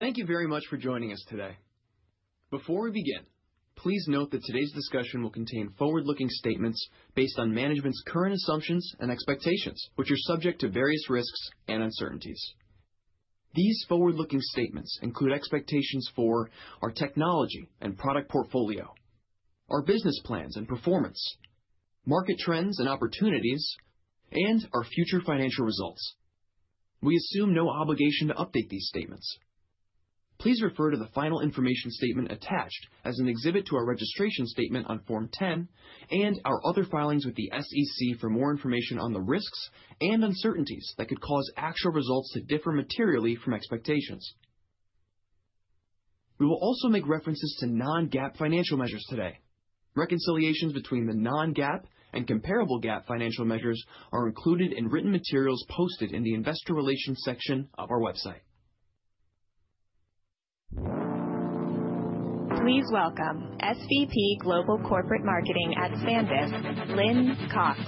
Thank you very much for joining us today. Before we begin, please note that today's discussion will contain forward-looking statements based on management's current assumptions and expectations, which are subject to various risks and uncertainties. These forward-looking statements include expectations for our technology and product portfolio, our business plans and performance, market trends and opportunities, and our future financial results. We assume no obligation to update these statements. Please refer to the final information statement attached as an exhibit to our registration statement on Form 10 and our other filings with the SEC for more information on the risks and uncertainties that could cause actual results to differ materially from expectations. We will also make references to non-GAAP financial measures today. Reconciliations between the non-GAAP and comparable GAAP financial measures are included in written materials posted in the investor relations section of our website. Please welcome SVP Global Corporate Marketing at SanDisk, Lynn Cox.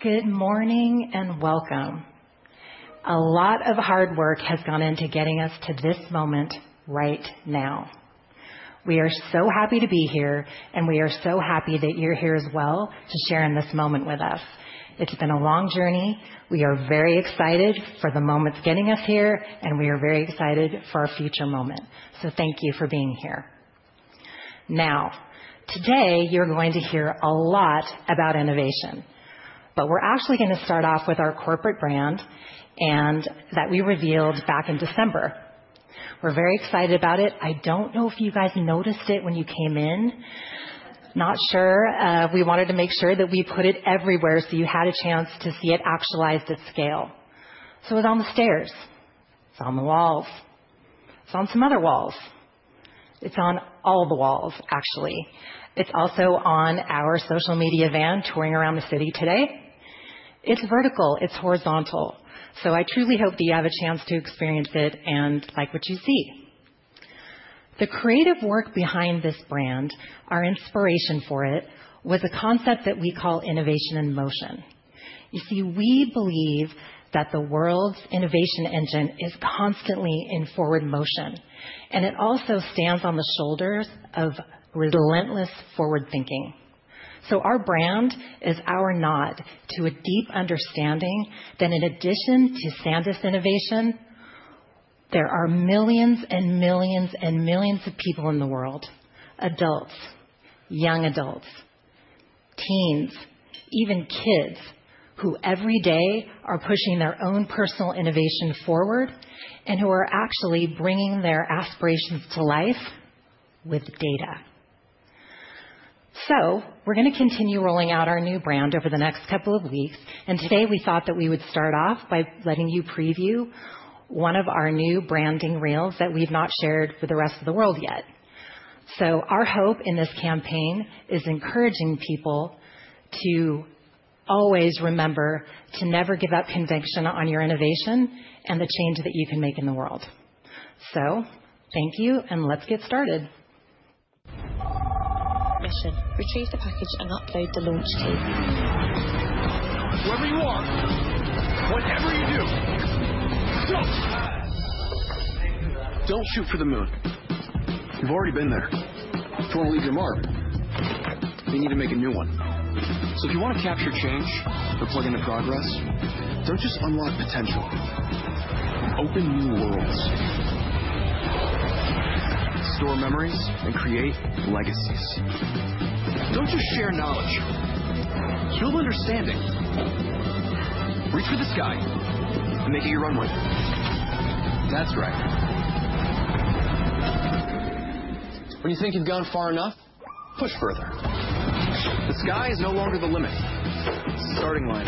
Good morning and welcome. A lot of hard work has gone into getting us to this moment right now. We are so happy to be here, and we are so happy that you're here as well to share in this moment with us. It's been a long journey. We are very excited for the moments getting us here, and we are very excited for our future moment. So thank you for being here. Now, today you're going to hear a lot about innovation, but we're actually going to start off with our corporate brand that we revealed back in December. We're very excited about it. I don't know if you guys noticed it when you came in. Not sure. We wanted to make sure that we put it everywhere so you had a chance to see it actualized at scale. So it's on the stairs. It's on the walls. It's on some other walls. It's on all the walls, actually. It's also on our social media van touring around the city today. It's vertical. It's horizontal. So I truly hope that you have a chance to experience it and like what you see. The creative work behind this brand, our inspiration for it, was a concept that we call innovation in motion. You see, we believe that the world's innovation engine is constantly in forward motion, and it also stands on the shoulders of relentless forward thinking. So our brand is our nod to a deep understanding that in addition to SanDisk Innovation, there are millions and millions and millions of people in the world: adults, young adults, teens, even kids who every day are pushing their own personal innovation forward and who are actually bringing their aspirations to life with data. So we're going to continue rolling out our new brand over the next couple of weeks. And today we thought that we would start off by letting you preview one of our new branding reels that we've not shared with the rest of the world yet. So our hope in this campaign is encouraging people to always remember to never give up conviction on your innovation and the change that you can make in the world. So thank you, and let's get started. Mission: retrieve the package and upload the launch team. Wherever you are, whatever you do, don't shoot for the moon. You've already been there. If you want to leave your mark, you need to make a new one. So if you want to capture change or plug in the progress, don't just unlock potential. Open new worlds. Store memories and create legacies. Don't just share knowledge. Build understanding. Reach for the sky and make it your runway. That's right. When you think you've gone far enough, push further. The sky is no longer the limit. It's the starting line.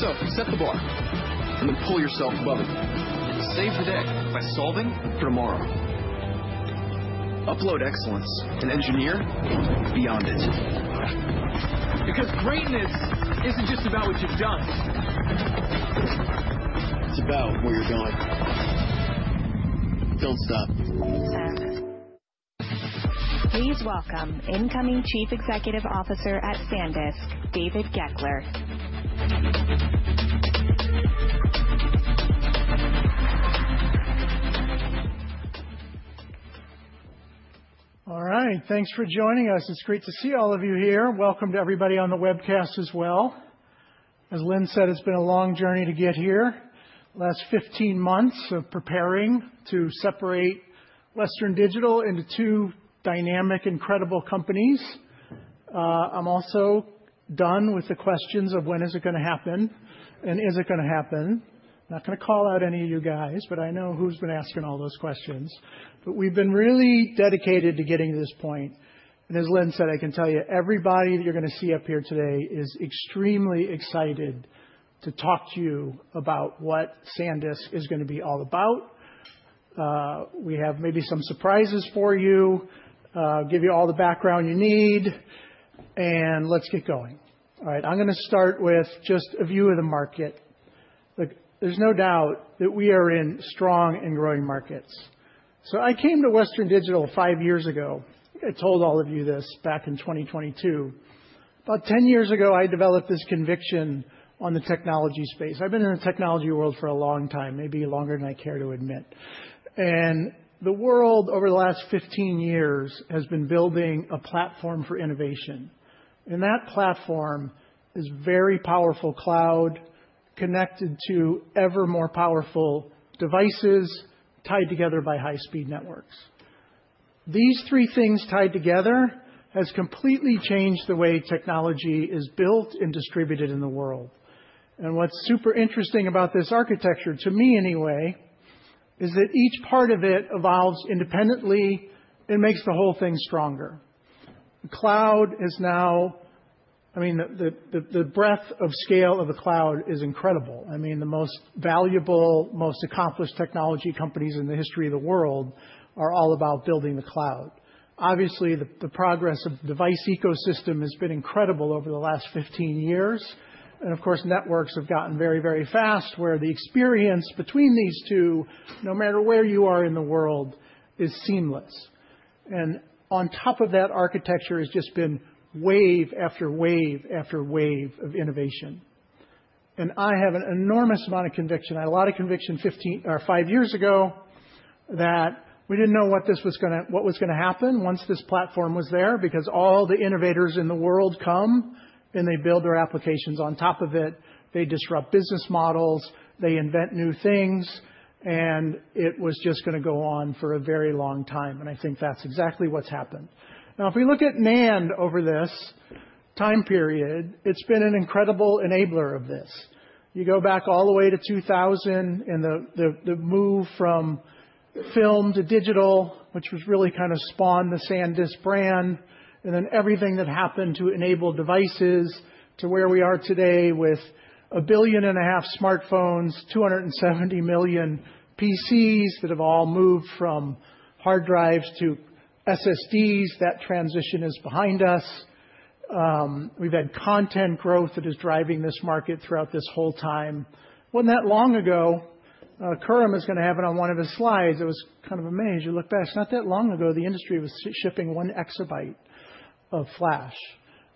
So set the bar and then pull yourself above it. Save today by solving for tomorrow. Upload excellence and engineer beyond it. Because greatness isn't just about what you've done. It's about where you're going. Don't stop. SanDisk. Please welcome incoming Chief Executive Officer at SanDisk, David Goeckler. All right. Thanks for joining us. It's great to see all of you here. Welcome to everybody on the webcast as well. As Lynn said, it's been a long journey to get here. Last 15 months of preparing to separate Western Digital into two dynamic, incredible companies. I'm also done with the questions of when is it going to happen and is it going to happen. I'm not going to call out any of you guys, but I know who's been asking all those questions, but we've been really dedicated to getting to this point, and as Lynn said, I can tell you everybody that you're going to see up here today is extremely excited to talk to you about what SanDisk is going to be all about. We have maybe some surprises for you, give you all the background you need, and let's get going. All right. I'm going to start with just a view of the market. Look, there's no doubt that we are in strong and growing markets. So I came to Western Digital five years ago. I told all of you this back in 2022. About 10 years ago, I developed this conviction on the technology space. I've been in the technology world for a long time, maybe longer than I care to admit. And the world over the last 15 years has been building a platform for innovation. And that platform is very powerful cloud connected to ever more powerful devices tied together by high-speed networks. These three things tied together have completely changed the way technology is built and distributed in the world. And what's super interesting about this architecture, to me anyway, is that each part of it evolves independently and makes the whole thing stronger. Cloud is now, I mean, the breadth of scale of the cloud is incredible. I mean, the most valuable, most accomplished technology companies in the history of the world are all about building the cloud. Obviously, the progress of the device ecosystem has been incredible over the last 15 years. And of course, networks have gotten very, very fast where the experience between these two, no matter where you are in the world, is seamless. And on top of that, architecture has just been wave after wave after wave of innovation. And I have an enormous amount of conviction. I had a lot of conviction five years ago that we didn't know what this was going to happen once this platform was there because all the innovators in the world come and they build their applications on top of it. They disrupt business models. They invent new things. It was just going to go on for a very long time. And I think that's exactly what's happened. Now, if we look at NAND over this time period, it's been an incredible enabler of this. You go back all the way to 2000 and the move from film to digital, which was really kind of spawned the SanDisk brand, and then everything that happened to enable devices to where we are today with a billion and a half smartphones, 270 million PCs that have all moved from hard drives to SSDs. That transition is behind us. We've had content growth that is driving this market throughout this whole time. Wasn't that long ago, Khurram is going to have it on one of his slides. It was kind of amazing. You look back, it's not that long ago, the industry was shipping one exabyte of flash.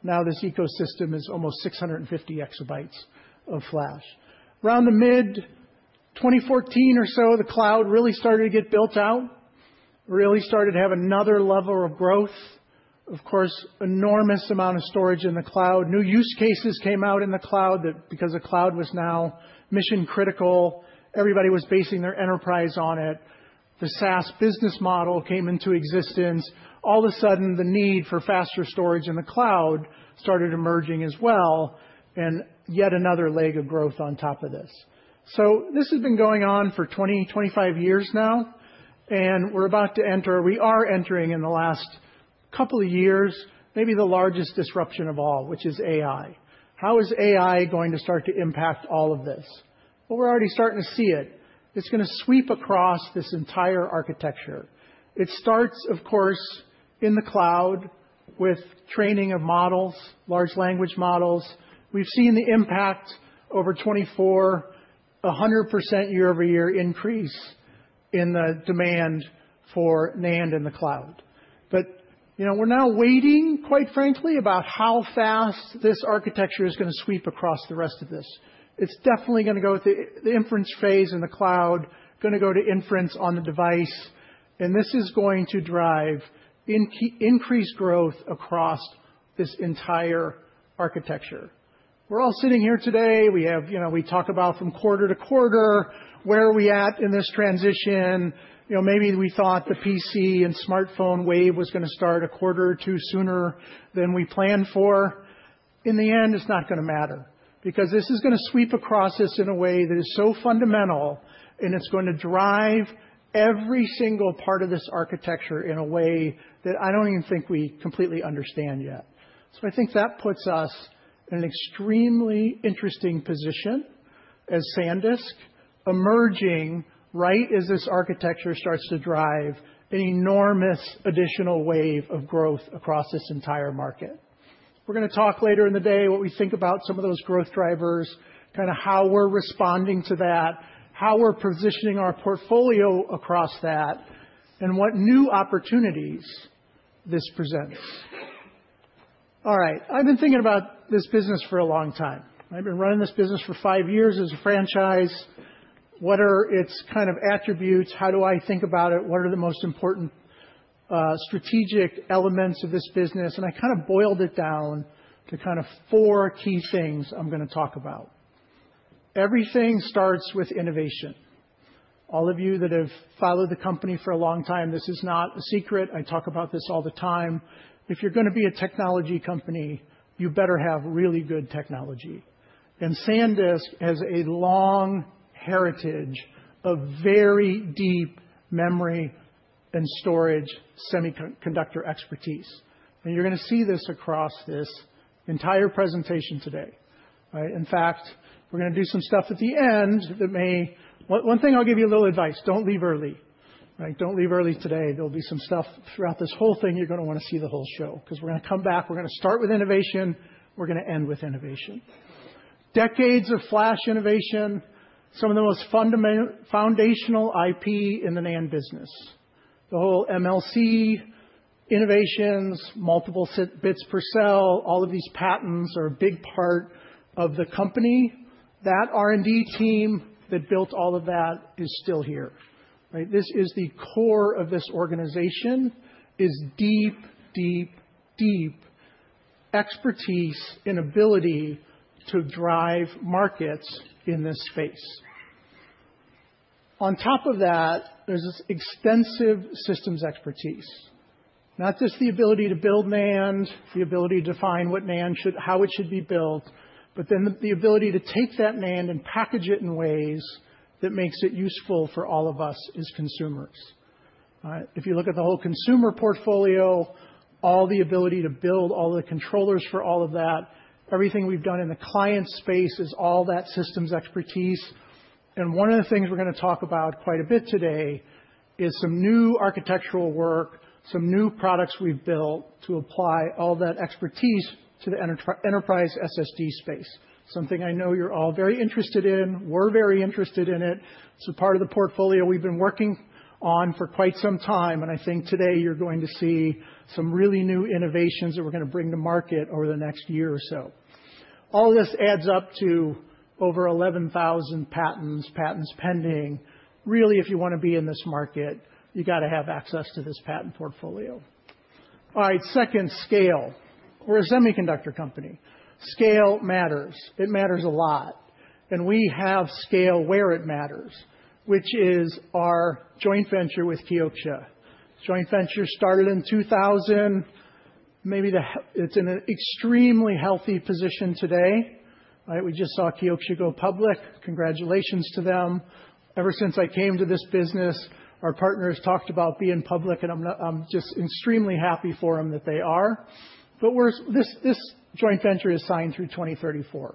Now this ecosystem is almost 650 exabytes of flash. Around the mid-2014 or so, the cloud really started to get built out, really started to have another level of growth. Of course, an enormous amount of storage in the cloud. New use cases came out in the cloud that because the cloud was now mission-critical, everybody was basing their enterprise on it. The SaaS business model came into existence. All of a sudden, the need for faster storage in the cloud started emerging as well and yet another leg of growth on top of this. So this has been going on for 20, 25 years now. And we're about to enter, we are entering in the last couple of years, maybe the largest disruption of all, which is AI. How is AI going to start to impact all of this? Well, we're already starting to see it. It's going to sweep across this entire architecture. It starts, of course, in the cloud with training of models, large language models. We've seen the impact over 24, 100% year-over-year increase in the demand for NAND in the cloud. But we're now waiting, quite frankly, about how fast this architecture is going to sweep across the rest of this. It's definitely going to go to the inference phase in the cloud, going to go to inference on the device, and this is going to drive increased growth across this entire architecture. We're all sitting here today. We talk about from quarter to quarter, where are we at in this transition? Maybe we thought the PC and smartphone wave was going to start a quarter or two sooner than we planned for. In the end, it's not going to matter because this is going to sweep across us in a way that is so fundamental, and it's going to drive every single part of this architecture in a way that I don't even think we completely understand yet. So I think that puts us in an extremely interesting position as SanDisk emerging right as this architecture starts to drive an enormous additional wave of growth across this entire market. We're going to talk later in the day what we think about some of those growth drivers, kind of how we're responding to that, how we're positioning our portfolio across that, and what new opportunities this presents. All right. I've been thinking about this business for a long time. I've been running this business for five years as a franchise. What are its kind of attributes? How do I think about it? What are the most important strategic elements of this business? And I kind of boiled it down to kind of four key things I'm going to talk about. Everything starts with innovation. All of you that have followed the company for a long time, this is not a secret. I talk about this all the time. If you're going to be a technology company, you better have really good technology. And SanDisk has a long heritage of very deep memory and storage semiconductor expertise. And you're going to see this across this entire presentation today. In fact, we're going to do some stuff at the end that may, one thing I'll give you a little advice. Don't leave early. Don't leave early today. There'll be some stuff throughout this whole thing. You're going to want to see the whole show because we're going to come back. We're going to start with innovation. We're going to end with innovation. Decades of flash innovation, some of the most foundational IP in the NAND business. The whole MLC innovations, multiple bits per cell, all of these patents are a big part of the company. That R&D team that built all of that is still here. This is the core of this organization, is deep, deep, deep expertise and ability to drive markets in this space. On top of that, there's this extensive systems expertise. Not just the ability to build NAND, the ability to define how it should be built, but then the ability to take that NAND and package it in ways that makes it useful for all of us as consumers. If you look at the whole consumer portfolio, all the ability to build all the controllers for all of that, everything we've done in the client space is all that systems expertise. And one of the things we're going to talk about quite a bit today is some new architectural work, some new products we've built to apply all that expertise to the enterprise SSD space. Something I know you're all very interested in. We're very interested in it. It's a part of the portfolio we've been working on for quite some time. And I think today you're going to see some really new innovations that we're going to bring to market over the next year or so. All of this adds up to over 11,000 patents, patents pending. Really, if you want to be in this market, you got to have access to this patent portfolio. All right. Second, scale. We're a semiconductor company. Scale matters. It matters a lot, and we have scale where it matters, which is our joint venture with Kioxia. Joint venture started in 2000. Maybe it's in an extremely healthy position today. We just saw Kioxia go public. Congratulations to them. Ever since I came to this business, our partners talked about being public, and I'm just extremely happy for them that they are, but this joint venture is signed through 2034,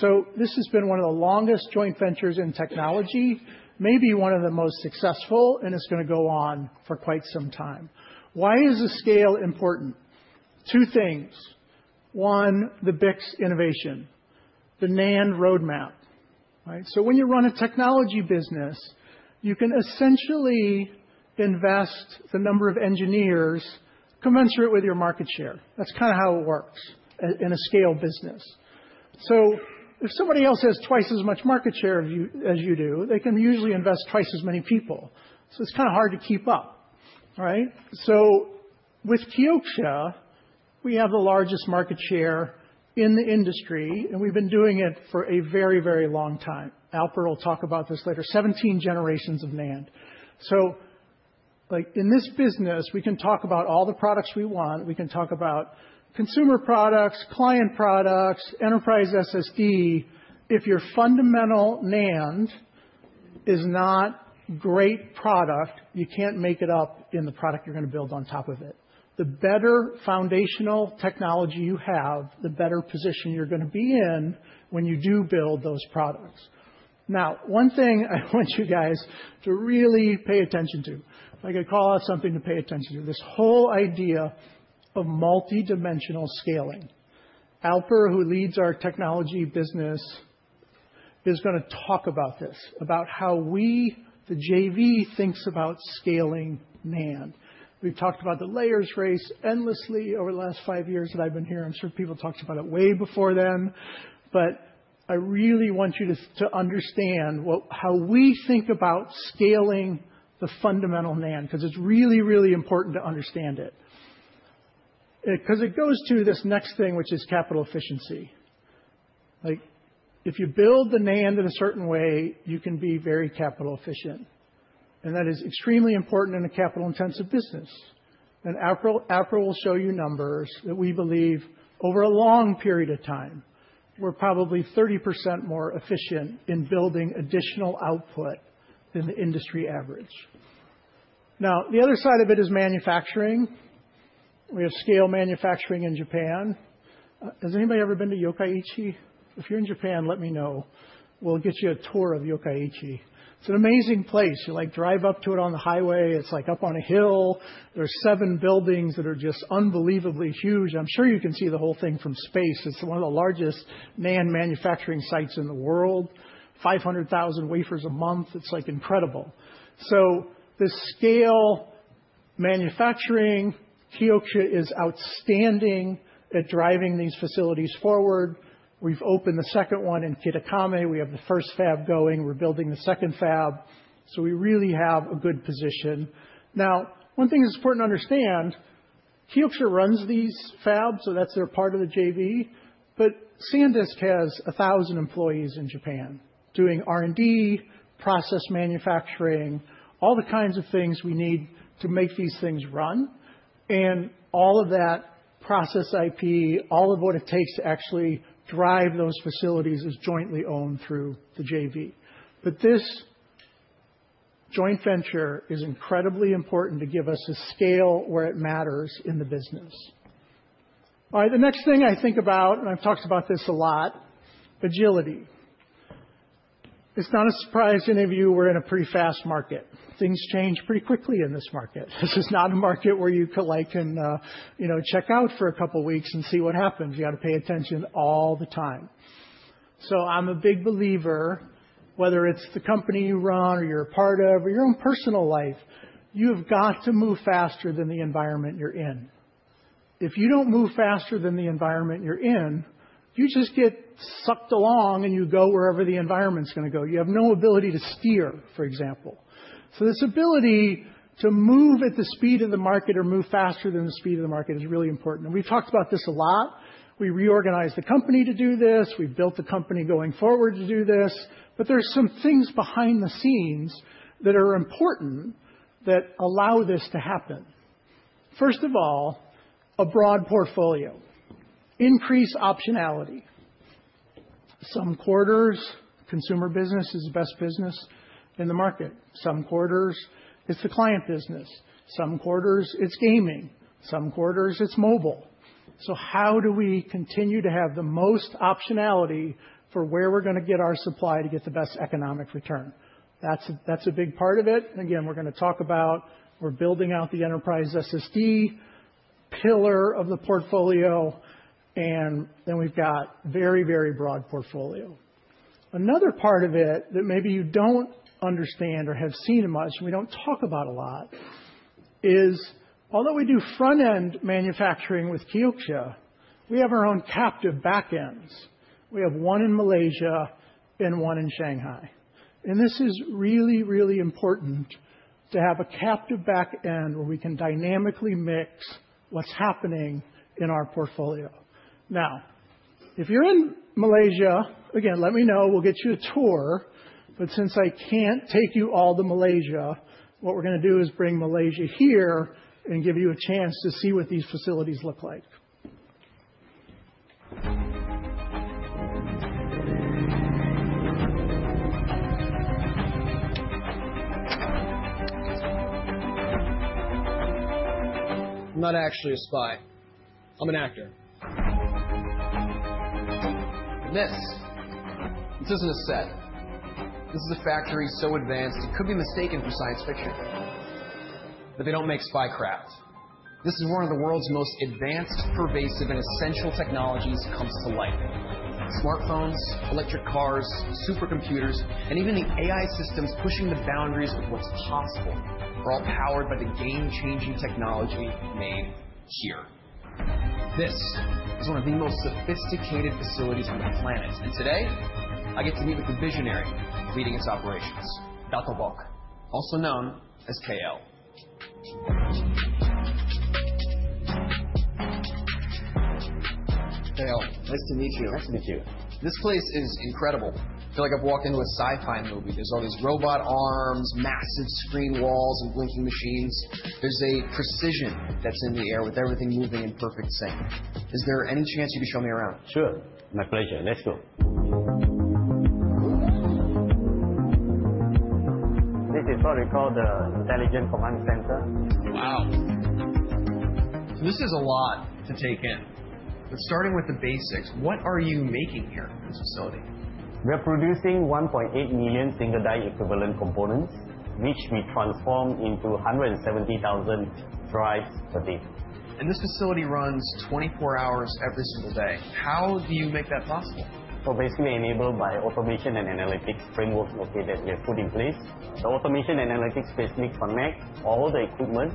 so this has been one of the longest joint ventures in technology, maybe one of the most successful, and it's going to go on for quite some time. Why is the scale important? Two things. One, the BiCS innovation, the NAND roadmap, so when you run a technology business, you can essentially invest the number of engineers commensurate with your market share. That's kind of how it works in a scale business, so if somebody else has twice as much market share as you do, they can usually invest twice as many people. So it's kind of hard to keep up, so with Kioxia, we have the largest market share in the industry, and we've been doing it for a very, very long time. Alper will talk about this later. 17 generations of NAND, so in this business, we can talk about all the products we want. We can talk about consumer products, client products, enterprise SSD. If your fundamental NAND is not great product, you can't make it up in the product you're going to build on top of it. The better foundational technology you have, the better position you're going to be in when you do build those products. Now, one thing I want you guys to really pay attention to. If I could call out something to pay attention to, this whole idea of multidimensional scaling. Alper, who leads our technology business, is going to talk about this, about how we, the JV, thinks about scaling NAND. We've talked about the layers race endlessly over the last five years that I've been here. I'm sure people talked about it way before then. But I really want you to understand how we think about scaling the fundamental NAND because it's really, really important to understand it. Because it goes to this next thing, which is capital efficiency. If you build the NAND in a certain way, you can be very capital efficient. And that is extremely important in a capital-intensive business. Alper will show you numbers that we believe over a long period of time, we're probably 30% more efficient in building additional output than the industry average. Now, the other side of it is manufacturing. We have scale manufacturing in Japan. Has anybody ever been to Yokkaichi? If you're in Japan, let me know. We'll get you a tour of Yokkaichi. It's an amazing place. You drive up to it on the highway. It's like up on a hill. There are seven buildings that are just unbelievably huge. I'm sure you can see the whole thing from space. It's one of the largest NAND manufacturing sites in the world, 500,000 wafers a month. It's incredible. So this scale manufacturing, Kioxia is outstanding at driving these facilities forward. We've opened the second one in Kitakami. We have the first fab going. We're building the second fab. So we really have a good position. Now, one thing that's important to understand, Kioxia runs these fabs, so that's their part of the JV. But SanDisk has 1,000 employees in Japan doing R&D, process manufacturing, all the kinds of things we need to make these things run. And all of that process IP, all of what it takes to actually drive those facilities is jointly owned through the JV. But this joint venture is incredibly important to give us a scale where it matters in the business. All right. The next thing I think about, and I've talked about this a lot, agility. It's not a surprise to any of you. We're in a pretty fast market. Things change pretty quickly in this market. This is not a market where you can check out for a couple of weeks and see what happens. You got to pay attention all the time. So I'm a big believer, whether it's the company you run or you're a part of or your own personal life, you have got to move faster than the environment you're in. If you don't move faster than the environment you're in, you just get sucked along and you go wherever the environment's going to go. You have no ability to steer, for example. So this ability to move at the speed of the market or move faster than the speed of the market is really important. And we've talked about this a lot. We reorganized the company to do this. We built the company going forward to do this. But there are some things behind the scenes that are important that allow this to happen. First of all, a broad portfolio, increased optionality. Some quarters, consumer business is the best business in the market. Some quarters, it's the client business. Some quarters, it's gaming. Some quarters, it's mobile. So how do we continue to have the most optionality for where we're going to get our supply to get the best economic return? That's a big part of it. And again, we're going to talk about building out the enterprise SSD pillar of the portfolio, and then we've got a very, very broad portfolio. Another part of it that maybe you don't understand or have seen much, and we don't talk about a lot, is although we do front-end manufacturing with Kioxia, we have our own captive backends. We have one in Malaysia and one in Shanghai. And this is really, really important to have a captive backend where we can dynamically mix what's happening in our portfolio. Now, if you're in Malaysia, again, let me know. We'll get you a tour. But since I can't take you all to Malaysia, what we're going to do is bring Malaysia here and give you a chance to see what these facilities look like. I'm not actually a spy. I'm an actor. And this, this isn't a set. This is a factory so advanced, it could be mistaken for science fiction, but they don't make spy craft. This is where one of the world's most advanced, pervasive, and essential technologies comes to life. Smartphones, electric cars, supercomputers, and even the AI systems pushing the boundaries of what's possible are all powered by the game-changing technology made here. This is one of the most sophisticated facilities on the planet. And today, I get to meet with the visionary leading its operations, Dato' Bok, also known as KL. KL, nice to meet you. Nice to meet you. This place is incredible. I feel like I've walked into a sci-fi movie. There's all these robot arms, massive screen walls, and blinking machines. There's a precision that's in the air with everything moving in perfect sync. Is there any chance you could show me around? Sure. My pleasure. Let's go. This is what we call the Intelligent Command Center. Wow. This is a lot to take in. But starting with the basics, what are you making here in this facility? We are producing 1.8 million single die equivalent components, which we transform into 170,000 drives per day. And this facility runs 24 hours every single day. How do you make that possible? So basically, enabled by automation and analytics frameworks that we have put in place. The automation and analytics basically connect all the equipment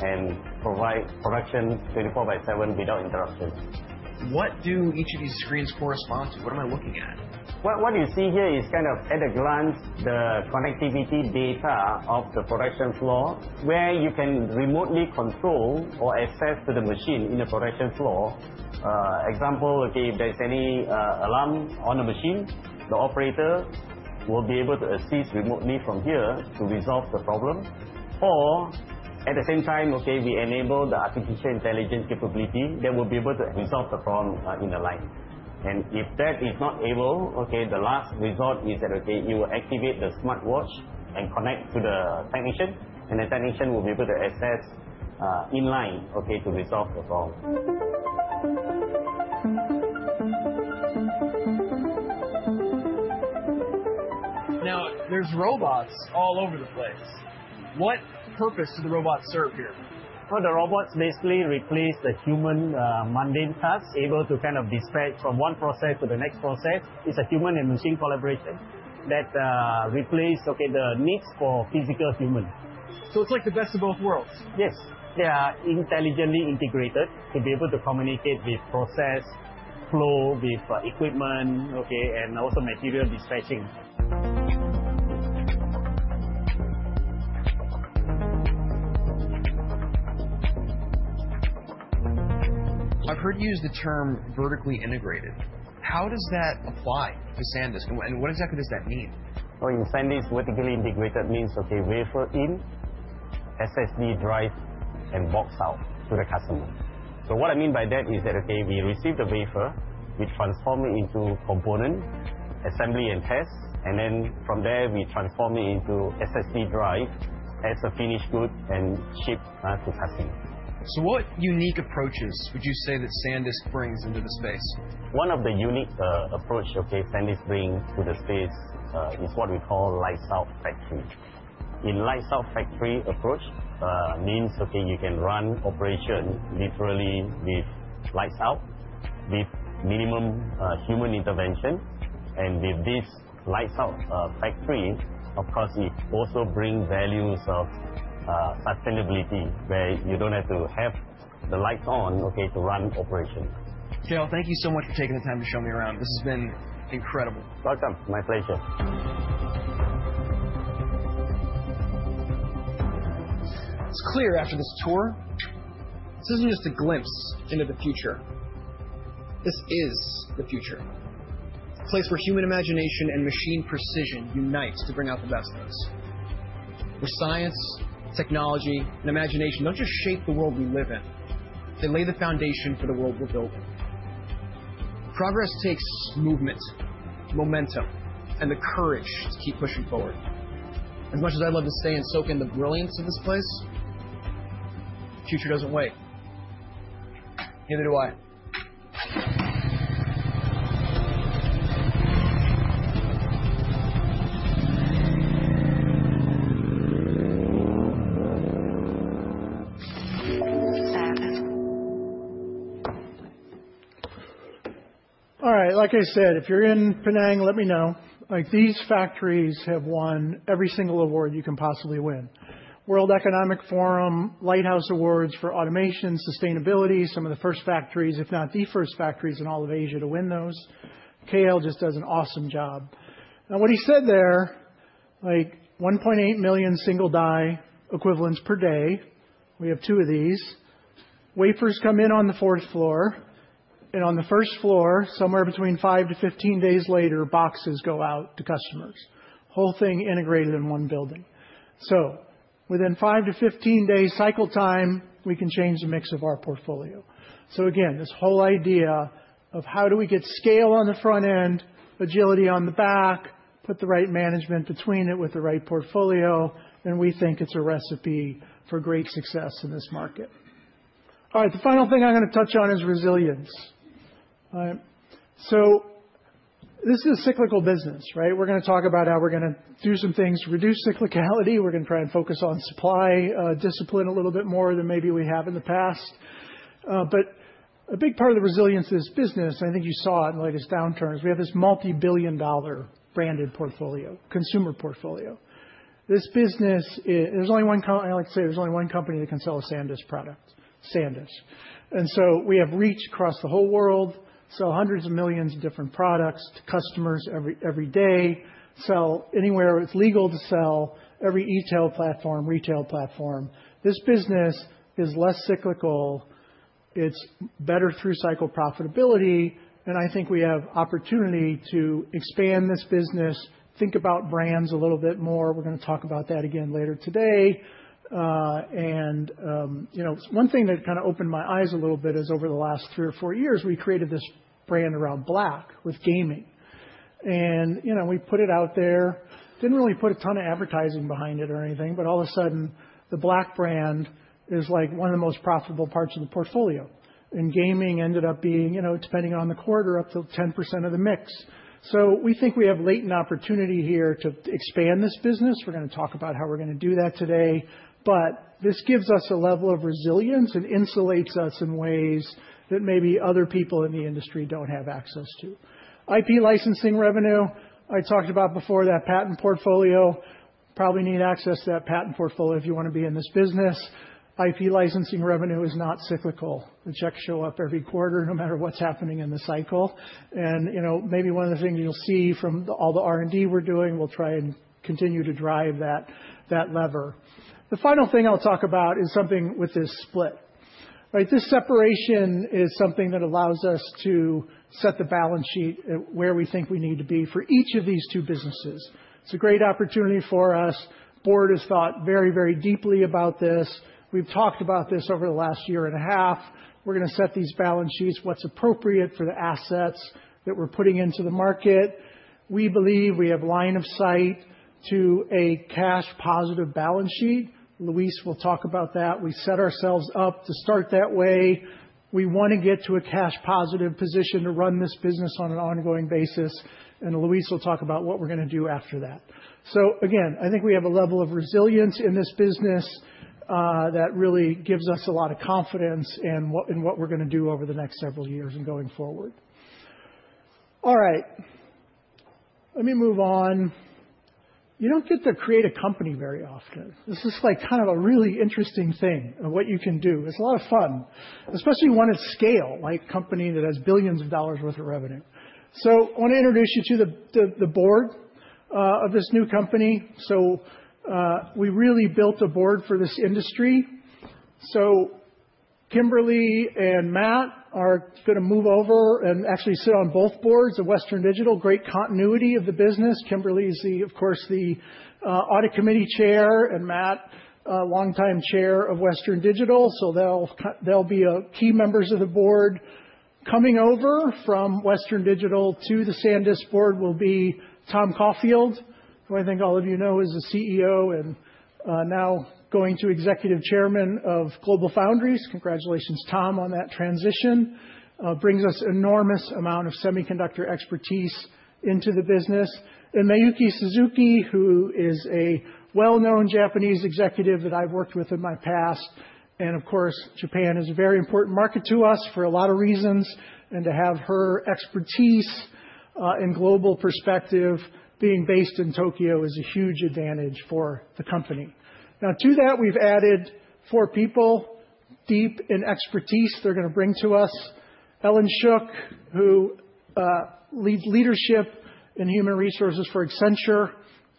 and provide production 24 by 7 without interruption. What do each of these screens correspond to? What am I looking at? What you see here is kind of at a glance the connectivity data of the production floor where you can remotely control or access to the machine in the production floor. Example, if there's any alarm on the machine, the operator will be able to assist remotely from here to resolve the problem. Or at the same time, we enable the artificial intelligence capability that will be able to resolve the problem in the line, and if that is not able, the last result is that you will activate the smartwatch and connect to the technician, and the technician will be able to access inline to resolve the problem. Now, there's robots all over the place. What purpose do the robots serve here? The robots basically replace the human mundane tasks, able to kind of dispatch from one process to the next process. It's a human and machine collaboration that replace the needs for physical human. It's like the best of both worlds. Yes. They are intelligently integrated to be able to communicate with process, flow, with equipment, and also material dispatching. I've heard you use the term vertically integrated. How does that apply to SanDisk? And what exactly does that mean? In SanDisk, vertically integrated means wafer in, SSD drive, and box out to the customer. So what I mean by that is that we receive the wafer, we transform it into component, assembly, and test. And then from there, we transform it into SSD drive, adds a finished good, and ship to customer. What unique approaches would you say that SanDisk brings into the space? One of the unique approaches SanDisk brings to the space is what we call lights-out factory. In lights-out factory approach means you can run operation literally with lights out, with minimum human intervention. And with this lights-out factory, of course, it also brings values of sustainability where you don't have to have the lights on to run operation. KL, thank you so much for taking the time to show me around. This has been incredible. Welcome. My pleasure. It's clear after this tour, this isn't just a glimpse into the future. This is the future. A place where human imagination and machine precision unite to bring out the best of us. Where science, technology, and imagination don't just shape the world we live in. They lay the foundation for the world we're building. Progress takes movement, momentum, and the courage to keep pushing forward. As much as I'd love to stay and soak in the brilliance of this place, the future doesn't wait. Neither do I. All right. Like I said, if you're in Penang, let me know. These factories have won every single award you can possibly win: World Economic Forum, Lighthouse Awards for Automation, Sustainability, some of the first factories, if not the first factories in all of Asia to win those. KL just does an awesome job. Now, what he said there, 1.8 million single die equivalents per day. We have two of these. Wafers come in on the fourth floor, and on the first floor, somewhere between five to 15 days later, boxes go out to customers. Whole thing integrated in one building. So within five to 15 days cycle time, we can change the mix of our portfolio. So again, this whole idea of how do we get scale on the front end, agility on the back, put the right management between it with the right portfolio, then we think it's a recipe for great success in this market. All right. The final thing I'm going to touch on is resilience. So this is a cyclical business. We're going to talk about how we're going to do some things to reduce cyclicality. We're going to try and focus on supply discipline a little bit more than maybe we have in the past. But a big part of the resilience of this business, and I think you saw it in the latest downturns, we have this multi-billion dollar branded portfolio, consumer portfolio. This business, there's only one company. I like to say there's only one company that can sell a SanDisk product, SanDisk. And so we have reach across the whole world, sell hundreds of millions of different products to customers every day, sell anywhere it's legal to sell, every e-tail platform, retail platform. This business is less cyclical. It's better through cycle profitability. And I think we have opportunity to expand this business, think about brands a little bit more. We're going to talk about that again later today. And one thing that kind of opened my eyes a little bit is over the last three or four years, we created this brand around black with gaming. And we put it out there, didn't really put a ton of advertising behind it or anything, but all of a sudden, the black brand is like one of the most profitable parts of the portfolio. And gaming ended up being, depending on the quarter, up to 10% of the mix. So we think we have latent opportunity here to expand this business. We're going to talk about how we're going to do that today. But this gives us a level of resilience and insulates us in ways that maybe other people in the industry don't have access to. IP licensing revenue, I talked about before that patent portfolio. Probably need access to that patent portfolio if you want to be in this business. IP licensing revenue is not cyclical. The checks show up every quarter no matter what's happening in the cycle. And maybe one of the things you'll see from all the R&D we're doing, we'll try and continue to drive that lever. The final thing I'll talk about is something with this split. This separation is something that allows us to set the balance sheet where we think we need to be for each of these two businesses. It's a great opportunity for us. The board has thought very, very deeply about this. We've talked about this over the last year and a half. We're going to set these balance sheets, what's appropriate for the assets that we're putting into the market. We believe we have line of sight to a cash positive balance sheet. Luis will talk about that. We set ourselves up to start that way. We want to get to a cash positive position to run this business on an ongoing basis. And Luis will talk about what we're going to do after that. So again, I think we have a level of resilience in this business that really gives us a lot of confidence in what we're going to do over the next several years and going forward. All right. Let me move on. You don't get to create a company very often. This is kind of a really interesting thing of what you can do. It's a lot of fun, especially when it's scale, like a company that has billions of dollars worth of revenue. So I want to introduce you to the board of this new company. So we really built a board for this industry. So Kimberly and Matt are going to move over and actually sit on both boards of Western Digital. Great continuity of the business. Kimberly is, of course, the audit committee chair and Matt, longtime chair of Western Digital. So they'll be key members of the board. Coming over from Western Digital to the SanDisk board will be Tom Caulfield, who I think all of you know is a CEO and now going to executive chairman of GlobalFoundries. Congratulations, Tom, on that transition. Brings us an enormous amount of semiconductor expertise into the business. Miyuki Suzuki, who is a well-known Japanese executive that I've worked with in my past. Of course, Japan is a very important market to us for a lot of reasons. To have her expertise and global perspective being based in Tokyo is a huge advantage for the company. Now, to that, we've added four people, deep in expertise they're going to bring to us. Ellyn Shook, who leads leadership in human resources for Accenture.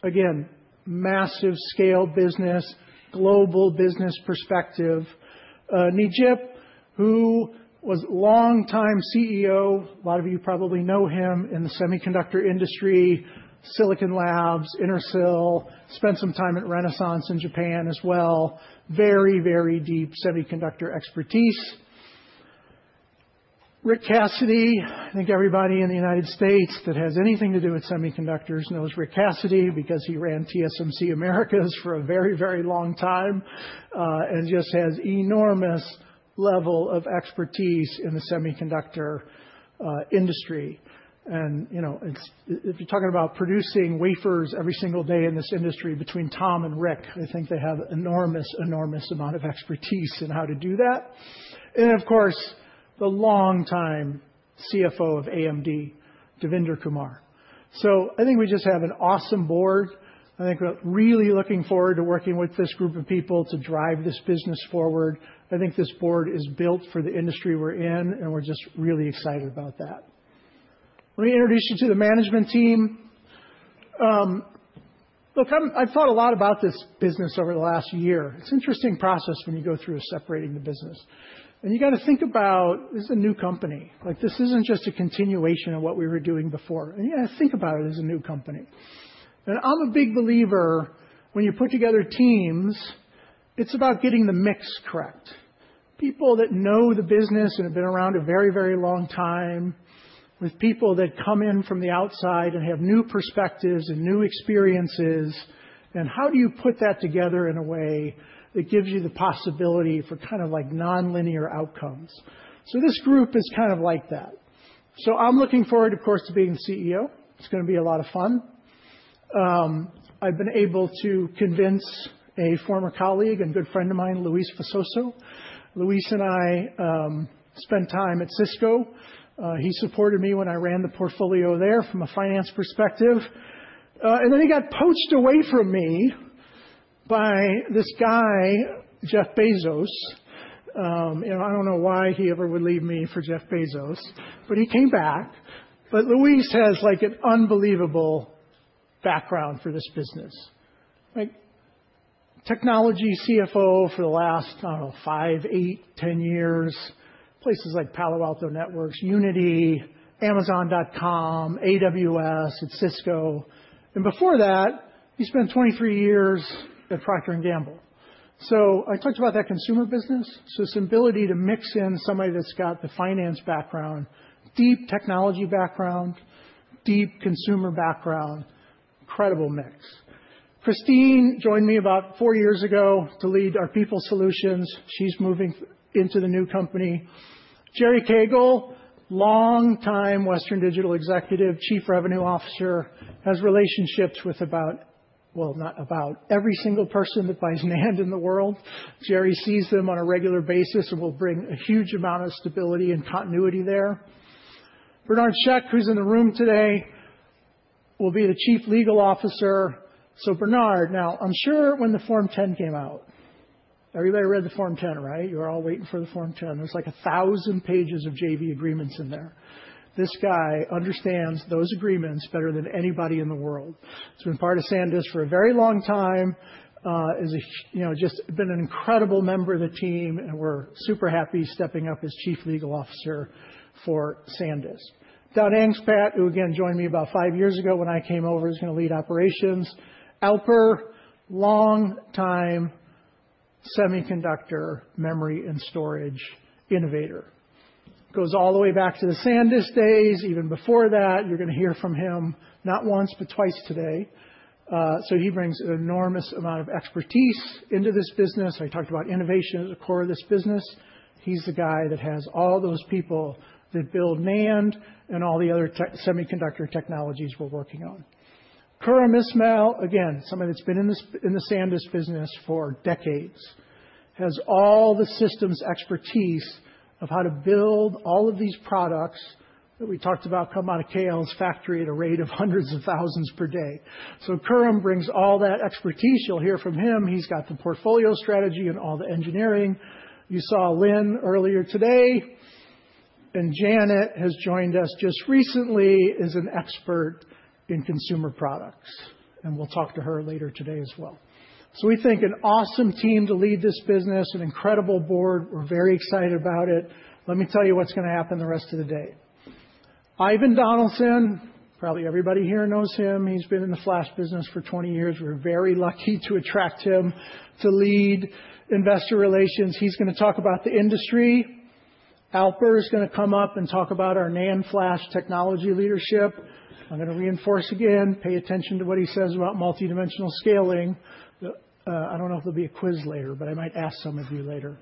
Again, massive scale business, global business perspective. Necip Sayiner, who was longtime CEO. A lot of you probably know him in the semiconductor industry, Silicon Labs, Intersil. Spent some time at Renesas in Japan as well. Very, very deep semiconductor expertise. Rick Cassidy. I think everybody in the United States that has anything to do with semiconductors knows Rick Cassidy because he ran TSMC Americas for a very, very long time and just has an enormous level of expertise in the semiconductor industry, and if you're talking about producing wafers every single day in this industry between Tom and Rick, I think they have an enormous, enormous amount of expertise in how to do that, and of course, the longtime CFO of AMD, Devinder Kumar, so I think we just have an awesome board. I think we're really looking forward to working with this group of people to drive this business forward. I think this board is built for the industry we're in, and we're just really excited about that. Let me introduce you to the management team. Look, I've thought a lot about this business over the last year. It's an interesting process when you go through separating the business. And you got to think about this is a new company. This isn't just a continuation of what we were doing before. And you got to think about it as a new company. And I'm a big believer when you put together teams, it's about getting the mix correct. People that know the business and have been around a very, very long time with people that come in from the outside and have new perspectives and new experiences. And how do you put that together in a way that gives you the possibility for kind of non-linear outcomes? So this group is kind of like that. So I'm looking forward, of course, to being the CEO. It's going to be a lot of fun. I've been able to convince a former colleague and good friend of mine, Luis Visoso. Luis and I spent time at Cisco. He supported me when I ran the portfolio there from a finance perspective, and then he got poached away from me by this guy, Jeff Bezos. I don't know why he ever would leave me for Jeff Bezos, but he came back, but Luis has an unbelievable background for this business. Technology CFO for the last, I don't know, five, eight, 10 years, places like Palo Alto Networks, Unity, Amazon.com, AWS, and Cisco. And before that, he spent 23 years at Procter & Gamble, so I talked about that consumer business, so it's an ability to mix in somebody that's got the finance background, deep technology background, deep consumer background, incredible mix. Christine joined me about four years ago to lead our People Solutions. She's moving into the new company. Jerry Cagle, longtime Western Digital executive, Chief Revenue Officer, has relationships with about, well, not about every single person that buys NAND in the world. Jerry sees them on a regular basis and will bring a huge amount of stability and continuity there. Bernard Shek, who's in the room today, will be the Chief Legal Officer. Bernard, now, I'm sure when the Form 10 came out, everybody read the Form 10, right? You were all waiting for the Form 10. There's like 1,000 pages of JV agreements in there. This guy understands those agreements better than anybody in the world. He's been part of SanDisk for a very long time, has just been an incredible member of the team, and we're super happy stepping up as Chief Legal Officer for SanDisk. Don Angspatt, who again joined me about five years ago when I came over, is going to lead operations. Alper, longtime semiconductor memory and storage innovator. Goes all the way back to the SanDisk days, even before that. You're going to hear from him not once, but twice today. So he brings an enormous amount of expertise into this business. I talked about innovation at the core of this business. He's the guy that has all those people that build NAND and all the other semiconductor technologies we're working on. Khurram Ismail, again, somebody that's been in the SanDisk business for decades, has all the systems expertise of how to build all of these products that we talked about come out of KL's factory at a rate of hundreds of thousands per day. So Khurram brings all that expertise. You'll hear from him. He's got the portfolio strategy and all the engineering. You saw Lynn earlier today. And Janet has joined us just recently as an expert in consumer products. And we'll talk to her later today as well. So we think an awesome team to lead this business, an incredible board. We're very excited about it. Let me tell you what's going to happen the rest of the day. Ivan Donaldson, probably everybody here knows him. He's been in the flash business for 20 years. We're very lucky to attract him to lead investor relations. He's going to talk about the industry. Alper is going to come up and talk about our NAND flash technology leadership. I'm going to reinforce again, pay attention to what he says about multidimensional scaling. I don't know if there'll be a quiz later, but I might ask some of you later.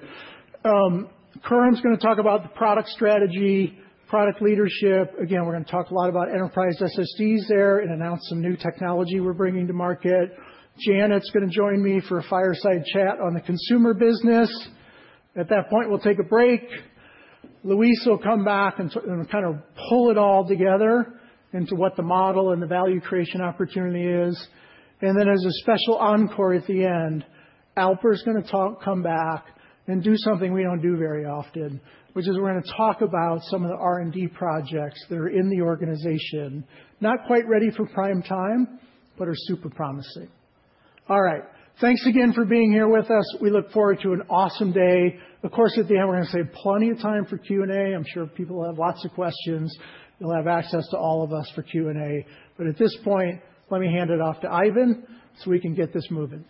Khurram's going to talk about the product strategy, product leadership. Again, we're going to talk a lot about enterprise SSDs there and announce some new technology we're bringing to market. Janet's going to join me for a fireside chat on the consumer business. At that point, we'll take a break. Luis will come back and kind of pull it all together into what the model and the value creation opportunity is. And then as a special encore at the end, Alper's going to come back and do something we don't do very often, which is we're going to talk about some of the R&D projects that are in the organization, not quite ready for prime time, but are super promising. All right. Thanks again for being here with us. We look forward to an awesome day. Of course, at the end, we're going to save plenty of time for Q&A. I'm sure people have lots of questions. You'll have access to all of us for Q&A. But at this point, let me hand it off to Ivan so we can get this moving.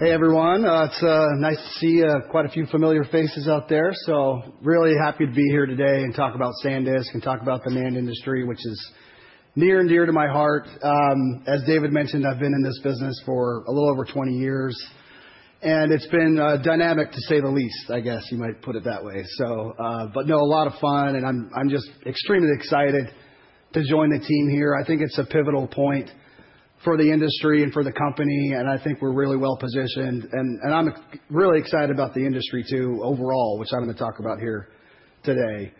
Hey, everyone. It's nice to see quite a few familiar faces out there. So really happy to be here today and talk about SanDisk and talk about the NAND industry, which is near and dear to my heart. As David mentioned, I've been in this business for a little over 20 years. And it's been dynamic, to say the least. I guess you might put it that way. But no, a lot of fun. And I'm just extremely excited to join the team here. I think it's a pivotal point for the industry and for the company. And I think we're really well positioned. And I'm really excited about the industry too overall, which I'm going to talk about here today.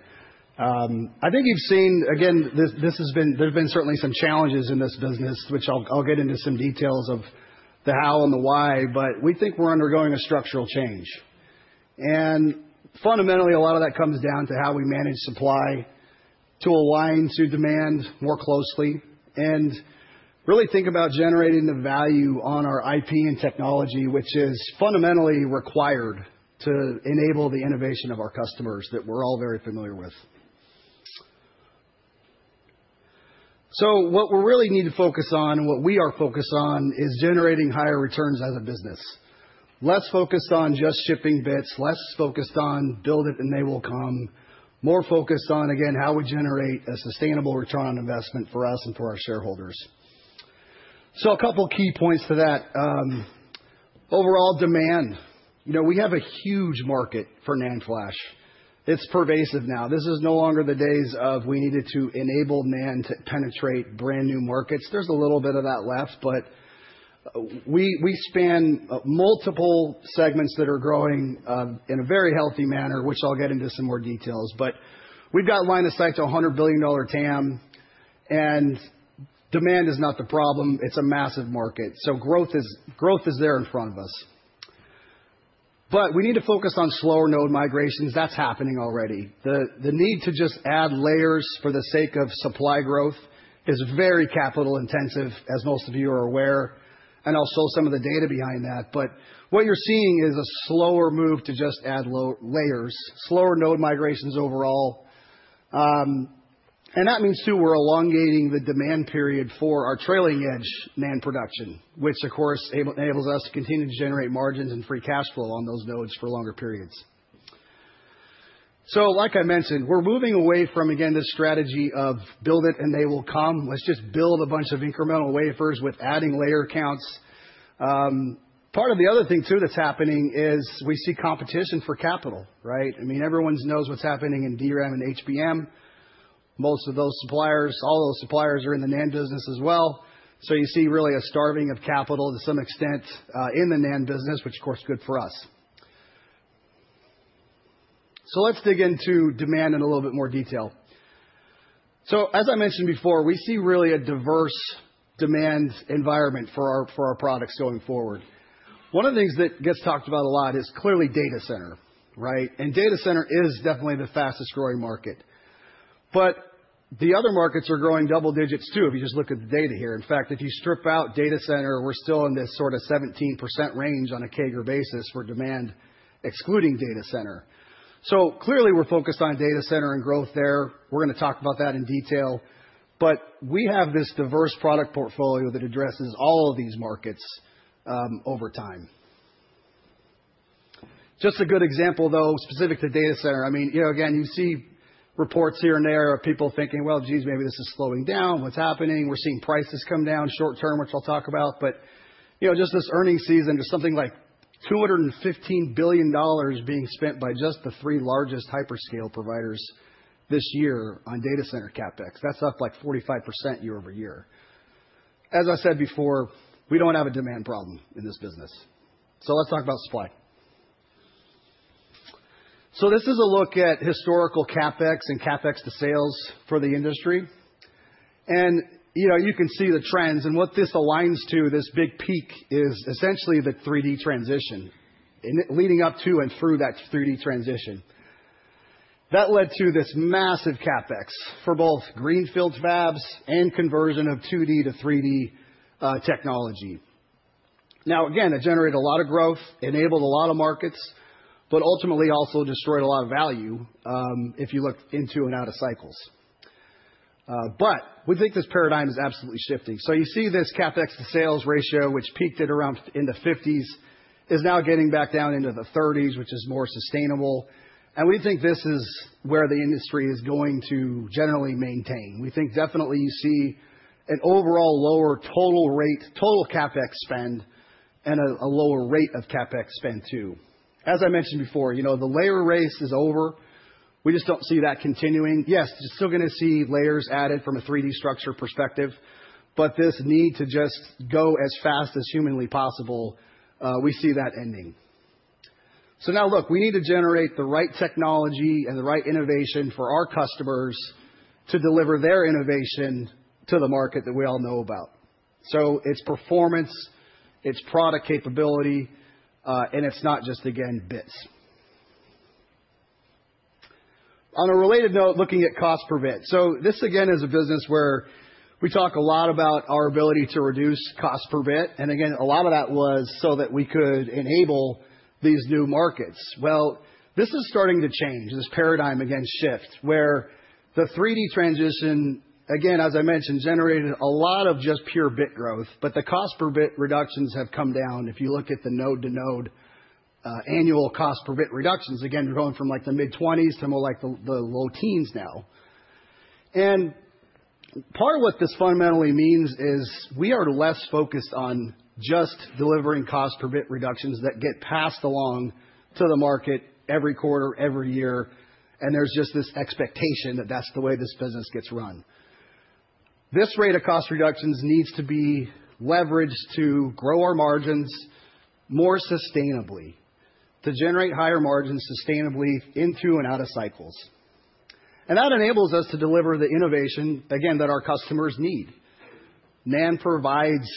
I think you've seen, again, there's been certainly some challenges in this business, which I'll get into some details of the how and the why. But we think we're undergoing a structural change. And fundamentally, a lot of that comes down to how we manage supply to align to demand more closely and really think about generating the value on our IP and technology, which is fundamentally required to enable the innovation of our customers that we're all very familiar with. So what we really need to focus on and what we are focused on is generating higher returns as a business. Less focused on just shipping bits. Less focused on build it and they will come. More focused on, again, how we generate a sustainable return on investment for us and for our shareholders, so a couple of key points to that. Overall demand, we have a huge market for NAND flash. It's pervasive now. This is no longer the days of we needed to enable NAND to penetrate brand new markets. There's a little bit of that left, but we span multiple segments that are growing in a very healthy manner, which I'll get into some more details, but we've got line of sight to $100 billion TAM, and demand is not the problem. It's a massive market, so growth is there in front of us, but we need to focus on slower node migrations. That's happening already. The need to just add layers for the sake of supply growth is very capital intensive, as most of you are aware. I'll show some of the data behind that. But what you're seeing is a slower move to just add layers, slower node migrations overall. That means too we're elongating the demand period for our trailing edge NAND production, which, of course, enables us to continue to generate margins and free cash flow on those nodes for longer periods. Like I mentioned, we're moving away from, again, this strategy of build it and they will come. Let's just build a bunch of incremental wafers with adding layer counts. Part of the other thing too that's happening is we see competition for capital, right? I mean, everyone knows what's happening in DRAM and HBM. Most of those suppliers, all those suppliers are in the NAND business as well. So you see really a starving of capital to some extent in the NAND business, which, of course, is good for us. So let's dig into demand in a little bit more detail. So as I mentioned before, we see really a diverse demand environment for our products going forward. One of the things that gets talked about a lot is clearly data center, right? And data center is definitely the fastest growing market. But the other markets are growing double digits too if you just look at the data here. In fact, if you strip out data center, we're still in this sort of 17% range on a CAGR basis for demand excluding data center. So clearly we're focused on data center and growth there. We're going to talk about that in detail. But we have this diverse product portfolio that addresses all of these markets over time. Just a good example, though, specific to data center. I mean, again, you see reports here and there of people thinking, "Well, geez, maybe this is slowing down. What's happening?" We're seeing prices come down short term, which I'll talk about. But just this earnings season, just something like $215 billion being spent by just the three largest hyperscale providers this year on data center CapEx. That's up like 45% year over year. As I said before, we don't have a demand problem in this business. So let's talk about supply. So this is a look at historical CapEx and CapEx to sales for the industry. And you can see the trends. And what this aligns to, this big peak is essentially the 3D transition. And leading up to and through that 3D transition, that led to this massive CapEx for both greenfield fabs and conversion of 2D to 3D technology. Now, again, it generated a lot of growth, enabled a lot of markets, but ultimately also destroyed a lot of value if you look into and out of cycles. But we think this paradigm is absolutely shifting. So you see this CapEx to sales ratio, which peaked at around in the 50s, is now getting back down into the 30s, which is more sustainable. And we think this is where the industry is going to generally maintain. We think definitely you see an overall lower total rate, total CapEx spend, and a lower rate of CapEx spend too. As I mentioned before, the layer race is over. We just don't see that continuing. Yes, you're still going to see layers added from a 3D structure perspective. But this need to just go as fast as humanly possible, we see that ending. So now, look, we need to generate the right technology and the right innovation for our customers to deliver their innovation to the market that we all know about. So it's performance, it's product capability, and it's not just, again, bits. On a related note, looking at cost per bit. So this, again, is a business where we talk a lot about our ability to reduce cost per bit. And again, a lot of that was so that we could enable these new markets. Well, this is starting to change, this paradigm again shift, where the 3D transition, again, as I mentioned, generated a lot of just pure bit growth, but the cost per bit reductions have come down. If you look at the node-to-node annual cost per bit reductions, again, you're going from like the mid-20s to more like the low teens now. And part of what this fundamentally means is we are less focused on just delivering cost per bit reductions that get passed along to the market every quarter, every year. And there's just this expectation that that's the way this business gets run. This rate of cost reductions needs to be leveraged to grow our margins more sustainably, to generate higher margins sustainably into and out of cycles. And that enables us to deliver the innovation, again, that our customers need. NAND provides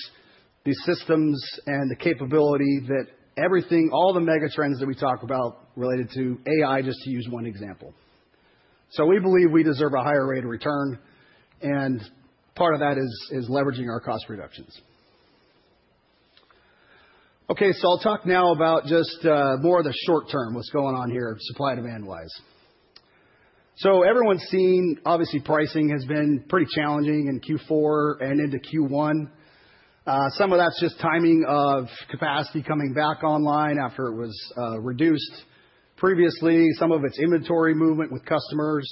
the systems and the capability that everything, all the mega trends that we talk about related to AI, just to use one example. So we believe we deserve a higher rate of return. And part of that is leveraging our cost reductions. Okay, so I'll talk now about just more of the short term, what's going on here supply demand-wise. So everyone's seen, obviously, pricing has been pretty challenging in Q4 and into Q1. Some of that's just timing of capacity coming back online after it was reduced previously, some of its inventory movement with customers.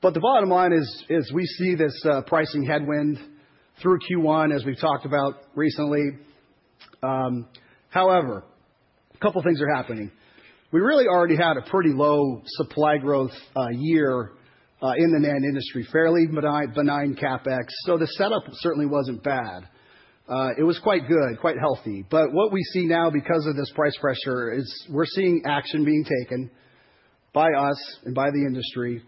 But the bottom line is we see this pricing headwind through Q1, as we've talked about recently. However, a couple of things are happening. We really already had a pretty low supply growth year in the NAND industry, fairly benign CapEx. So the setup certainly wasn't bad. It was quite good, quite healthy. But what we see now because of this price pressure is we're seeing action being taken by us and by the industry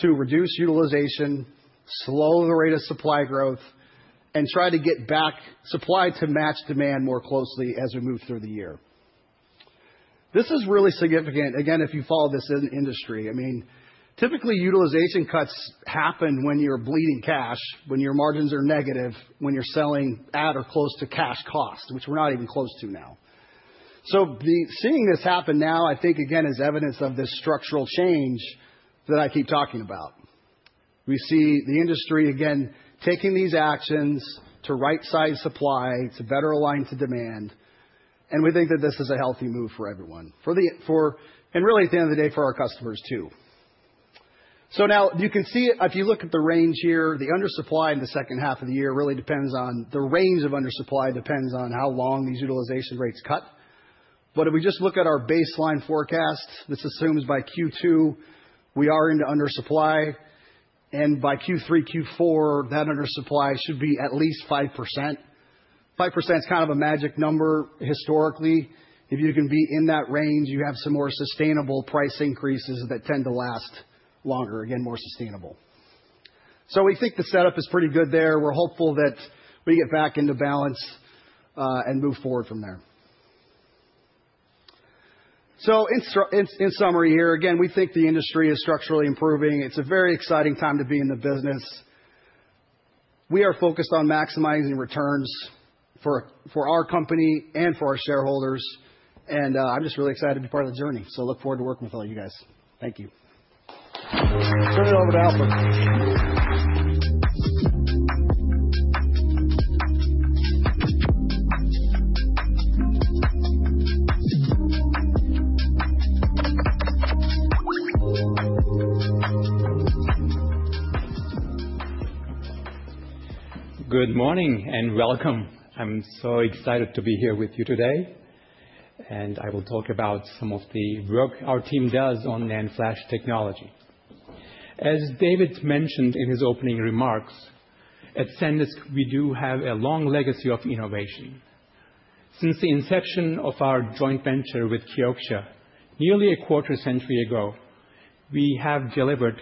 to reduce utilization, slow the rate of supply growth, and try to get back supply to match demand more closely as we move through the year. This is really significant. Again, if you follow this industry, I mean, typically utilization cuts happen when you're bleeding cash, when your margins are negative, when you're selling at or close to cash cost, which we're not even close to now. So seeing this happen now, I think, again, is evidence of this structural change that I keep talking about. We see the industry, again, taking these actions to right-size supply to better align to demand. And we think that this is a healthy move for everyone, and really at the end of the day for our customers too. Now you can see if you look at the range here, the undersupply in the second half of the year really depends on how long these utilization rates cut. But if we just look at our baseline forecast, this assumes by Q2 we are into undersupply. And by Q3, Q4, that undersupply should be at least 5%. 5% is kind of a magic number historically. If you can be in that range, you have some more sustainable price increases that tend to last longer, again, more sustainable. We think the setup is pretty good there. We're hopeful that we get back into balance and move forward from there. In summary here, again, we think the industry is structurally improving. It's a very exciting time to be in the business. We are focused on maximizing returns for our company and for our shareholders, and I'm just really excited to be part of the journey, so look forward to working with all you guys. Thank you. Turn it over to Alper. Good morning and welcome. I'm so excited to be here with you today, and I will talk about some of the work our team does on NAND flash technology. As David mentioned in his opening remarks, at SanDisk, we do have a long legacy of innovation. Since the inception of our joint venture with Kioxia, nearly a quarter century ago, we have delivered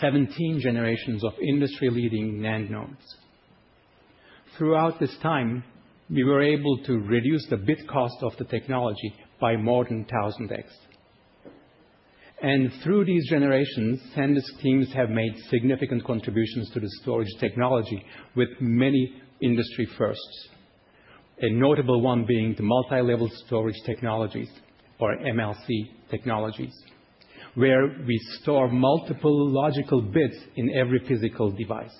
17 generations of industry-leading NAND nodes. Throughout this time, we were able to reduce the bit cost of the technology by more than 1,000x, and through these generations, SanDisk teams have made significant contributions to the storage technology with many industry firsts. A notable one being the multi-level storage technologies, or MLC technologies, where we store multiple logical bits in every physical device.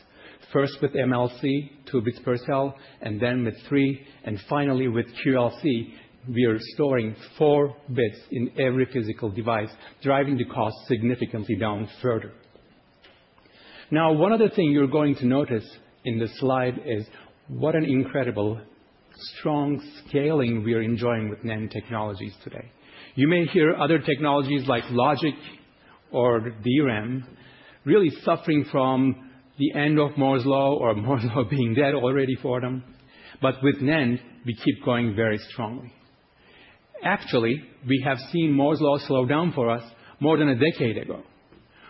First with MLC, two bits per cell, and then with three, and finally with QLC, we are storing four bits in every physical device, driving the cost significantly down further. Now, one other thing you're going to notice in this slide is what an incredible strong scaling we are enjoying with NAND technologies today. You may hear other technologies like logic or DRAM really suffering from the end of Moore's Law or Moore's Law being dead already for them, but with NAND, we keep going very strongly. Actually, we have seen Moore's Law slow down for us more than a decade ago.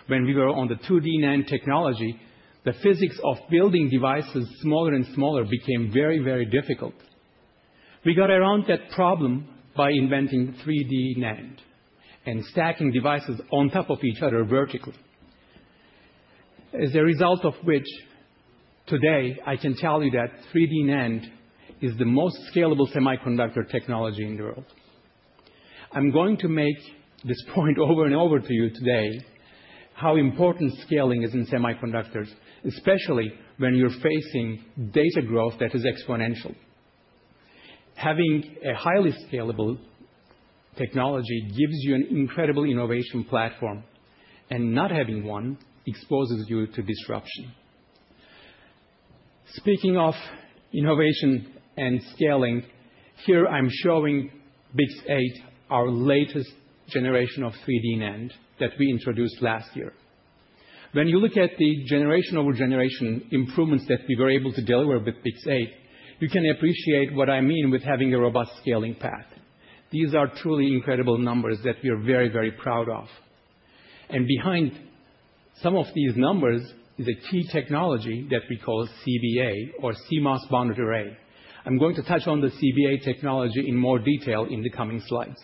When we were on the 2D NAND technology, the physics of building devices smaller and smaller became very, very difficult. We got around that problem by inventing 3D NAND and stacking devices on top of each other vertically. As a result of which, today, I can tell you that 3D NAND is the most scalable semiconductor technology in the world. I'm going to make this point over and over to you today, how important scaling is in semiconductors, especially when you're facing data growth that is exponential. Having a highly scalable technology gives you an incredible innovation platform, and not having one exposes you to disruption. Speaking of innovation and scaling, here I'm showing BiCS8, our latest generation of 3D NAND that we introduced last year. When you look at the generation-over-generation improvements that we were able to deliver with BiCS8, you can appreciate what I mean with having a robust scaling path. These are truly incredible numbers that we are very, very proud of. Behind some of these numbers is a key technology that we call CBA, or CMOS bonded array. I'm going to touch on the CBA technology in more detail in the coming slides.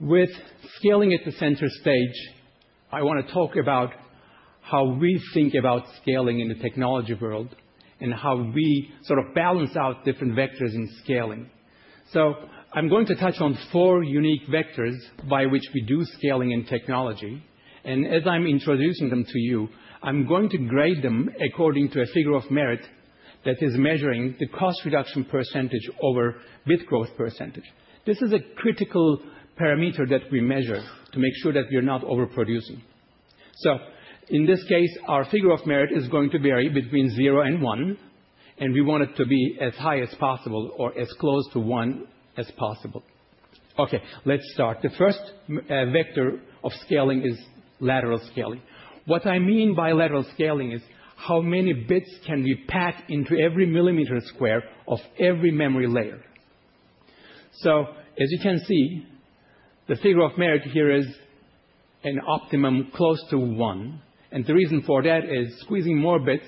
With scaling at the center stage, I want to talk about how we think about scaling in the technology world and how we sort of balance out different vectors in scaling. I'm going to touch on four unique vectors by which we do scaling in technology. As I'm introducing them to you, I'm going to grade them according to a figure of merit that is measuring the cost reduction percentage over bit growth percentage. This is a critical parameter that we measure to make sure that we are not overproducing. In this case, our figure of merit is going to vary between zero and one. We want it to be as high as possible or as close to one as possible. Okay, let's start. The first vector of scaling is lateral scaling. What I mean by lateral scaling is how many bits can we pack into every millimeter square of every memory layer. As you can see, the figure of merit here is an optimum close to one. The reason for that is squeezing more bits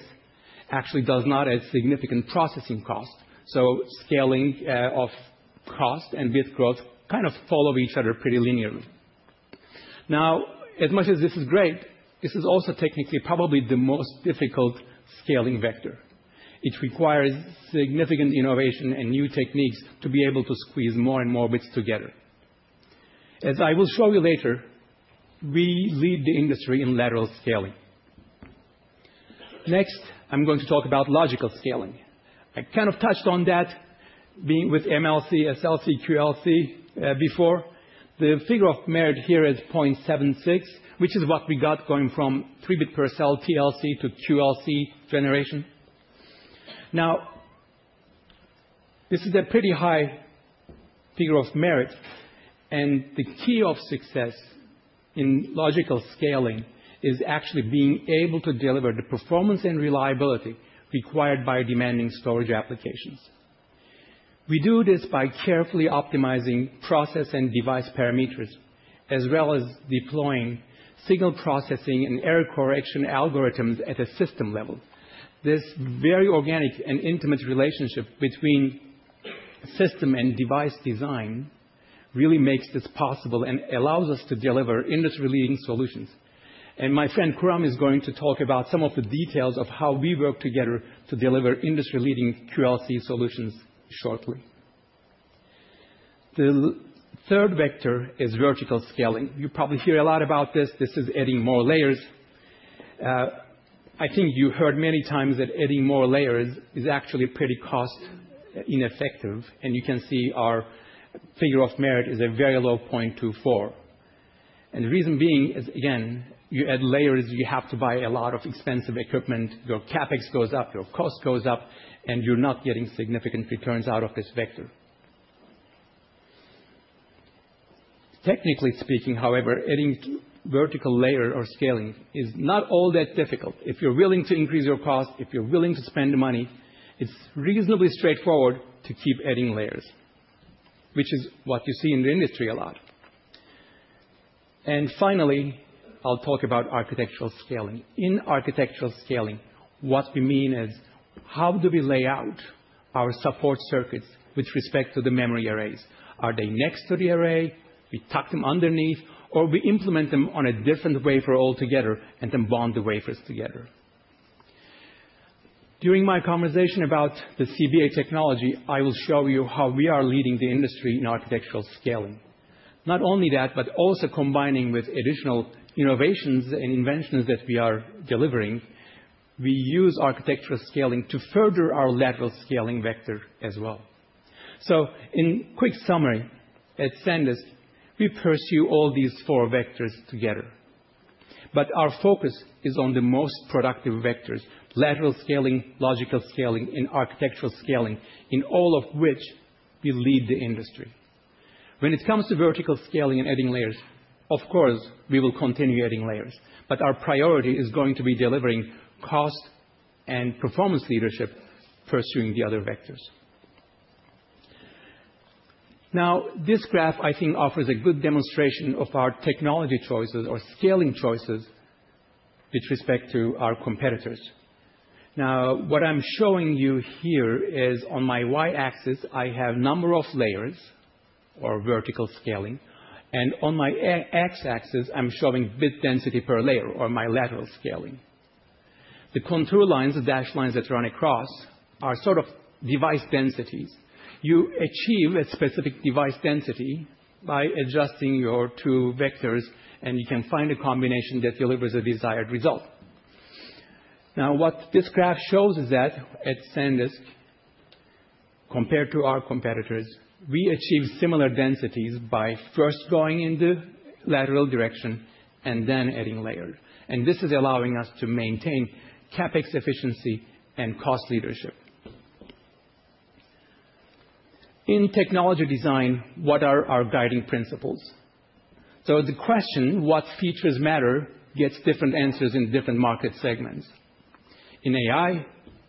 actually does not add significant processing cost. Scaling of cost and bit growth kind of follow each other pretty linearly. Now, as much as this is great, this is also technically probably the most difficult scaling vector. It requires significant innovation and new techniques to be able to squeeze more and more bits together. As I will show you later, we lead the industry in lateral scaling. Next, I'm going to talk about logical scaling. I kind of touched on that being with MLC, SLC, QLC before. The figure of merit here is 0.76, which is what we got going from 3-bit per cell TLC to QLC generation. Now, this is a pretty high figure of merit, and the key of success in logical scaling is actually being able to deliver the performance and reliability required by demanding storage applications. We do this by carefully optimizing process and device parameters, as well as deploying signal processing and error correction algorithms at a system level. This very organic and intimate relationship between system and device design really makes this possible and allows us to deliver industry-leading solutions, and my friend Khurram is going to talk about some of the details of how we work together to deliver industry-leading QLC solutions shortly. The third vector is vertical scaling. You probably hear a lot about this. This is adding more layers. I think you heard many times that adding more layers is actually pretty cost-ineffective, and you can see our figure of merit is a very low 0.24, and the reason being is, again, you add layers, you have to buy a lot of expensive equipment, your CapEx goes up, your cost goes up, and you're not getting significant returns out of this vector. Technically speaking, however, adding vertical layer or scaling is not all that difficult. If you're willing to increase your cost, if you're willing to spend money, it's reasonably straightforward to keep adding layers, which is what you see in the industry a lot, and finally, I'll talk about architectural scaling. In architectural scaling, what we mean is how do we lay out our support circuits with respect to the memory arrays? Are they next to the array? We tuck them underneath, or we implement them on a different wafer altogether and then bond the wafers together. During my conversation about the CBA technology, I will show you how we are leading the industry in architectural scaling. Not only that, but also combining with additional innovations and inventions that we are delivering, we use architectural scaling to further our lateral scaling vector as well. So in quick summary, at SanDisk, we pursue all these four vectors together. But our focus is on the most productive vectors: lateral scaling, logical scaling, and architectural scaling, in all of which we lead the industry. When it comes to vertical scaling and adding layers, of course, we will continue adding layers. But our priority is going to be delivering cost and performance leadership pursuing the other vectors. Now, this graph, I think, offers a good demonstration of our technology choices or scaling choices with respect to our competitors. Now, what I'm showing you here is on my y-axis, I have a number of layers or vertical scaling, and on my x-axis, I'm showing bit density per layer or my lateral scaling. The contour lines, the dashed lines that run across, are sort of device densities. You achieve a specific device density by adjusting your two vectors, and you can find a combination that delivers a desired result. Now, what this graph shows is that at SanDisk, compared to our competitors, we achieve similar densities by first going in the lateral direction and then adding layers, and this is allowing us to maintain CapEx efficiency and cost leadership. In technology design, what are our guiding principles? So the question, what features matter, gets different answers in different market segments. In AI,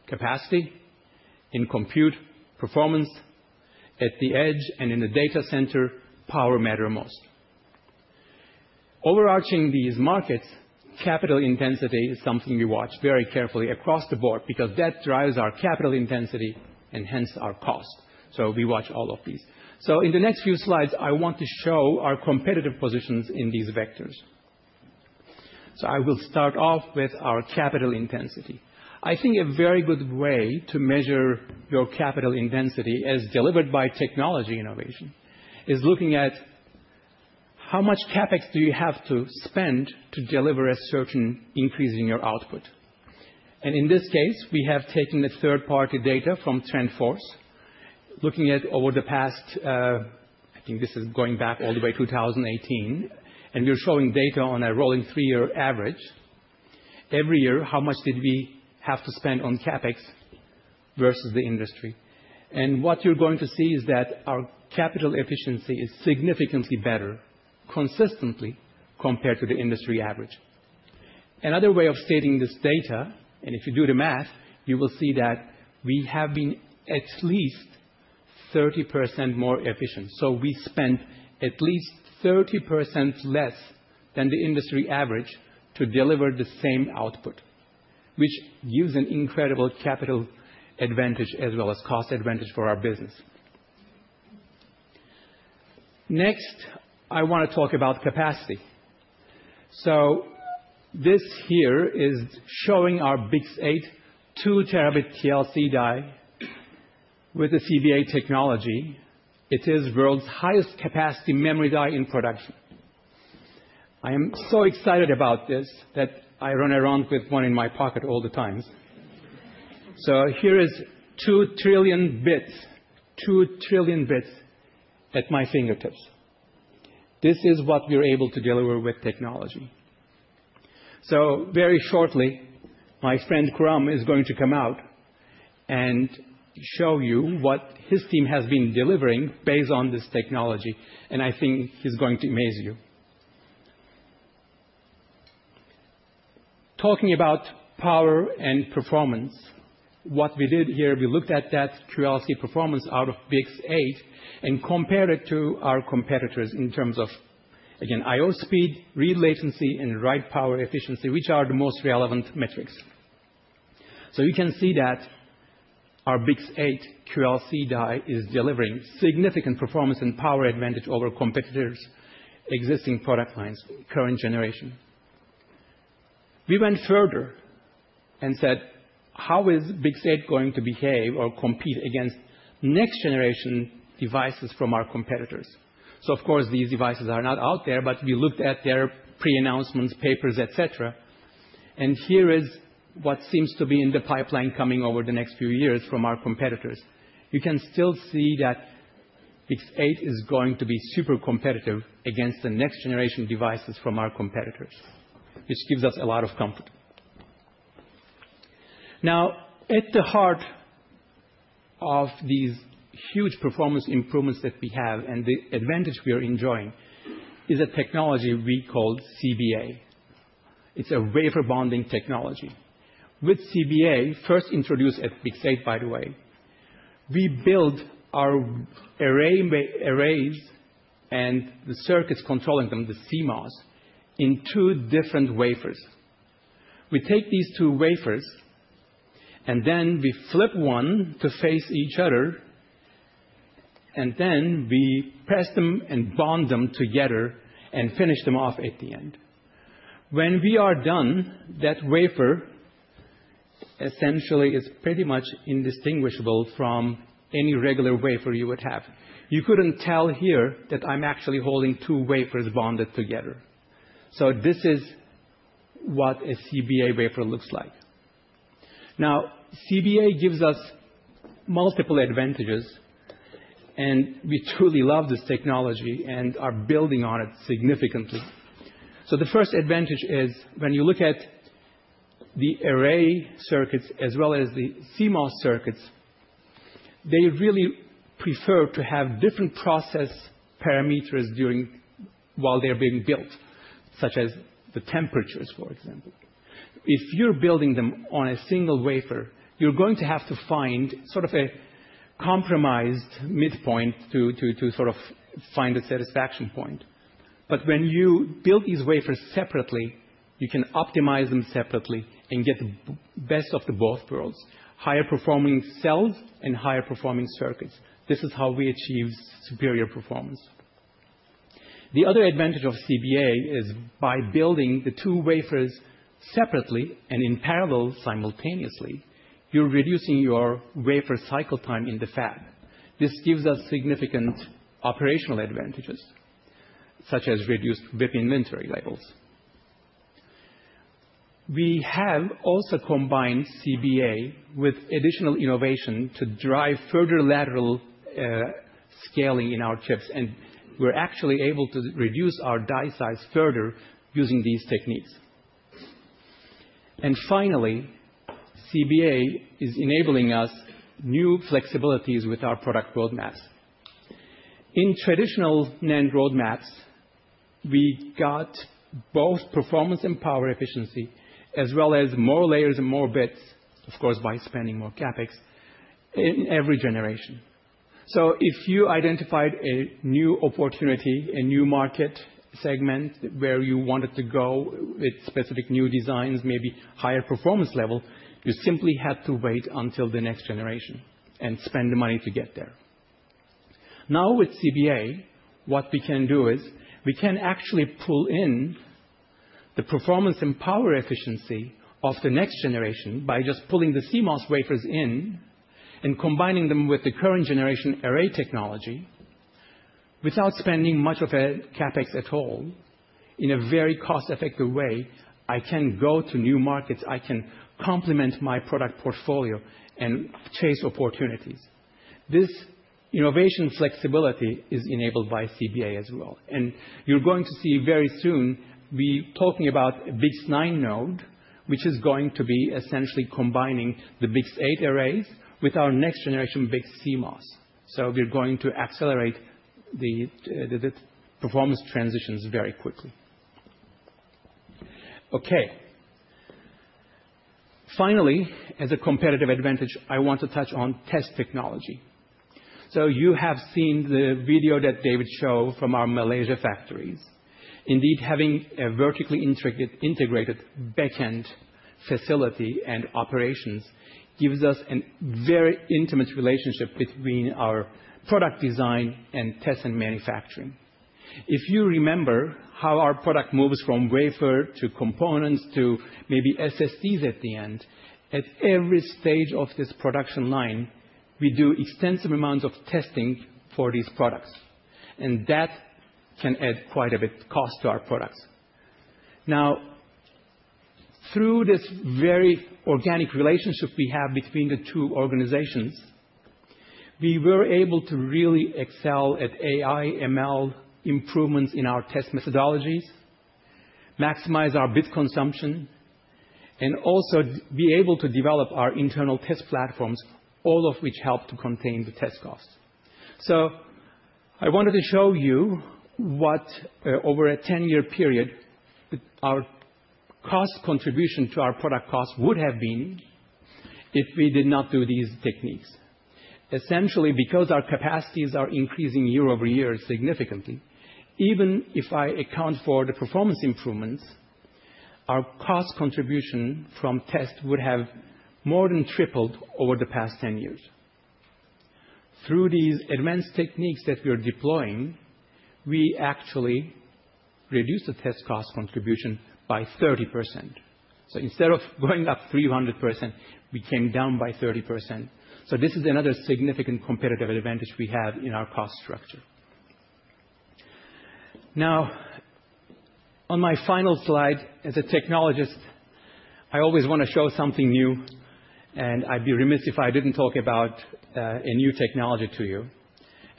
capacity. In compute, performance. At the edge and in the data center, power matters most. Overarching these markets, capital intensity is something we watch very carefully across the board because that drives our capital intensity and hence our cost. So we watch all of these. So in the next few slides, I want to show our competitive positions in these vectors. So I will start off with our capital intensity. I think a very good way to measure your capital intensity as delivered by technology innovation is looking at how much CapEx do you have to spend to deliver a certain increase in your output. And in this case, we have taken the third-party data from TrendForce, looking at over the past. I think this is going back all the way to 2018. We're showing data on a rolling three-year average. Every year, how much did we have to spend on CapEx versus the industry? And what you're going to see is that our capital efficiency is significantly better consistently compared to the industry average. Another way of stating this data, and if you do the math, you will see that we have been at least 30% more efficient. We spent at least 30% less than the industry average to deliver the same output, which gives an incredible capital advantage as well as cost advantage for our business. Next, I want to talk about capacity. This here is showing our BiCS8 2 Tb TLC die with the CBA technology. It is the world's highest capacity memory die in production. I am so excited about this that I run around with one in my pocket all the time. So here is 2 trillion bits, 2 trillion bits at my fingertips. This is what we're able to deliver with technology. So very shortly, my friend Khurram is going to come out and show you what his team has been delivering based on this technology. And I think he's going to amaze you. Talking about power and performance, what we did here, we looked at that QLC performance out of BiCS8 and compared it to our competitors in terms of, again, I/O speed, read latency, and write power efficiency, which are the most relevant metrics. So you can see that our BiCS8 QLC die is delivering significant performance and power advantage over competitors' existing product lines, current generation. We went further and said, how is BiCS8 going to behave or compete against next-generation devices from our competitors? Of course, these devices are not out there, but we looked at their pre-announcements, papers, etc. Here is what seems to be in the pipeline coming over the next few years from our competitors. You can still see that BiCS8 is going to be super competitive against the next-generation devices from our competitors, which gives us a lot of comfort. Now, at the heart of these huge performance improvements that we have and the advantage we are enjoying is a technology we call CBA. It's a wafer bonding technology. With CBA, first introduced at BiCS8, by the way, we build our arrays and the circuits controlling them, the CMOS, in two different wafers. We take these two wafers, and then we flip one to face each other, and then we press them and bond them together and finish them off at the end. When we are done, that wafer essentially is pretty much indistinguishable from any regular wafer you would have. You couldn't tell here that I'm actually holding two wafers bonded together. So this is what a CBA wafer looks like. Now, CBA gives us multiple advantages, and we truly love this technology and are building on it significantly. So the first advantage is when you look at the array circuits as well as the CMOS circuits, they really prefer to have different process parameters while they're being built, such as the temperatures, for example. If you're building them on a single wafer, you're going to have to find sort of a compromised midpoint to sort of find a satisfaction point. But when you build these wafers separately, you can optimize them separately and get the best of both worlds: higher performing cells and higher performing circuits. This is how we achieve superior performance. The other advantage of CBA is by building the two wafers separately and in parallel, simultaneously, you're reducing your wafer cycle time in the fab. This gives us significant operational advantages, such as reduced WIP inventory levels. We have also combined CBA with additional innovation to drive further lateral scaling in our chips. And we're actually able to reduce our die size further using these techniques. And finally, CBA is enabling us new flexibilities with our product roadmaps. In traditional NAND roadmaps, we got both performance and power efficiency, as well as more layers and more bits, of course, by spending more CapEx in every generation. If you identified a new opportunity, a new market segment where you wanted to go with specific new designs, maybe higher performance level, you simply had to wait until the next generation and spend the money to get there. Now, with CBA, what we can do is we can actually pull in the performance and power efficiency of the next generation by just pulling the CMOS wafers in and combining them with the current generation array technology without spending much of a CapEx at all in a very cost-effective way. I can go to new markets. I can complement my product portfolio and chase opportunities. This innovation flexibility is enabled by CBA as well. You're going to see very soon we're talking about a BiCS9 node, which is going to be essentially combining the BiCS8 arrays with our next-generation BiCS CMOS. So we're going to accelerate the performance transitions very quickly. Okay. Finally, as a competitive advantage, I want to touch on test technology. So you have seen the video that David showed from our Malaysia factories. Indeed, having a vertically integrated backend facility and operations gives us a very intimate relationship between our product design and test and manufacturing. If you remember how our product moves from wafer to components to maybe SSDs at the end, at every stage of this production line, we do extensive amounts of testing for these products. And that can add quite a bit of cost to our products. Now, through this very organic relationship we have between the two organizations, we were able to really excel at AI/ML improvements in our test methodologies, maximize our bit consumption, and also be able to develop our internal test platforms, all of which help to contain the test costs. So I wanted to show you what, over a 10-year period, our cost contribution to our product cost would have been if we did not do these techniques. Essentially, because our capacities are increasing year over year significantly, even if I account for the performance improvements, our cost contribution from test would have more than tripled over the past 10 years. Through these advanced techniques that we are deploying, we actually reduced the test cost contribution by 30%. So instead of going up 300%, we came down by 30%. So this is another significant competitive advantage we have in our cost structure. Now, on my final slide, as a technologist, I always want to show something new, and I'd be remiss if I didn't talk about a new technology to you,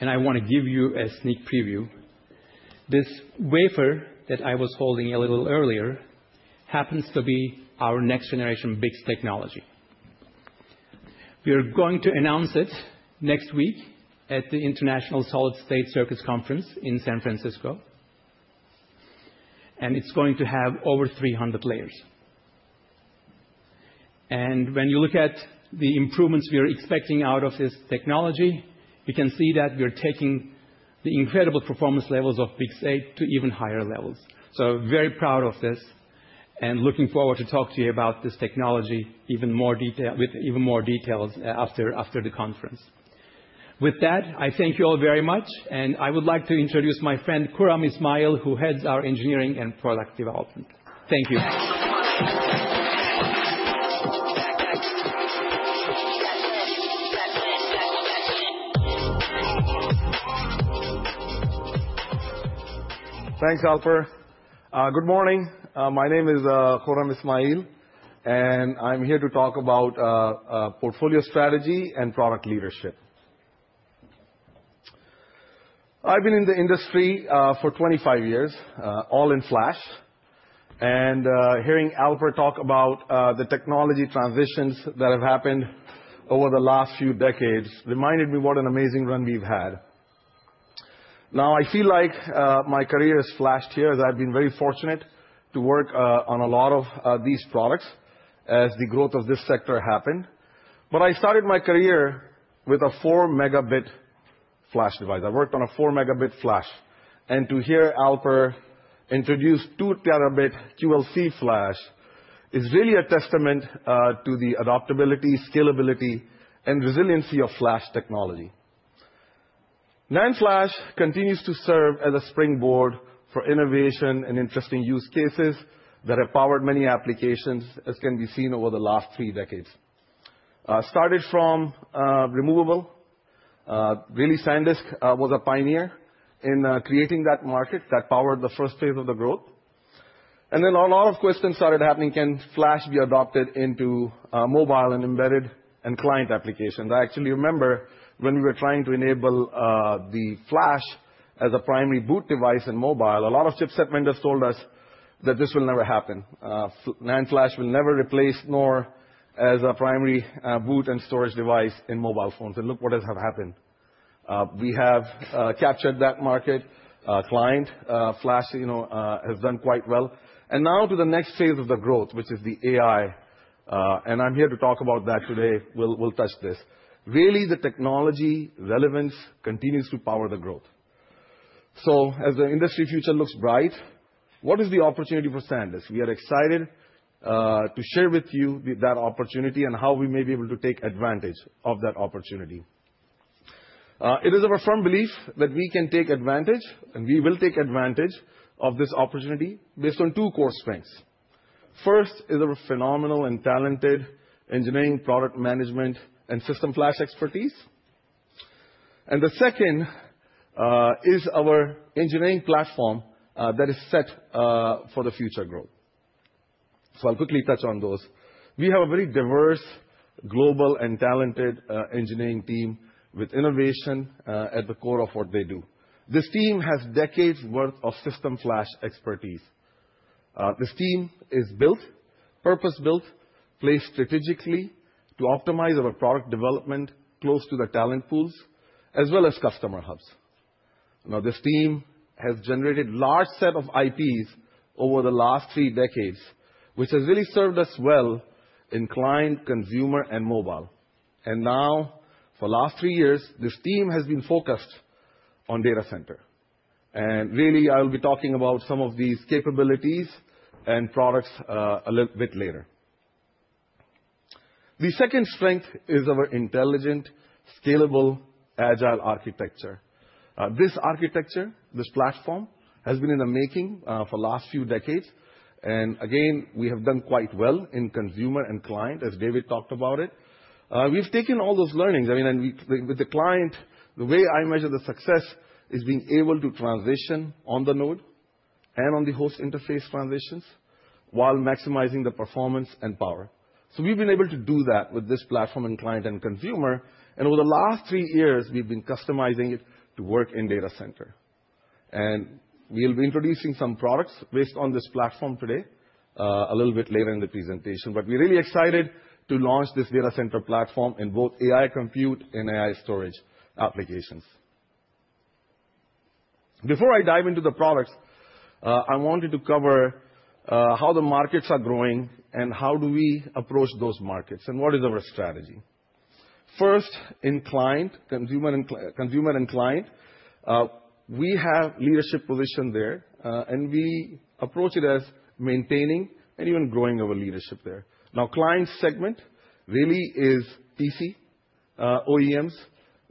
and I want to give you a sneak preview. This wafer that I was holding a little earlier happens to be our next-generation BiCS technology. We are going to announce it next week at the International Solid State Circuits Conference in San Francisco, and it's going to have over 300 layers, and when you look at the improvements we are expecting out of this technology, you can see that we are taking the incredible performance levels of BiCS8 to even higher levels, so very proud of this and looking forward to talking to you about this technology with even more details after the conference. With that, I thank you all very much. And I would like to introduce my friend Khurram Ismail, who heads our engineering and product development. Thank you. Thanks, Alper. Good morning. My name is Khurram Ismail. And I'm here to talk about portfolio strategy and product leadership. I've been in the industry for 25 years, all in flash. And hearing Alper talk about the technology transitions that have happened over the last few decades reminded me what an amazing run we've had. Now, I feel like my career has flashed here, as I've been very fortunate to work on a lot of these products as the growth of this sector happened. But I started my career with a 4 Mb flash device. I worked on a 4 Mb flash. And to hear Alper introduce 4 Tb QLC flash is really a testament to the adaptability, scalability, and resiliency of flash technology. NAND flash continues to serve as a springboard for innovation and interesting use cases that have powered many applications, as can be seen over the last three decades. Started from removable. Really, SanDisk was a pioneer in creating that market that powered the first phase of the growth, and then a lot of questions started happening. Can flash be adopted into mobile and embedded and client applications? I actually remember when we were trying to enable the flash as a primary boot device in mobile, a lot of chipset vendors told us that this will never happen. NAND flash will never replace NOR as a primary boot and storage device in mobile phones, and look what has happened. We have captured that market. Client flash has done quite well, and now to the next phase of the growth, which is the AI, and I'm here to talk about that today. We'll touch this. Really, the technology relevance continues to power the growth. So as the industry future looks bright, what is the opportunity for SanDisk? We are excited to share with you that opportunity and how we may be able to take advantage of that opportunity. It is our firm belief that we can take advantage, and we will take advantage of this opportunity based on two core strengths. First is our phenomenal and talented engineering product management and system flash expertise. And the second is our engineering platform that is set for the future growth. So I'll quickly touch on those. We have a very diverse, global, and talented engineering team with innovation at the core of what they do. This team has decades' worth of system flash expertise. This team is purpose-built, placed strategically to optimize our product development close to the talent pools, as well as customer hubs. Now, this team has generated a large set of IPs over the last three decades, which has really served us well in client, consumer, and mobile. And now, for the last three years, this team has been focused on data center. And really, I will be talking about some of these capabilities and products a little bit later. The second strength is our intelligent, scalable, agile architecture. This architecture, this platform, has been in the making for the last few decades. And again, we have done quite well in consumer and client, as David talked about it. We've taken all those learnings. I mean, with the client, the way I measure the success is being able to transition on the node and on the host interface transitions while maximizing the performance and power. So we've been able to do that with this platform in client and consumer. And over the last three years, we've been customizing it to work in data center. And we'll be introducing some products based on this platform today a little bit later in the presentation. But we're really excited to launch this data center platform in both AI compute and AI storage applications. Before I dive into the products, I wanted to cover how the markets are growing and how do we approach those markets and what is our strategy. First, in client, consumer and client, we have a leadership position there. And we approach it as maintaining and even growing our leadership there. Now, the client segment really is PC, OEMs,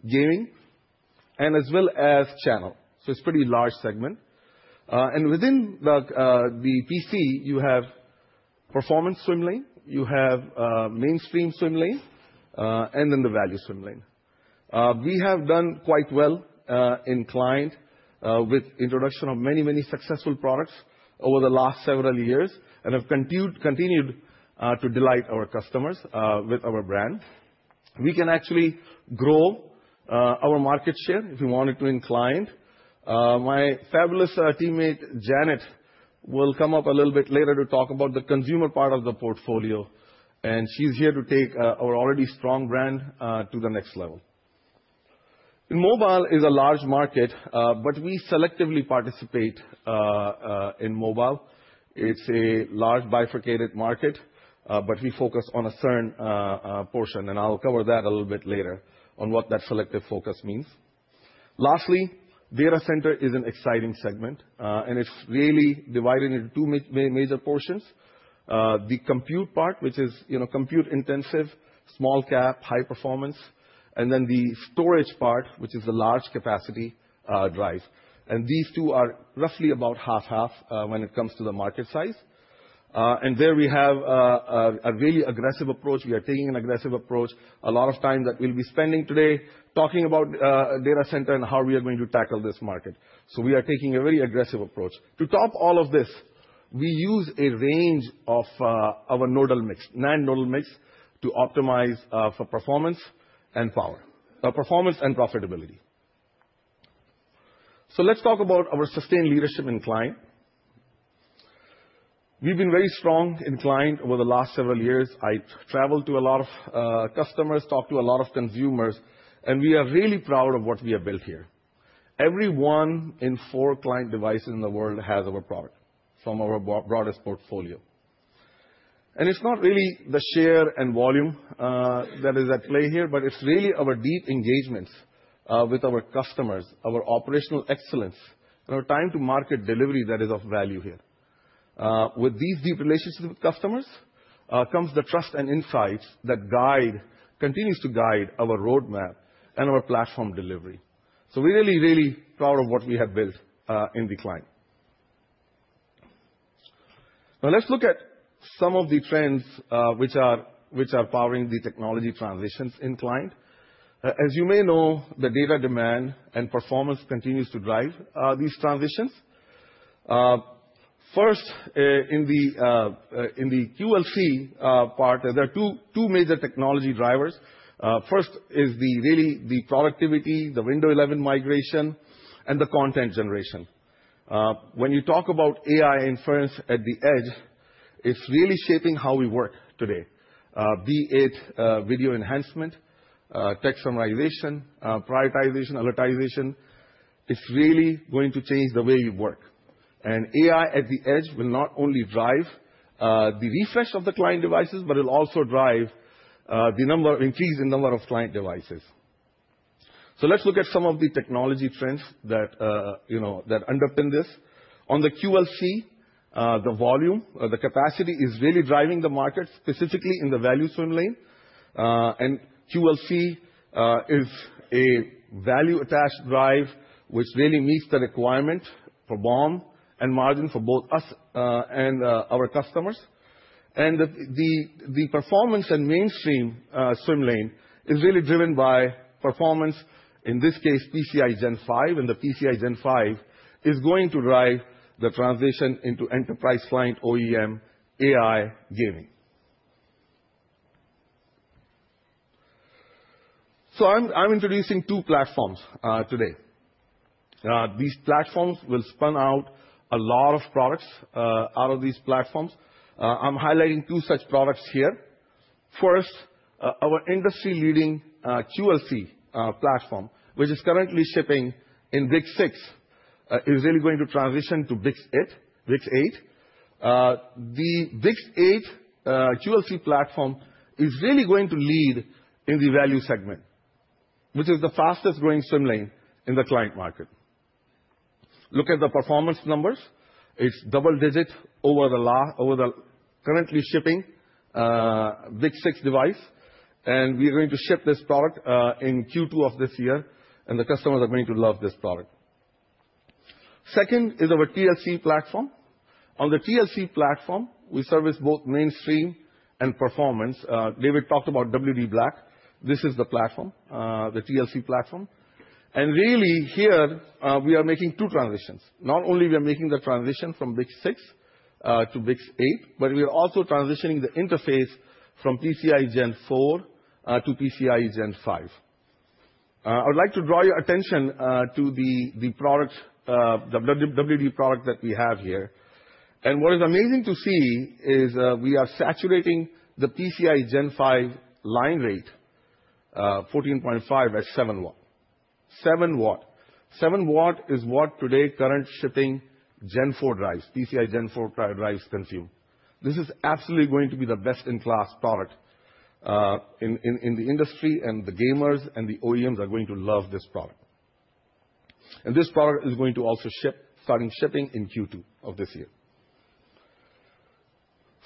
gaming, and as well as channel. So it's a pretty large segment. And within the PC, you have performance swim lane. You have mainstream swim lane, and then the value swim lane. We have done quite well in client with the introduction of many, many successful products over the last several years and have continued to delight our customers with our brand. We can actually grow our market share if we wanted to in client. My fabulous teammate, Janet, will come up a little bit later to talk about the consumer part of the portfolio. And she's here to take our already strong brand to the next level. Mobile is a large market, but we selectively participate in mobile. It's a large bifurcated market, but we focus on a certain portion. I'll cover that a little bit later on what that selective focus means. Lastly, data center is an exciting segment. It's really divided into two major portions: the compute part, which is compute-intensive, small cap, high performance, and then the storage part, which is the large capacity drive. These two are roughly about half-half when it comes to the market size. There we have a really aggressive approach. We are taking an aggressive approach. A lot of time that we'll be spending today talking about data center and how we are going to tackle this market. We are taking a very aggressive approach. To top all of this, we use a range of our NAND nodal mix to optimize for performance and power, performance and profitability. Let's talk about our sustained leadership in client. We've been very strong in client over the last several years. I've traveled to a lot of customers, talked to a lot of consumers. We are really proud of what we have built here. Every one in four client devices in the world has our product from our broadest portfolio. It's not really the share and volume that is at play here, but it's really our deep engagements with our customers, our operational excellence, and our time-to-market delivery that is of value here. With these deep relationships with customers comes the trust and insights that continues to guide our roadmap and our platform delivery. We're really, really proud of what we have built in the client. Now, let's look at some of the trends which are powering the technology transitions in client. As you may know, the data demand and performance continue to drive these transitions. First, in the QLC part, there are two major technology drivers. First is really the productivity, the Windows 11 migration, and the content generation. When you talk about AI inference at the edge, it's really shaping how we work today. 8K video enhancement, text summarization, prioritization, alert generation is really going to change the way you work. And AI at the edge will not only drive the refresh of the client devices, but it'll also drive the increase in the number of client devices. So let's look at some of the technology trends that underpin this. On the QLC, the volume or the capacity is really driving the market, specifically in the value swim lane. And QLC is a value-added drive, which really meets the requirement for BOM and margin for both us and our customers. The performance and mainstream swim lane is really driven by performance, in this case, PCIe Gen 5. The PCIe Gen 5 is going to drive the transition into enterprise client, OEM, AI, gaming. I'm introducing two platforms today. These platforms will spun out a lot of products out of these platforms. I'm highlighting two such products here. First, our industry-leading QLC platform, which is currently shipping in BiCS6, is really going to transition to BiCS8. The BiCS8 QLC platform is really going to lead in the value segment, which is the fastest-growing swim lane in the client market. Look at the performance numbers. It's double-digit over the currently shipping BiCS6 device. We are going to ship this product in Q2 of this year. The customers are going to love this product. Second is our TLC platform. On the TLC platform, we service both mainstream and performance. David talked about WD_BLACK. This is the platform, the TLC platform. Really, here, we are making two transitions. Not only are we making the transition from BiCS6 to BiCS8, but we are also transitioning the interface from PCIe Gen 4 to PCIe Gen 5. I would like to draw your attention to the WD product that we have here. What is amazing to see is we are saturating the PCIe Gen 5 line rate, 14.5 at 7 W. 7 W is what today's current shipping Gen 4 drives, PCIe Gen 4 drives, consume. This is absolutely going to be the best-in-class product in the industry. The gamers and the OEMs are going to love this product. This product is going to also start shipping in Q2 of this year.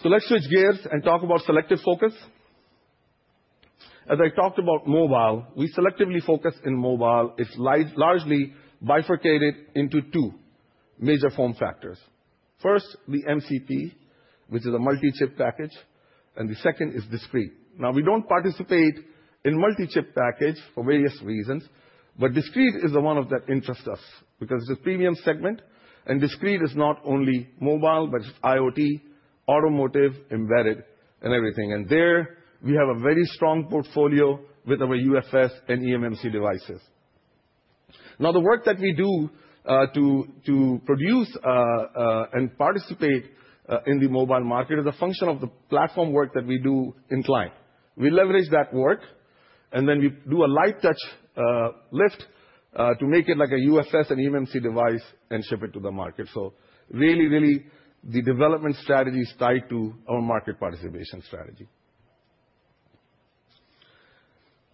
So let's switch gears and talk about selective focus. As I talked about mobile, we selectively focus in mobile. It's largely bifurcated into two major form factors. First, the MCP, which is a multi-chip package. And the second is discrete. Now, we don't participate in multi-chip package for various reasons. But discrete is the one that interests us because it's a premium segment. And discrete is not only mobile, but it's IoT, automotive, embedded, and everything. And there, we have a very strong portfolio with our UFS and eMMC devices. Now, the work that we do to produce and participate in the mobile market is a function of the platform work that we do in client. We leverage that work. And then we do a light touch lift to make it like a UFS and eMMC device and ship it to the market. So really, really, the development strategy is tied to our market participation strategy.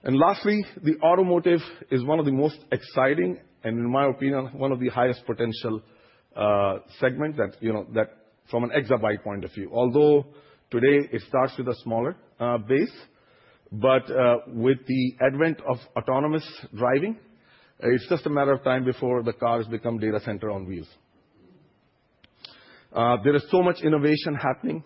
And lastly, the automotive is one of the most exciting and, in my opinion, one of the highest potential segments from an exabyte point of view. Although today, it starts with a smaller base, but with the advent of autonomous driving, it's just a matter of time before the cars become data center on wheels. There is so much innovation happening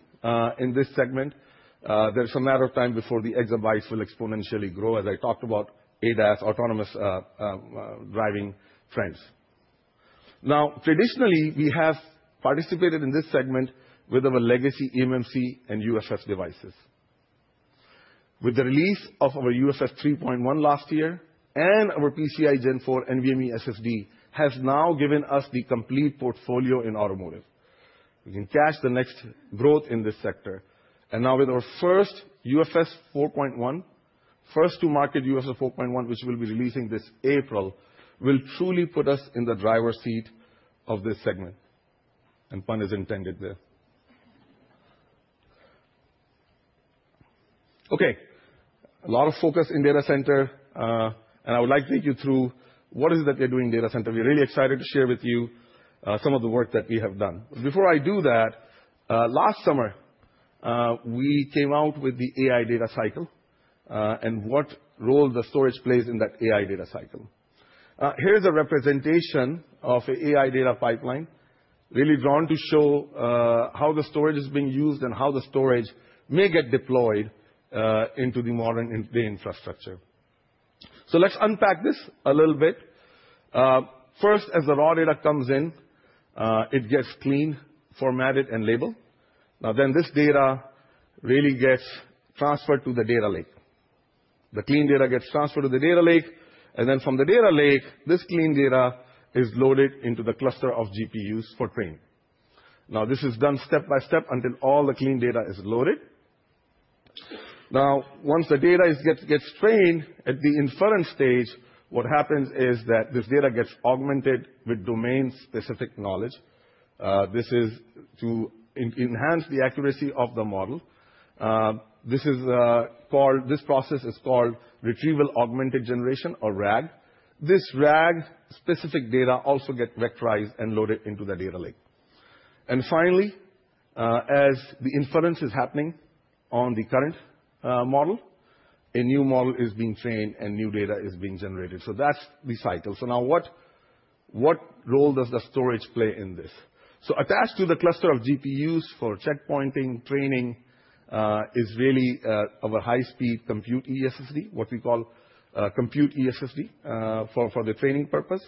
in this segment. There is a matter of time before the exabytes will exponentially grow, as I talked about, ADAS, autonomous driving trends. Now, traditionally, we have participated in this segment with our legacy eMMC and UFS devices. With the release of our UFS 3.1 last year and our PCIe Gen 4 NVMe SSD has now given us the complete portfolio in automotive. We can catch the next growth in this sector. Now, with our first UFS 4.1, first-to-market UFS 4.1, which we'll be releasing this April, will truly put us in the driver's seat of this segment. Pun is intended there. OK, a lot of focus in data center. I would like to take you through what is it that we're doing in data center. We're really excited to share with you some of the work that we have done. Before I do that, last summer, we came out with the AI data cycle and what role the storage plays in that AI data cycle. Here's a representation of an AI data pipeline, really drawn to show how the storage is being used and how the storage may get deployed into the modern infrastructure. Let's unpack this a little bit. First, as the raw data comes in, it gets cleaned, formatted, and labeled. Now, then this data really gets transferred to the data lake. The clean data gets transferred to the data lake, and then from the data lake, this clean data is loaded into the cluster of GPUs for training. Now, this is done step by step until all the clean data is loaded. Now, once the data gets trained at the inference stage, what happens is that this data gets augmented with domain-specific knowledge. This is to enhance the accuracy of the model. This process is called retrieval-augmented generation or RAG. This RAG-specific data also gets vectorized and loaded into the data lake, and finally, as the inference is happening on the current model, a new model is being trained and new data is being generated. That's the cycle. Now, what role does the storage play in this? So attached to the cluster of GPUs for checkpointing, training is really our high-speed compute eSSD, what we call compute eSSD for the training purpose.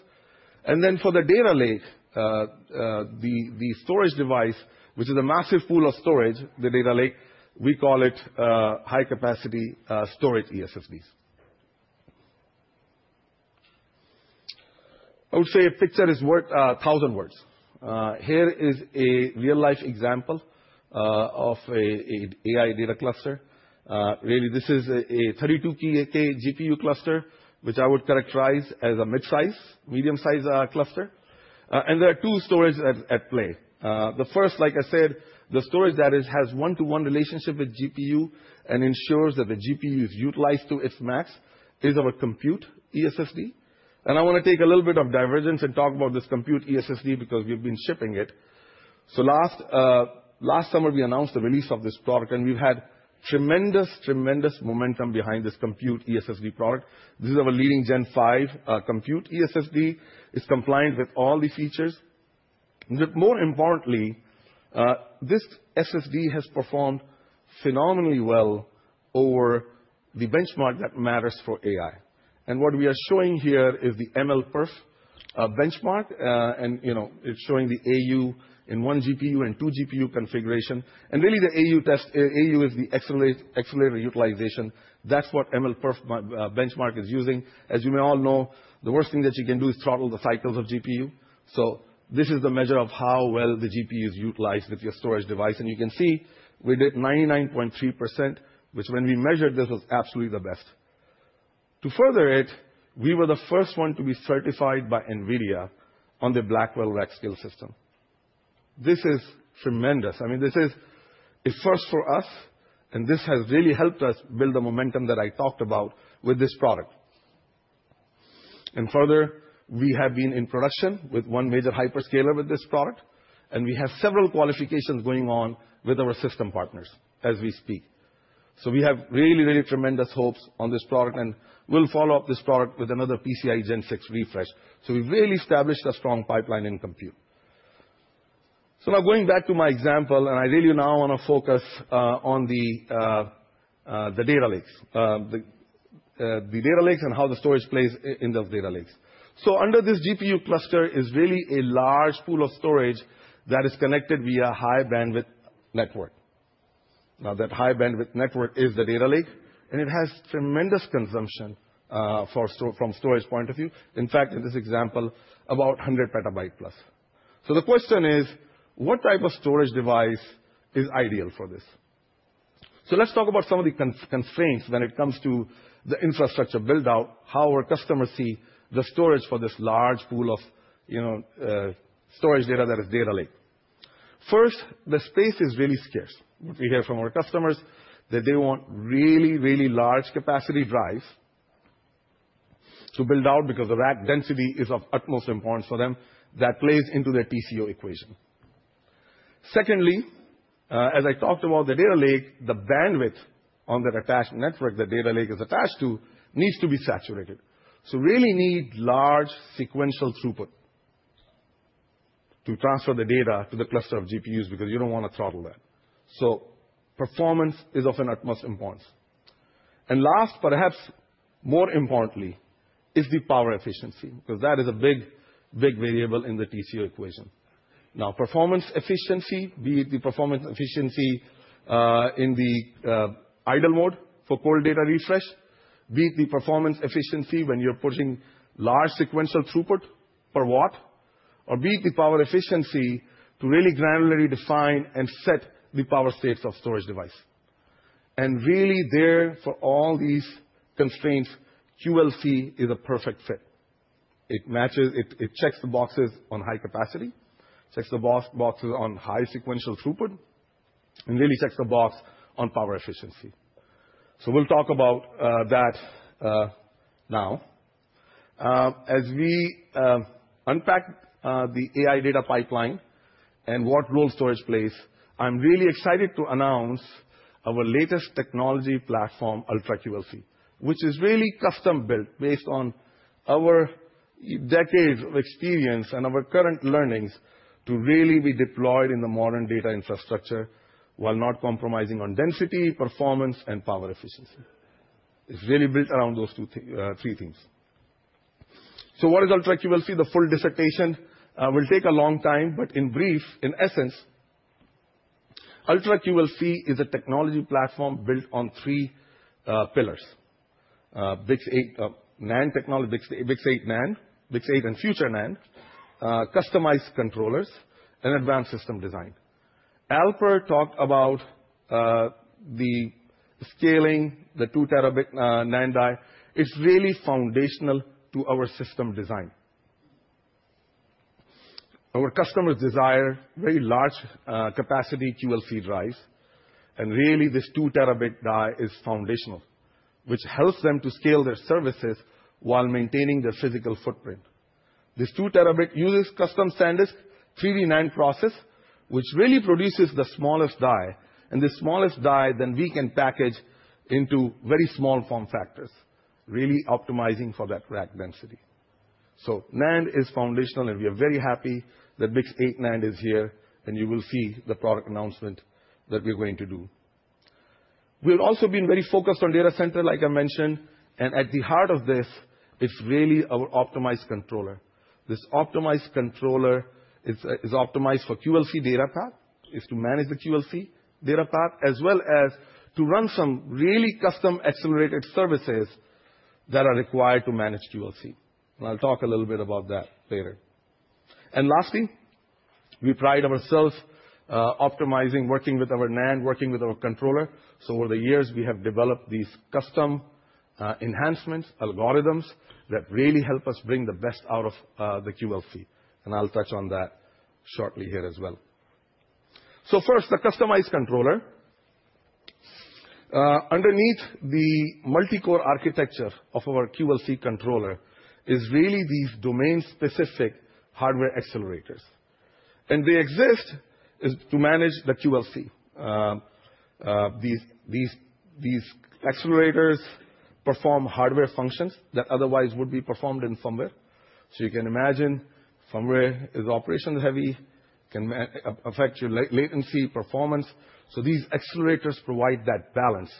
And then for the data lake, the storage device, which is a massive pool of storage, the data lake, we call it high-capacity storage eSSDs. I would say a picture is worth a thousand words. Here is a real-life example of an AI data cluster. Really, this is a 32K GPU cluster, which I would characterize as a mid-size, medium-sized cluster. And there are two storages at play. The first, like I said, the storage that has a one-to-one relationship with GPU and ensures that the GPU is utilized to its max is our compute eSSD. And I want to take a little bit of divergence and talk about this compute eSSD because we have been shipping it. Last summer, we announced the release of this product. We've had tremendous, tremendous momentum behind this compute eSSD product. This is our leading Gen 5 compute eSSD. It's compliant with all the features. More importantly, this SSD has performed phenomenally well over the benchmark that matters for AI. What we are showing here is the MLPerf benchmark. It's showing the AU in one GPU and two GPU configuration. Really, the AU is the accelerator utilization. That's what MLPerf benchmark is using. As you may all know, the worst thing that you can do is throttle the cycles of GPU. This is the measure of how well the GPU is utilized with your storage device. You can see we did 99.3%, which, when we measured, this was absolutely the best. To further it, we were the first one to be certified by NVIDIA on the Blackwell RAG Skill System. This is tremendous. I mean, this is a first for us. And this has really helped us build the momentum that I talked about with this product. And further, we have been in production with one major hyperscaler with this product. And we have several qualifications going on with our system partners as we speak. So we have really, really tremendous hopes on this product. And we'll follow up this product with another PCI Gen 6 refresh. So we've really established a strong pipeline in compute. So now, going back to my example, and I really now want to focus on the data lakes, the data lakes, and how the storage plays in those data lakes. So under this GPU cluster is really a large pool of storage that is connected via a high-bandwidth network. Now, that high-bandwidth network is the data lake. And it has tremendous consumption from a storage point of view. In fact, in this example, about 100 petabytes plus. So the question is, what type of storage device is ideal for this? So let's talk about some of the constraints when it comes to the infrastructure build-out, how our customers see the storage for this large pool of storage data that is data lake. First, the space is really scarce. What we hear from our customers is that they want really, really large capacity drives to build out because the RAG density is of utmost importance for them. That plays into their TCO equation. Secondly, as I talked about the data lake, the bandwidth on that attached network the data lake is attached to needs to be saturated, so really need large sequential throughput to transfer the data to the cluster of GPUs because you don't want to throttle that, so performance is of utmost importance and last, perhaps more importantly, is the power efficiency because that is a big, big variable in the TCO equation. Now, performance efficiency, be it the performance efficiency in the idle mode for cold data refresh, be it the performance efficiency when you're pushing large sequential throughput per watt, or be it the power efficiency to really granularly define and set the power states of storage device, and really, there, for all these constraints, QLC is a perfect fit. It checks the boxes on high capacity, checks the boxes on high sequential throughput, and really checks the box on power efficiency. So we'll talk about that now. As we unpack the AI data pipeline and what role storage plays, I'm really excited to announce our latest technology platform, UltraQLC, which is really custom-built based on our decades of experience and our current learnings to really be deployed in the modern data infrastructure while not compromising on density, performance, and power efficiency. It's really built around those three themes. So what is UltraQLC? The full dissertation will take a long time. But in brief, in essence, UltraQLC is a technology platform built on three pillars: NAND technology, BiCS8 NAND, BiCS8 and future NAND, customized controllers, and advanced system design. Alper talked about the scaling, the two terabit NAND die. It's really foundational to our system design. Our customers desire very large capacity QLC drives. And really, this two terabit die is foundational, which helps them to scale their services while maintaining their physical footprint. This two terabit uses custom SanDisk 3D NAND process, which really produces thec. And this smallest die, then we can package into very small form factors, really optimizing for that RAG density. So NAND is foundational. And we are very happy that BiCS8 NAND is here. And you will see the product announcement that we're going to do. We've also been very focused on data center, like I mentioned. And at the heart of this, it's really our optimized controller. This optimized controller is optimized for QLC data path, is to manage the QLC data path, as well as to run some really custom accelerated services that are required to manage QLC. I'll talk a little bit about that later. Lastly, we pride ourselves optimizing, working with our NAND, working with our controller. Over the years, we have developed these custom enhancements, algorithms that really help us bring the best out of the QLC. I'll touch on that shortly here as well. First, the customized controller. Underneath the multicore architecture of our QLC controller is really these domain-specific hardware accelerators. They exist to manage the QLC. These accelerators perform hardware functions that otherwise would be performed in firmware. You can imagine firmware is operationally heavy, can affect your latency, performance. These accelerators provide that balance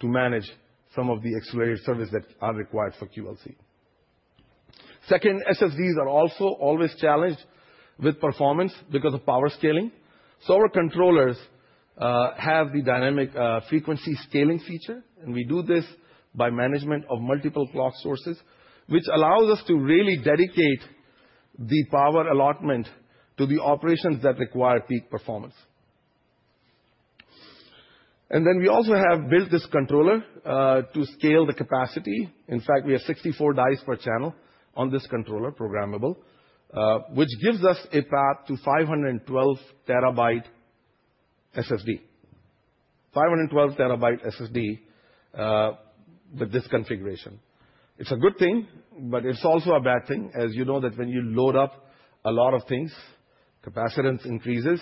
to manage some of the accelerated service that are required for QLC. Second, SSDs are also always challenged with performance because of power scaling. Our controllers have the dynamic frequency scaling feature. We do this by management of multiple clock sources, which allows us to really dedicate the power allotment to the operations that require peak performance. Then we also have built this controller to scale the capacity. In fact, we have 64 dies per channel on this controller, programmable, which gives us a path to 512 TB SSD, 512 TB SSD with this configuration. It's a good thing, but it's also a bad thing. As you know, that when you load up a lot of things, capacitance increases.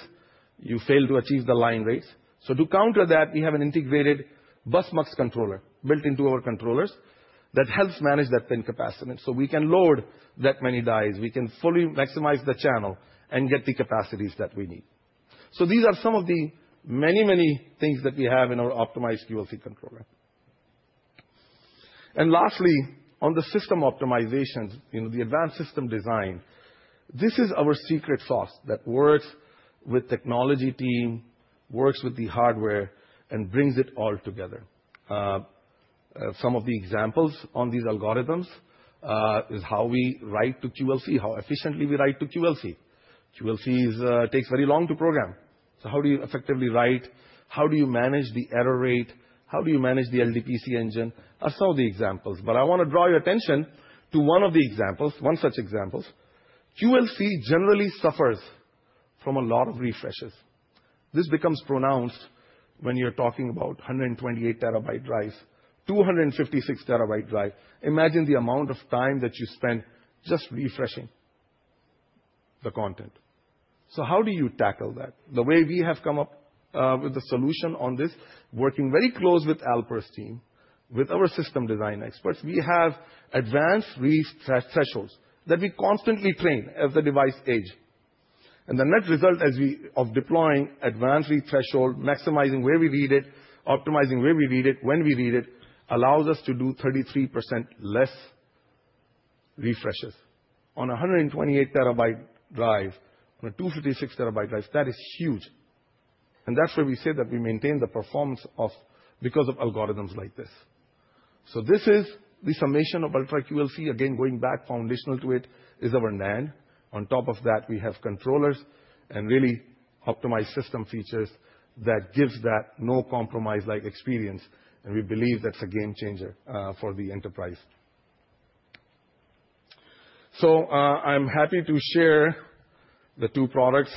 You fail to achieve the line rates. To counter that, we have an integrated bus max controller built into our controllers that helps manage that pin capacitance. We can load that many dies. We can fully maximize the channel and get the capacities that we need. So these are some of the many, many things that we have in our optimized QLC controller. And lastly, on the system optimizations, the advanced system design, this is our secret sauce that works with the technology team, works with the hardware, and brings it all together. Some of the examples on these algorithms is how we write to QLC, how efficiently we write to QLC. QLC takes very long to program. So how do you effectively write? How do you manage the error rate? How do you manage the LDPC engine? Are some of the examples. But I want to draw your attention to one of the examples, one such example. QLC generally suffers from a lot of refreshes. This becomes pronounced when you're talking about 128 TB drives, 256 TB drives. Imagine the amount of time that you spend just refreshing the content. So how do you tackle that? The way we have come up with the solution on this, working very close with Alper's team, with our system design experts, we have advanced read thresholds that we constantly train as the device age, and the net result of deploying advanced read threshold, maximizing where we read it, optimizing where we read it, when we read it, allows us to do 33% less refreshes on a 128 TB drive, on a 256 TB drive. That is huge, and that's where we say that we maintain the performance because of algorithms like this, so this is the summation of UltraQLC. Again, going back foundational to it is our NAND. On top of that, we have controllers and really optimized system features that give that no compromise-like experience, and we believe that's a game changer for the enterprise. So I'm happy to share the two products.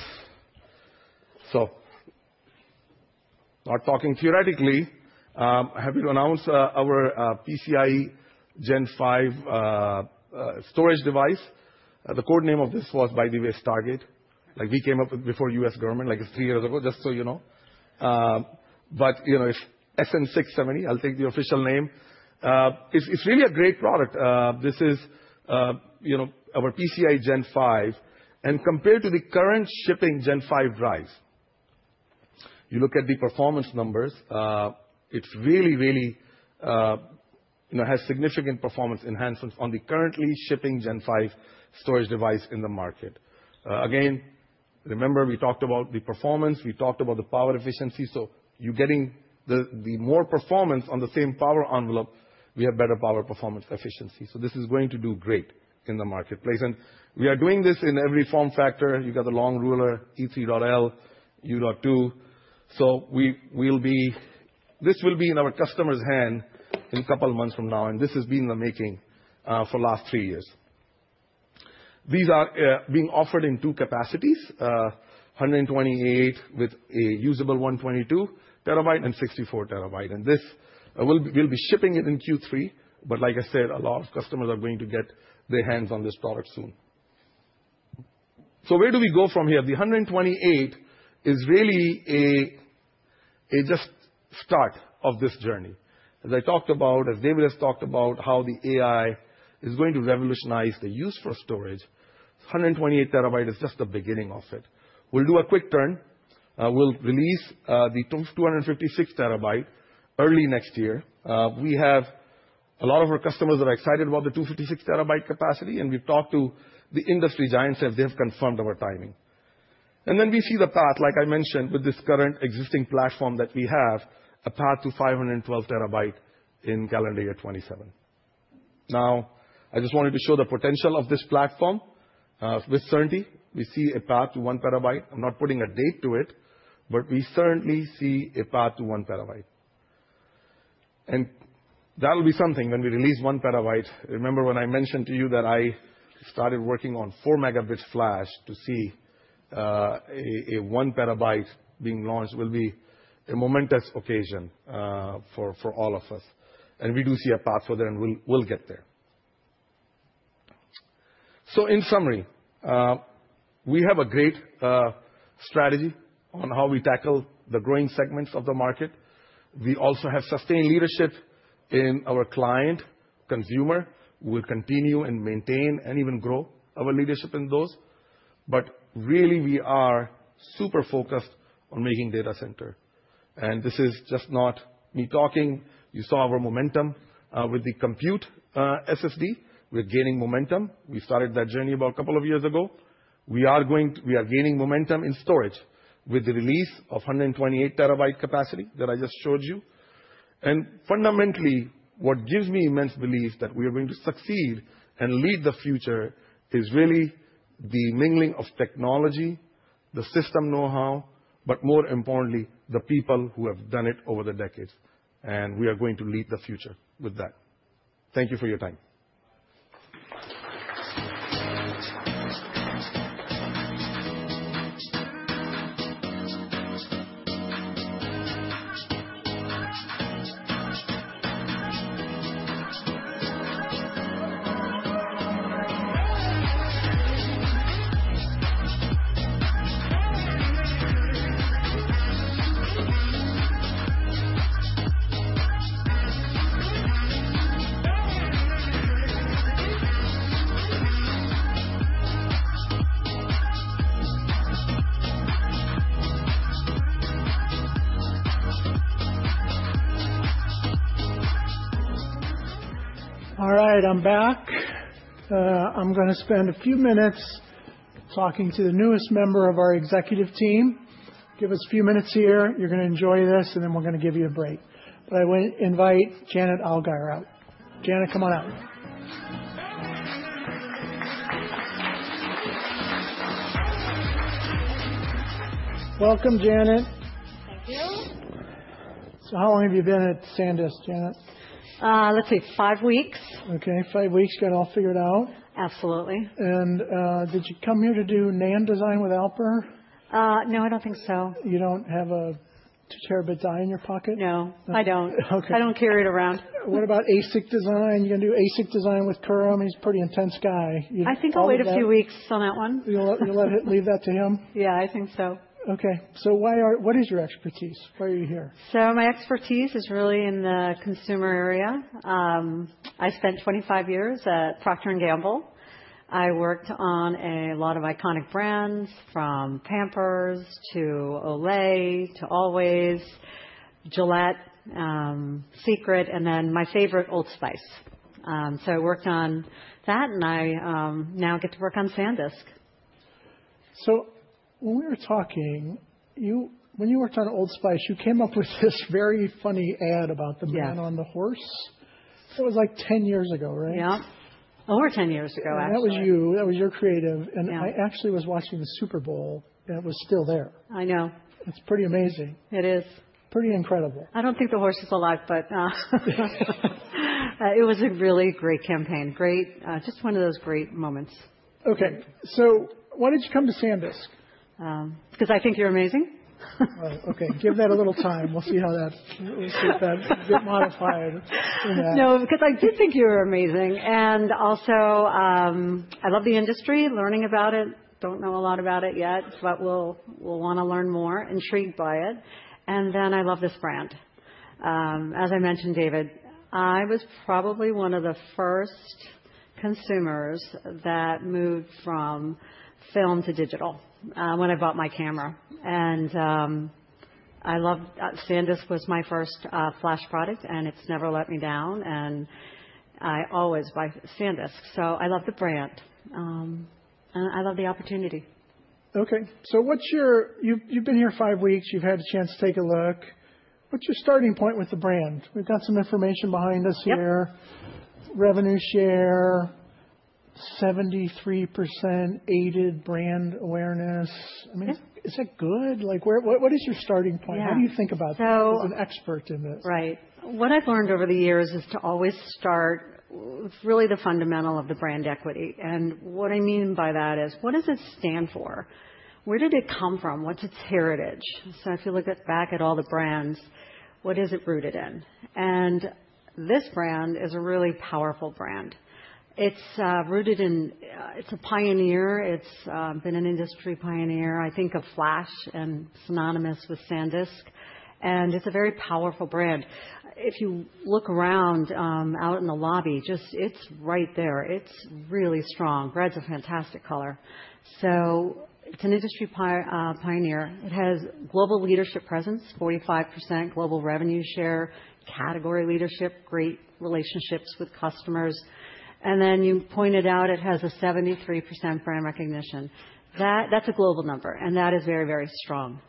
Not talking theoretically, I'm happy to announce our PCIe Gen 5 storage device. The code name of this was, by the way, Stargate. We came up with it before U.S. government, like three years ago, just so you know. But it's SN670. I'll take the official name. It's really a great product. This is our PCIe Gen 5, and compared to the current shipping Gen 5 drives, you look at the performance numbers; it really, really has significant performance enhancements on the currently shipping Gen 5 storage device in the market. Again, remember, we talked about the performance. We talked about the power efficiency. So you're getting the more performance on the same power envelope; we have better power performance efficiency. So this is going to do great in the marketplace, and we are doing this in every form factor. You've got the longer E3.L U.2. So this will be in our customer's hand in a couple of months from now. This has been in the making for the last three years. These are being offered in two capacities, 128 with a usable 122 TB and 64 TB. We'll be shipping it in Q3. But like I said, a lot of customers are going to get their hands on this product soon. So where do we go from here? The 128 is really just the start of this journey. As I talked about, as David has talked about, how the AI is going to revolutionize the use for storage, 128 TB is just the beginning of it. We'll do a quick turn. We'll release the 256 TB early next year. We have a lot of our customers that are excited about the 256 TB capacity. And we've talked to the industry giants if they have confirmed our timing. And then we see the path, like I mentioned, with this current existing platform that we have, a path to 512 TB in calendar year 2027. Now, I just wanted to show the potential of this platform with certainty. We see a path to 1 TB. I'm not putting a date to it. But we certainly see a path to 1 TB. And that will be something when we release 1 TB. Remember when I mentioned to you that I started working on four megabit flash to see a 1 TB being launched will be a momentous occasion for all of us. And we do see a path for that. And we'll get there. So in summary, we have a great strategy on how we tackle the growing segments of the market. We also have sustained leadership in our client, consumer. We'll continue and maintain and even grow our leadership in those. But really, we are super focused on making data center. And this is just not me talking. You saw our momentum with the compute SSD. We're gaining momentum. We started that journey about a couple of years ago. We are gaining momentum in storage with the release of 128 TB capacity that I just showed you. And fundamentally, what gives me immense belief that we are going to succeed and lead the future is really the mingling of technology, the system know-how, but more importantly, the people who have done it over the decades. And we are going to lead the future with that. Thank you for your time. All right, I'm back. I'm going to spend a few minutes talking to the newest member of our executive team. Give us a few minutes here. You're going to enjoy this. And then we're going to give you a break. But I want to invite Janet Allgaier out. Janet, come on out. Welcome, Janet. Thank you. So how long have you been at SanDisk, Janet? Let's see, five weeks. OK, five weeks. Got it all figured out. Absolutely. And did you come here to do NAND design with Alper? No, I don't think so. You don't have a 2 TB die in your pocket? No, I don't. I don't carry it around. What about ASIC design? You're going to do ASIC design with Khurram? He's a pretty intense guy. I think I'll wait a few weeks on that one. You'll leave that to him? Yeah, I think so. OK, so what is your expertise? Why are you here? So my expertise is really in the consumer area. I spent 25 years at Procter & Gamble. I worked on a lot of iconic brands, from Pampers to Olay to Always, Gillette, Secret, and then my favorite, Old Spice. So I worked on that, and I now get to work on SanDisk. So when we were talking, when you worked on Old Spice, you came up with this very funny ad about the man on the horse. That was like 10 years ago, right? Yeah, over 10 years ago, actually, and That was you. That was your creative, and I actually was watching the Super Bowl. And it was still there. I know. It's pretty amazing. It is. Pretty incredible. I don't think the horse is alive, but it was a really great campaign, just one of those great moments. OK, so why did you come to SanDisk? Because I think you're amazing. OK, give that a little time. We'll see how that gets modified. No, because I did think you were amazing and also I love the industry, learning about it, don't know a lot about it yet, but will want to learn more, intrigued by it, and then I love this brand. As I mentioned, David, I was probably one of the first consumers that moved from film to digital when I bought my camera, and I loved SanDisk was my first flash product, and it's never let me down, and I always buy SanDisk, so I love the brand, and I love the opportunity. OK, so you've been here five weeks. You've had a chance to take a look. What's your starting point with the brand? We've got some information behind us here. Revenue share, 73% aided brand awareness. I mean, is that good? What is your starting point? How do you think about that as an expert in this? Right. What I've learned over the years is to always start with really the fundamental of the brand equity. And what I mean by that is, what does it stand for? Where did it come from? What's its heritage? So if you look back at all the brands, what is it rooted in? And this brand is a really powerful brand. It's a pioneer. It's been an industry pioneer, I think, of flash and synonymous with SanDisk. And it's a very powerful brand. If you look around out in the lobby, it's right there. It's really strong. Red's a fantastic color. So it's an industry pioneer. It has global leadership presence, 45% global revenue share, category leadership, great relationships with customers. And then you pointed out it has a 73% brand recognition. That's a global number. And that is very, very strong.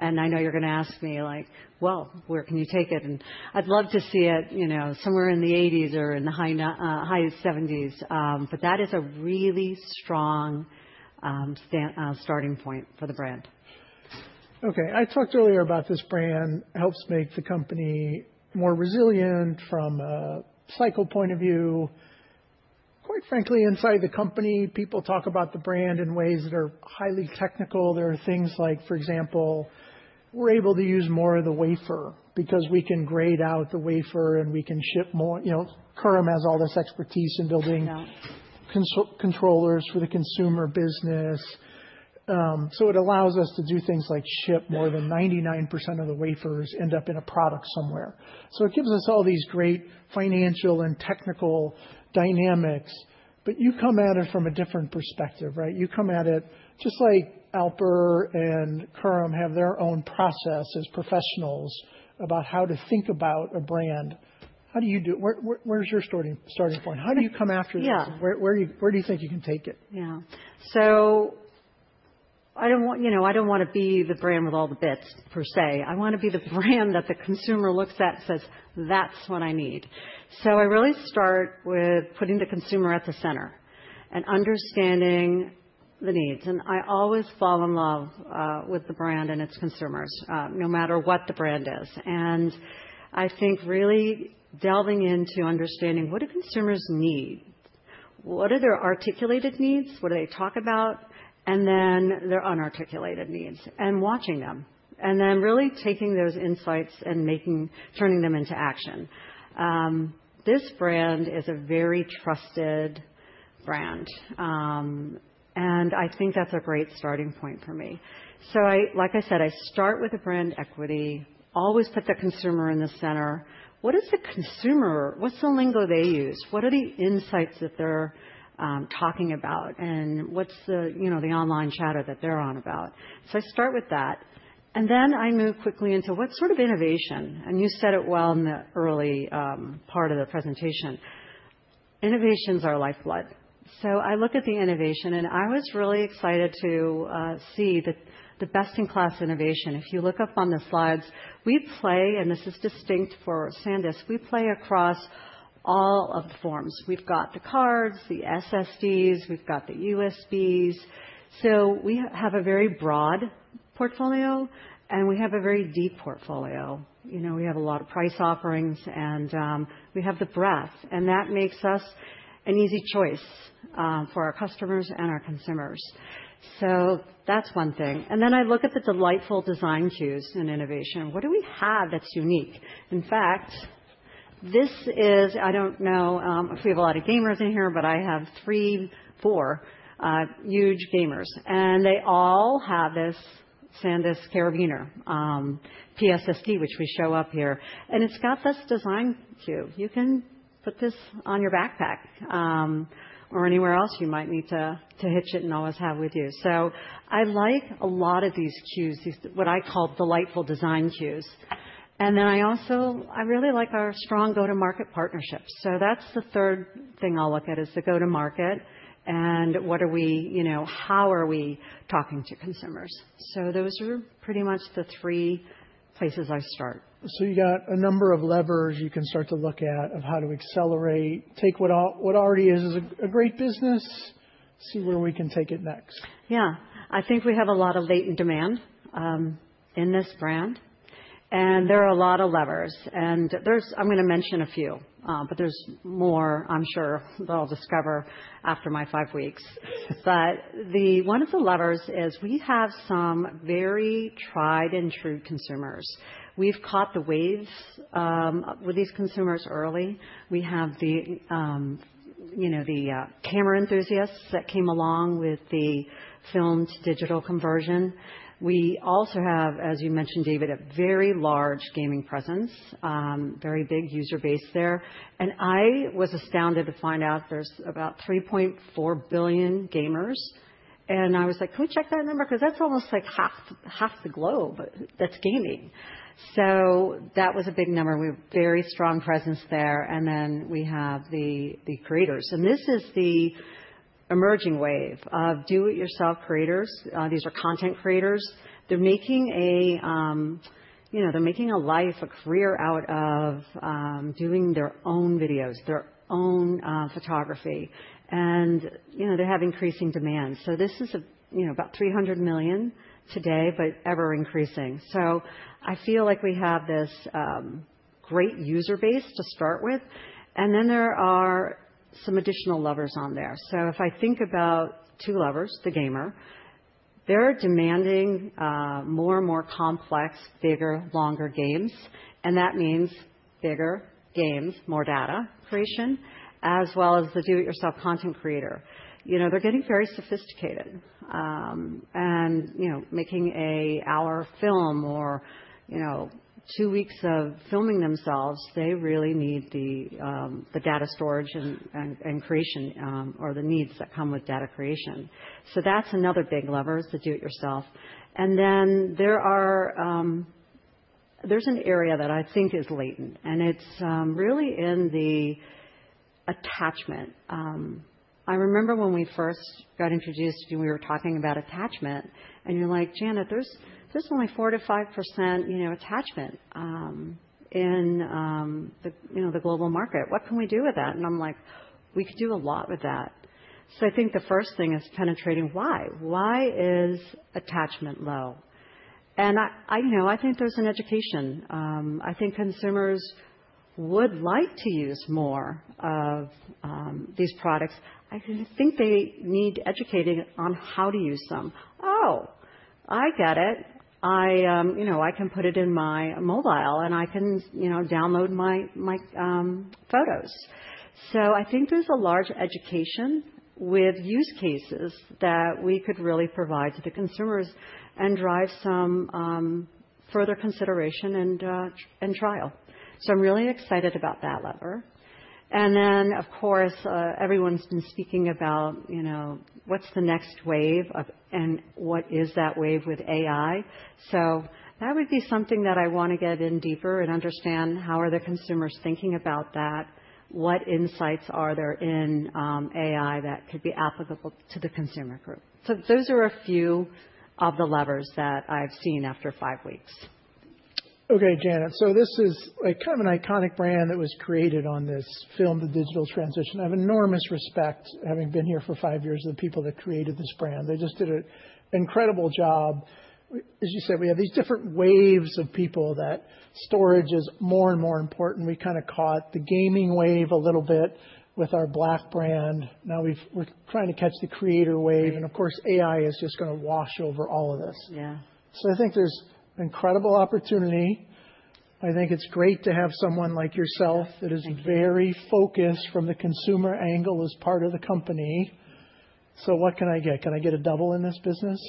And I know you're going to ask me, like, well, where can you take it? And I'd love to see it somewhere in the '80s or in the high '70s. But that is a really strong starting point for the brand. OK, I talked earlier about this brand. It helps make the company more resilient from a cycle point of view. Quite frankly, inside the company, people talk about the brand in ways that are highly technical. There are things like, for example, we're able to use more of the wafer because we can grade out the wafer. And we can ship more. Khurram has all this expertise in building controllers for the consumer business. So it allows us to do things like ship more than 99% of the wafers end up in a product somewhere. So it gives us all these great financial and technical dynamics. But you come at it from a different perspective, right? You come at it just like Alper and Khurram have their own process as professionals about how to think about a brand. How do you do it? Where's your starting point? How do you come after this? Where do you think you can take it? Yeah, so I don't want to be the brand with all the bits, per se. I want to be the brand that the consumer looks at and says, that's what I need. So I really start with putting the consumer at the center and understanding the needs. And I always fall in love with the brand and its consumers, no matter what the brand is. And I think really delving into understanding what do consumers need? What are their articulated needs? What do they talk about? And then their unarticulated needs and watching them. And then really taking those insights and turning them into action. This brand is a very trusted brand. And I think that's a great starting point for me. So, like I said, I start with the brand equity, always put the consumer in the center. What is the consumer? What's the lingo they use? What are the insights that they're talking about? And what's the online chatter that they're on about? So I start with that. And then I move quickly into what sort of innovation. And you said it well in the early part of the presentation. Innovations are lifeblood. So I look at the innovation. And I was really excited to see the best-in-class innovation. If you look up on the slides, we play, and this is distinct for SanDisk. We play across all of the forms. We've got the cards, the SSDs. We've got the USBs. So we have a very broad portfolio, and we have a very deep portfolio. We have a lot of price offerings, and we have the breadth. And that makes us an easy choice for our customers and our consumers. So that's one thing, and then I look at the delightful design cues and innovation. What do we have that's unique? In fact, I don't know if we have a lot of gamers in here, but I have three, four huge gamers, and they all have this SanDisk Carabiner PSSD, which we show up here. And it's got this design cue. You can put this on your backpack or anywhere else you might need to hitch it and always have with you. So I like a lot of these cues, what I call delightful design cues. And then I really like our strong go-to-market partnerships. So that's the third thing I'll look at is the go-to-market. And what are we? How are we talking to consumers? So those are pretty much the three places I start. So you've got a number of levers you can start to look at of how to accelerate, take what already is a great business, see where we can take it next. Yeah, I think we have a lot of latent demand in this brand. And there are a lot of levers. And I'm going to mention a few. But there's more, I'm sure, that I'll discover after my five weeks. But one of the levers is we have some very tried and true consumers. We've caught the waves with these consumers early. We have the camera enthusiasts that came along with the film to digital conversion. We also have, as you mentioned, David, a very large gaming presence, very big user base there, and I was astounded to find out there's about 3.4 billion gamers, and I was like, can we check that number? Because that's almost like half the globe that's gaming, so that was a big number. We have a very strong presence there, and then we have the creators, and this is the emerging wave of do-it-yourself creators. These are content creators. They're making a life, a career out of doing their own videos, their own photography, and they have increasing demand, so this is about 300 million today, but ever increasing. So I feel like we have this great user base to start with. And then there are some additional levers on there. So if I think about two levers, the gamer, they're demanding more and more complex, bigger, longer games. And that means bigger games, more data creation, as well as the do-it-yourself content creator. They're getting very sophisticated. And making an hour of film or two weeks of filming themselves, they really need the data storage and creation or the needs that come with data creation. So that's another big lever, the do-it-yourself. And then there's an area that I think is latent. And it's really in the attachment. I remember when we first got introduced and we were talking about attachment. And you're like, Janet, there's only 4%-5% attachment in the global market. What can we do with that? I'm like, we could do a lot with that. I think the first thing is penetrating why. Why is attachment low? I think there's an education. I think consumers would like to use more of these products. I think they need educating on how to use them. Oh, I get it. I can put it in my mobile. I can download my photos. I think there's a large education with use cases that we could really provide to the consumers and drive some further consideration and trial. I'm really excited about that lever. Then, of course, everyone's been speaking about what's the next wave? And what is that wave with AI? That would be something that I want to get in deeper and understand how are the consumers thinking about that? What insights are there in AI that could be applicable to the consumer group? So those are a few of the levers that I've seen after five weeks. OK, Janet. So this is kind of an iconic brand that was created on this film, The Digital Transition. I have enormous respect, having been here for five years, to the people that created this brand. They just did an incredible job. As you said, we have these different waves of people that storage is more and more important. We kind of caught the gaming wave a little bit with our Black brand. Now we're trying to catch the creator wave. And of course, AI is just going to wash over all of this. Yeah, so I think there's an incredible opportunity. I think it's great to have someone like yourself that is very focused from the consumer angle as part of the company. So what can I get? Can I get a double in this business?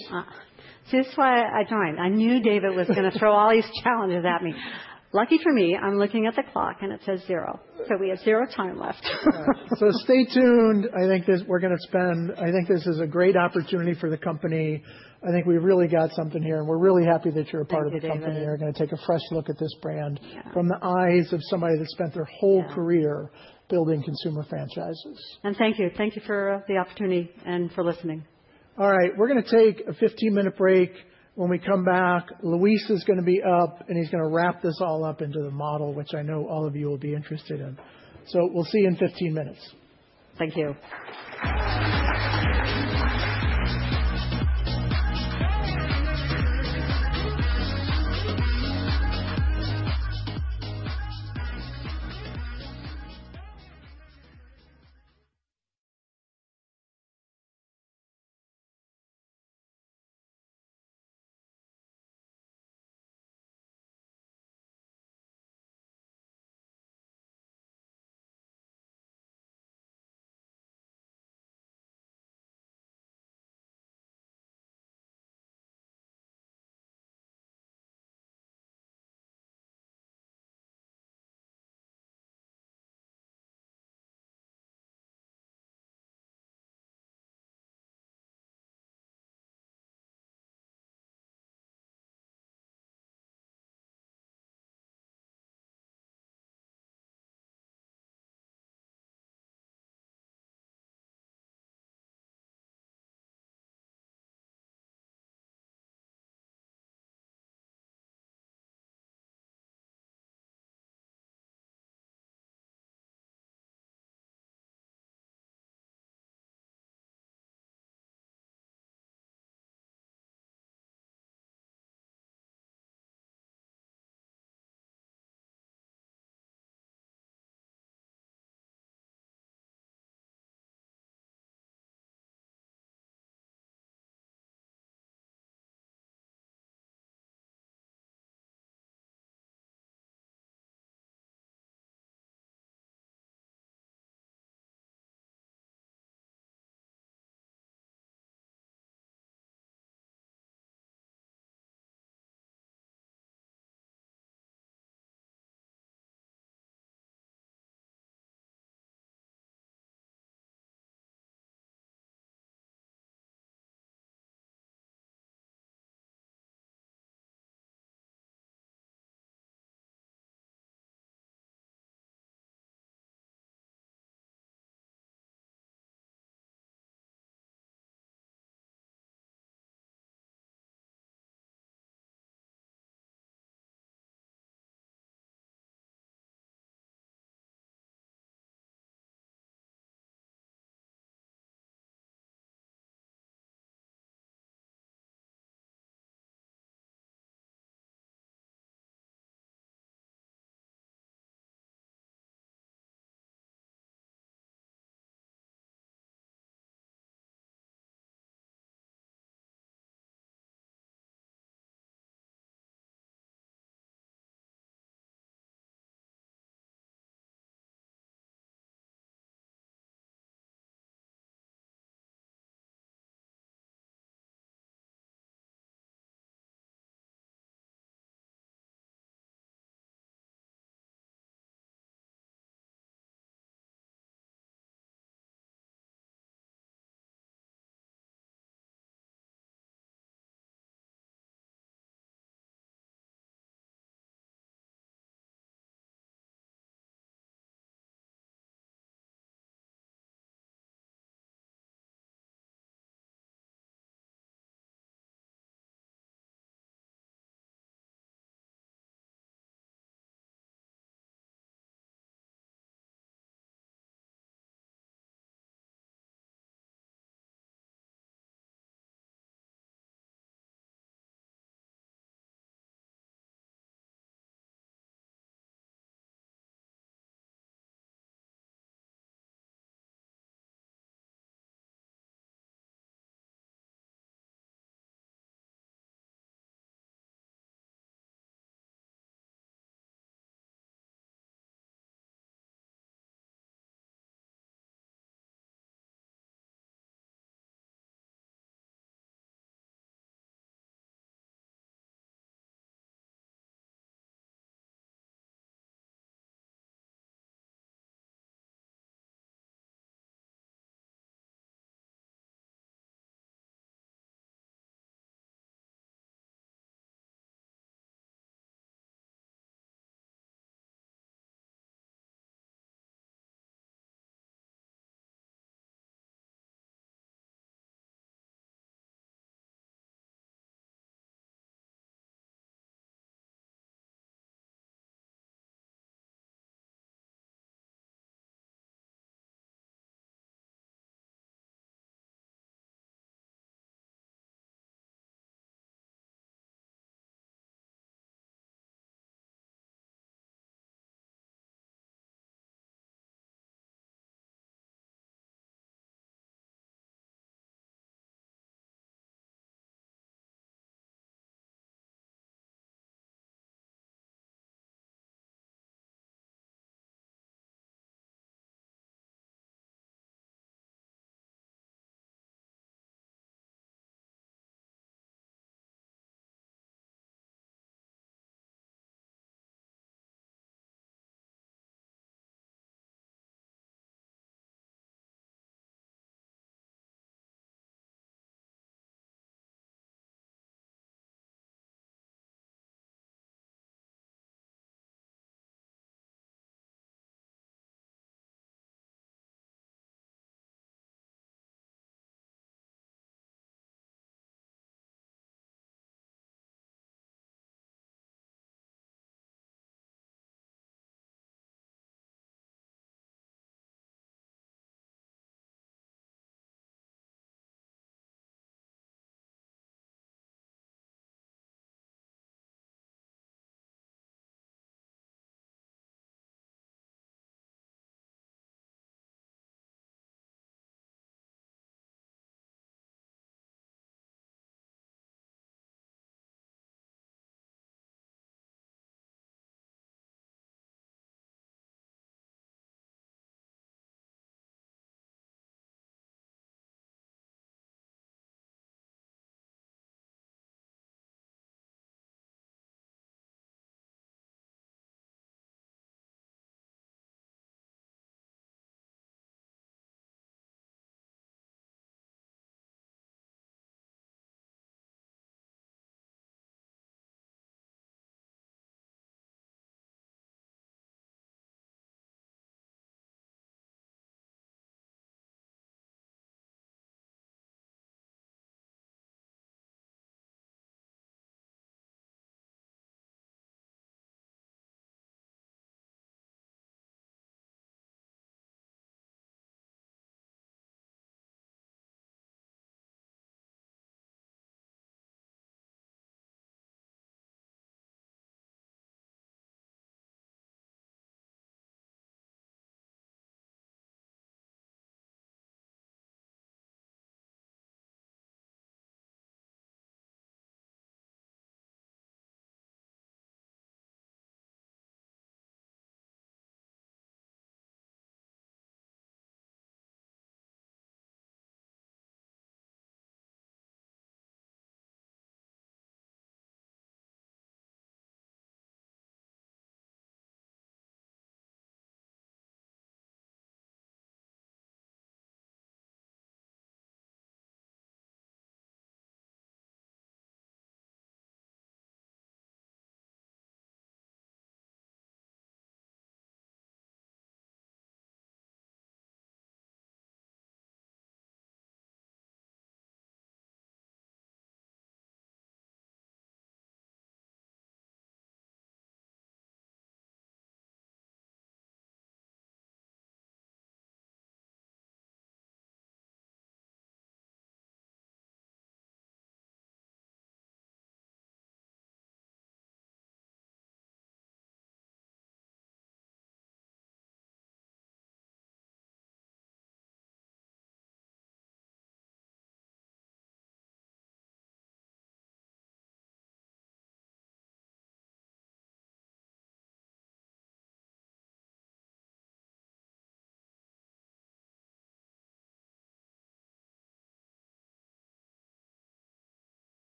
See, this is why I joined. I knew David was going to throw all these challenges at me. Lucky for me, I'm looking at the clock. And it says zero. So we have zero time left. So stay tuned. I think we're going to spend, I think this is a great opportunity for the company. I think we've really got something here. And we're really happy that you're a part of the company. We're going to take a fresh look at this brand from the eyes of somebody that spent their whole career building consumer franchises. And thank you. Thank you for the opportunity and for listening. All right, we're going to take a 15-minute break. When we come back, Luis is going to be up. And he's going to wrap this all up into the model, which I know all of you will be interested in. So we'll see you in 15 minutes. Thank you.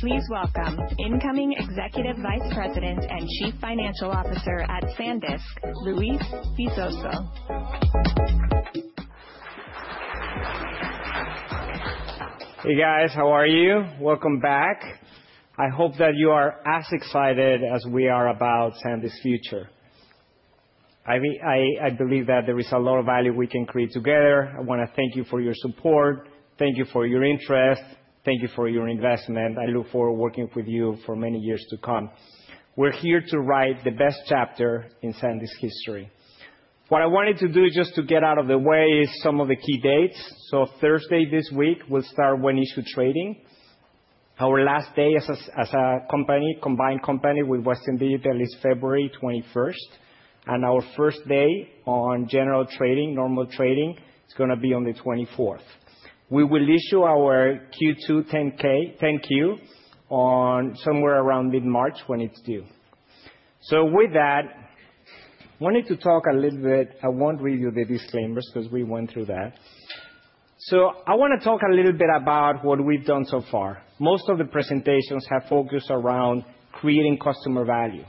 Please welcome incoming Executive Vice President and Chief Financial Officer at SanDisk, Luis Visoso. Hey, guys, how are you? Welcome back. I hope that you are as excited as we are about SanDisk's future. I believe that there is a lot of value we can create together. I want to thank you for your support. Thank you for your interest. Thank you for your investment. I look forward to working with you for many years to come. We're here to write the best chapter in SanDisk's history. What I wanted to do just to get out of the way is some of the key dates. Thursday this week, we'll start with when-issued trading. Our last day as a company, combined company with Western Digital, is February 21st. Our first day on general trading, normal trading, is going to be on the 24th. We will issue our Q2 10-Q on somewhere around mid-March when it's due. With that, I wanted to talk a little bit. I won't read you the disclaimers because we went through that. I want to talk a little bit about what we've done so far. Most of the presentations have focused around creating customer value.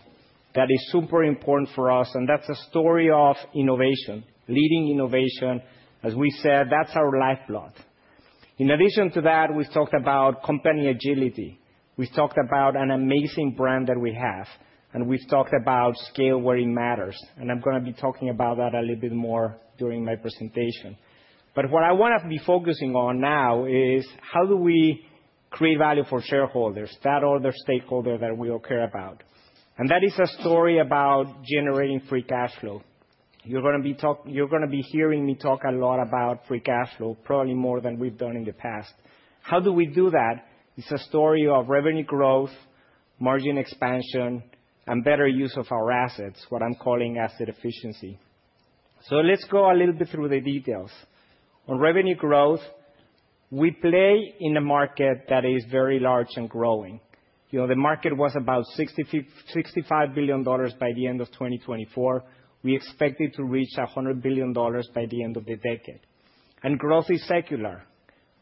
That is super important for us, and that's a story of innovation, leading innovation. As we said, that's our lifeblood. In addition to that, we've talked about company agility. We've talked about an amazing brand that we have, and we've talked about scale where it matters. And I'm going to be talking about that a little bit more during my presentation. But what I want to be focusing on now is how do we create value for shareholders, that other stakeholder that we all care about? And that is a story about generating free cash flow. You're going to be hearing me talk a lot about free cash flow, probably more than we've done in the past. How do we do that? It's a story of revenue growth, margin expansion, and better use of our assets, what I'm calling asset efficiency. So, let's go a little bit through the details. On revenue growth, we play in a market that is very large and growing. The market was about $65 billion by the end of 2024. We expected to reach $100 billion by the end of the decade, and growth is secular.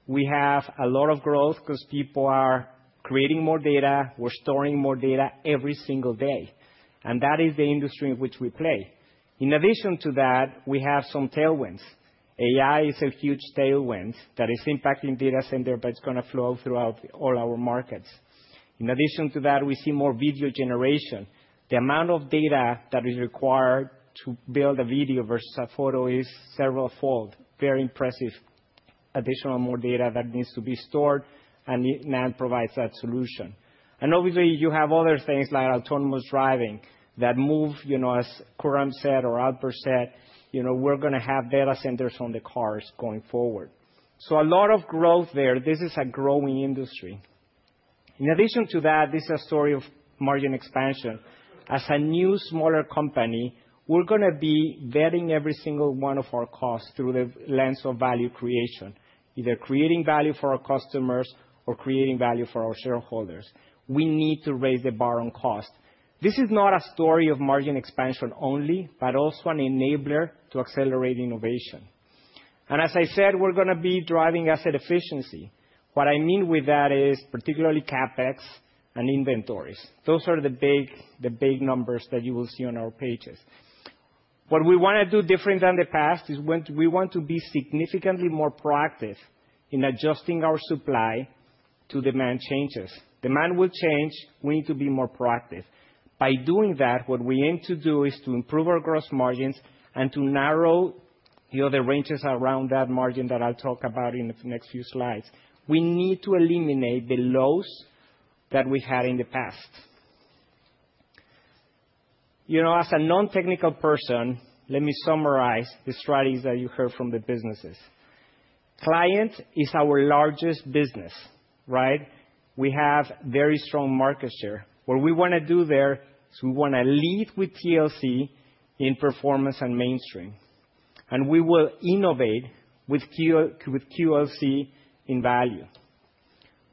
We have a lot of growth because people are creating more data. We're storing more data every single day, and that is the industry in which we play. In addition to that, we have some tailwinds. AI is a huge tailwind that is impacting data centers, but it's going to flow throughout all our markets. In addition to that, we see more video generation. The amount of data that is required to build a video versus a photo is several-fold, very impressive. Additional more data that needs to be stored and then provides that solution, and obviously, you have other things like autonomous driving that move, as Khurram said or Alper said, we're going to have data centers on the cars going forward, so a lot of growth there. This is a growing industry. In addition to that, this is a story of margin expansion. As a new smaller company, we're going to be vetting every single one of our costs through the lens of value creation, either creating value for our customers or creating value for our shareholders. We need to raise the bar on cost. This is not a story of margin expansion only, but also an enabler to accelerate innovation, and as I said, we're going to be driving asset efficiency. What I mean with that is particularly CapEx and inventories. Those are the big numbers that you will see on our pages. What we want to do different than the past is we want to be significantly more proactive in adjusting our supply to demand changes. Demand will change. We need to be more proactive. By doing that, what we aim to do is to improve our gross margins and to narrow the other ranges around that margin that I'll talk about in the next few slides. We need to eliminate the lows that we had in the past. As a non-technical person, let me summarize the strategies that you heard from the businesses. Client is our largest business, right? We have very strong market share. What we want to do there is we want to lead with TLC in performance and mainstream. And we will innovate with QLC in value.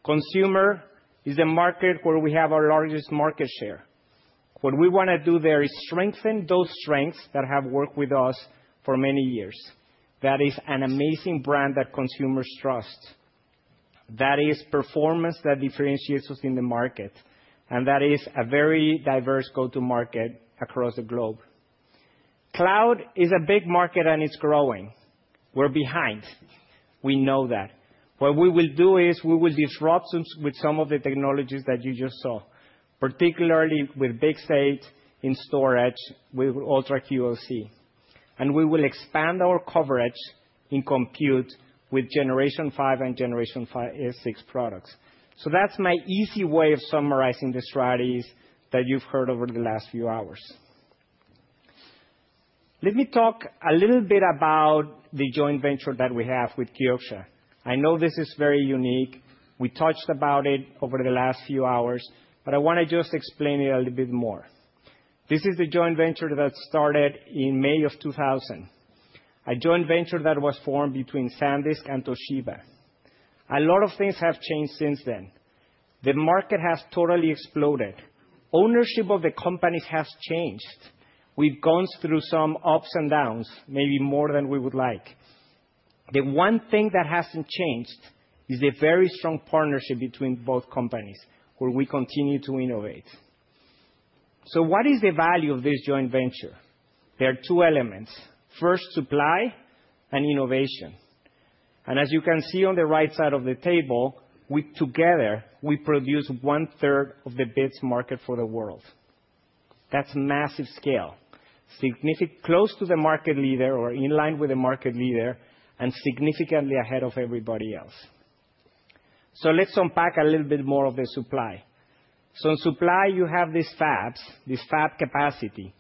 Consumer is a market where we have our largest market share. What we want to do there is strengthen those strengths that have worked with us for many years. That is an amazing brand that consumers trust. That is performance that differentiates us in the market. That is a very diverse go-to-market across the globe. Cloud is a big market, and it's growing. We're behind. We know that. What we will do is we will disrupt with some of the technologies that you just saw, particularly with BiCS in storage with UltraQLC. We will expand our coverage in compute with Generation 5 and Generation 6 products. That is my easy way of summarizing the strategies that you have heard over the last few hours. Let me talk a little bit about the joint venture that we have with Kioxia. I know this is very unique. We touched about it over the last few hours, but I want to just explain it a little bit more. This is the joint venture that started in May of 2000, a joint venture that was formed between SanDisk and Toshiba. A lot of things have changed since then. The market has totally exploded. Ownership of the companies has changed. We've gone through some ups and downs, maybe more than we would like. The one thing that hasn't changed is the very strong partnership between both companies where we continue to innovate. What is the value of this joint venture? There are two elements: first, supply and innovation. And as you can see on the right side of the table, together we produce one-third of the bits market for the world. That's massive scale, close to the market leader or in line with the market leader and significantly ahead of everybody else. Let's unpack a little bit more of the supply. In supply, you have these fabs, this fab capacity.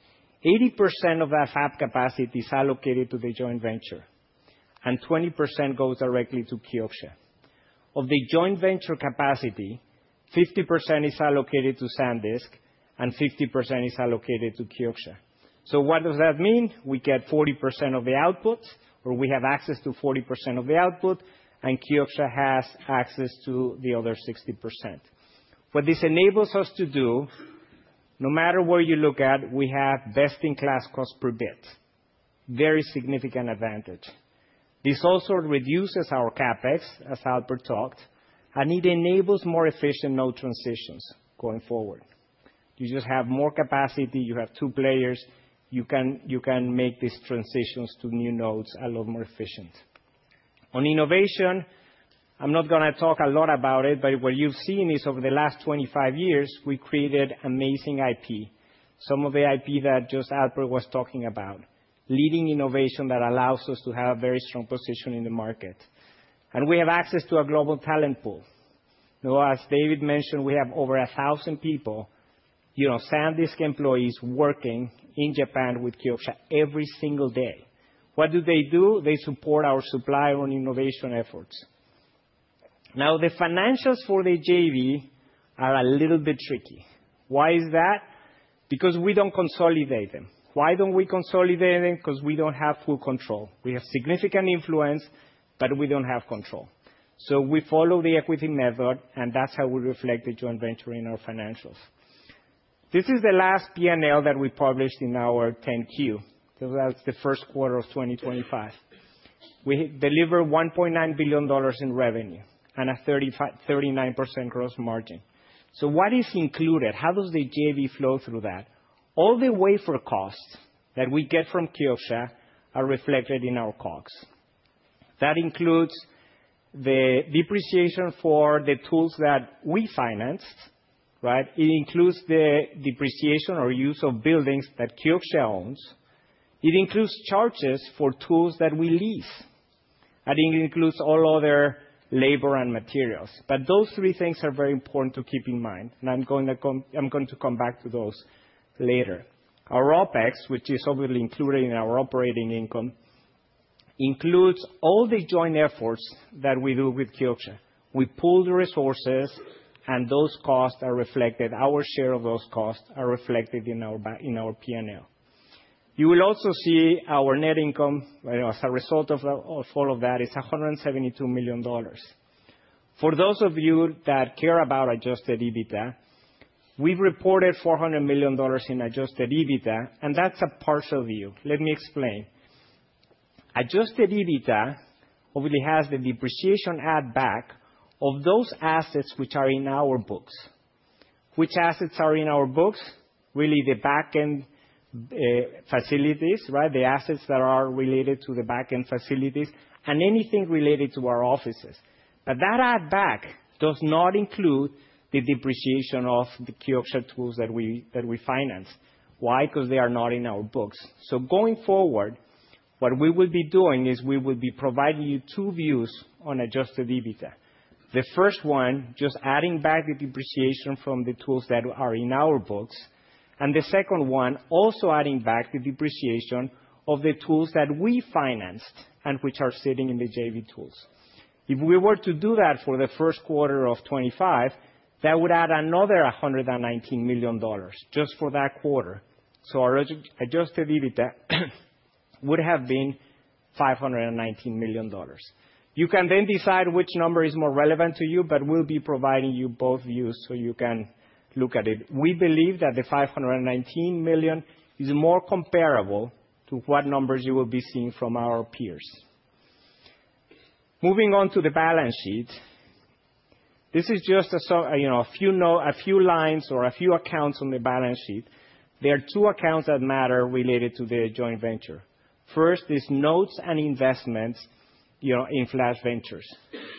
80% of that fab capacity is allocated to the joint venture, and 20% goes directly to Kioxia. Of the joint venture capacity, 50% is allocated to SanDisk, and 50% is allocated to Kioxia. So what does that mean? We get 40% of the output, or we have access to 40% of the output, and Kioxia has access to the other 60%. What this enables us to do, no matter where you look at, we have best-in-class cost per bit, very significant advantage. This also reduces our CapEx, as Alper talked, and it enables more efficient node transitions going forward. You just have more capacity. You have two players. You can make these transitions to new nodes a lot more efficient. On innovation, I'm not going to talk a lot about it, but what you've seen is over the last 25 years, we created amazing IP, some of the IP that just Alper was talking about, leading innovation that allows us to have a very strong position in the market. We have access to a global talent pool. As David mentioned, we have over 1,000 people, SanDisk employees working in Japan with Kioxia every single day. What do they do? They support our supply and innovation efforts. Now, the financials for the JV are a little bit tricky. Why is that? Because we don't consolidate them. Why don't we consolidate them? Because we don't have full control. We have significant influence, but we don't have control. So we follow the equity method, and that's how we reflect the joint venture in our financials. This is the last P&L that we published in our 10Q. That's the first quarter of 2025. We deliver $1.9 billion in revenue and a 39% gross margin. So, what is included? How does the JV flow through that? All the costs that we get from Kioxia are reflected in our COGS. That includes the depreciation for the tools that we financed. It includes the depreciation or use of buildings that Kioxia owns. It includes charges for tools that we lease. I think it includes all other labor and materials. But those three things are very important to keep in mind, and I'm going to come back to those later. Our OpEx, which is obviously included in our operating income, includes all the joint efforts that we do with Kioxia. We pool the resources, and those costs are reflected. Our share of those costs are reflected in our P&L. You will also see our net income as a result of all of that is $172 million. For those of you that care about adjusted EBITDA, we've reported $400 million in adjusted EBITDA, and that's a partial view. Let me explain. Adjusted EBITDA obviously has the depreciation add back of those assets which are in our books. Which assets are in our books? Really, the back-end facilities, the assets that are related to the back-end facilities and anything related to our offices. But that add back does not include the depreciation of the Kioxia tools that we finance. Why? Because they are not in our books. So going forward, what we will be doing is we will be providing you two views on adjusted EBITDA. The first one, just adding back the depreciation from the tools that are in our books, and the second one, also adding back the depreciation of the tools that we financed and which are sitting in the JV tools. If we were to do that for the first quarter of 2025, that would add another $119 million just for that quarter. So our adjusted EBITDA would have been $519 million. You can then decide which number is more relevant to you, but we'll be providing you both views so you can look at it. We believe that the $519 million is more comparable to what numbers you will be seeing from our peers. Moving on to the balance sheet, this is just a few lines or a few accounts on the balance sheet. There are two accounts that matter related to the joint venture. First is notes and investments in Flash Ventures.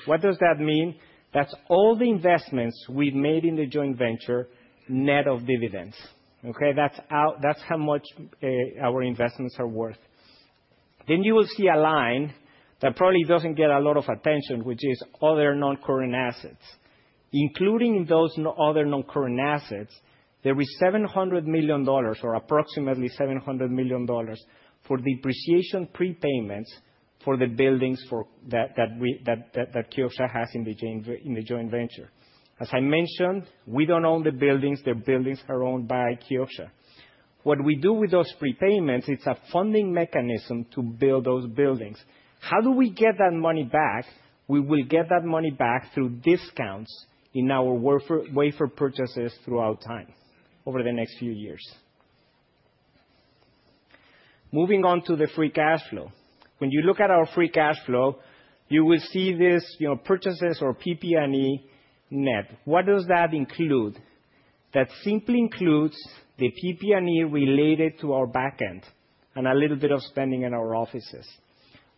What does that mean? That's all the investments we've made in the joint venture net of dividends. That's how much our investments are worth. Then you will see a line that probably doesn't get a lot of attention, which is other non-current assets. Including in those other non-current assets, there is $700 million or approximately $700 million for depreciation prepayments for the buildings that Kioxia has in the joint venture. As I mentioned, we don't own the buildings. The buildings are owned by Kioxia. What we do with those prepayments, it's a funding mechanism to build those buildings. How do we get that money back? We will get that money back through discounts in our wafer purchases throughout time over the next few years. Moving on to the free cash flow. When you look at our free cash flow, you will see these purchases or PP&E net. What does that include? That simply includes the PP&E related to our backend and a little bit of spending in our offices.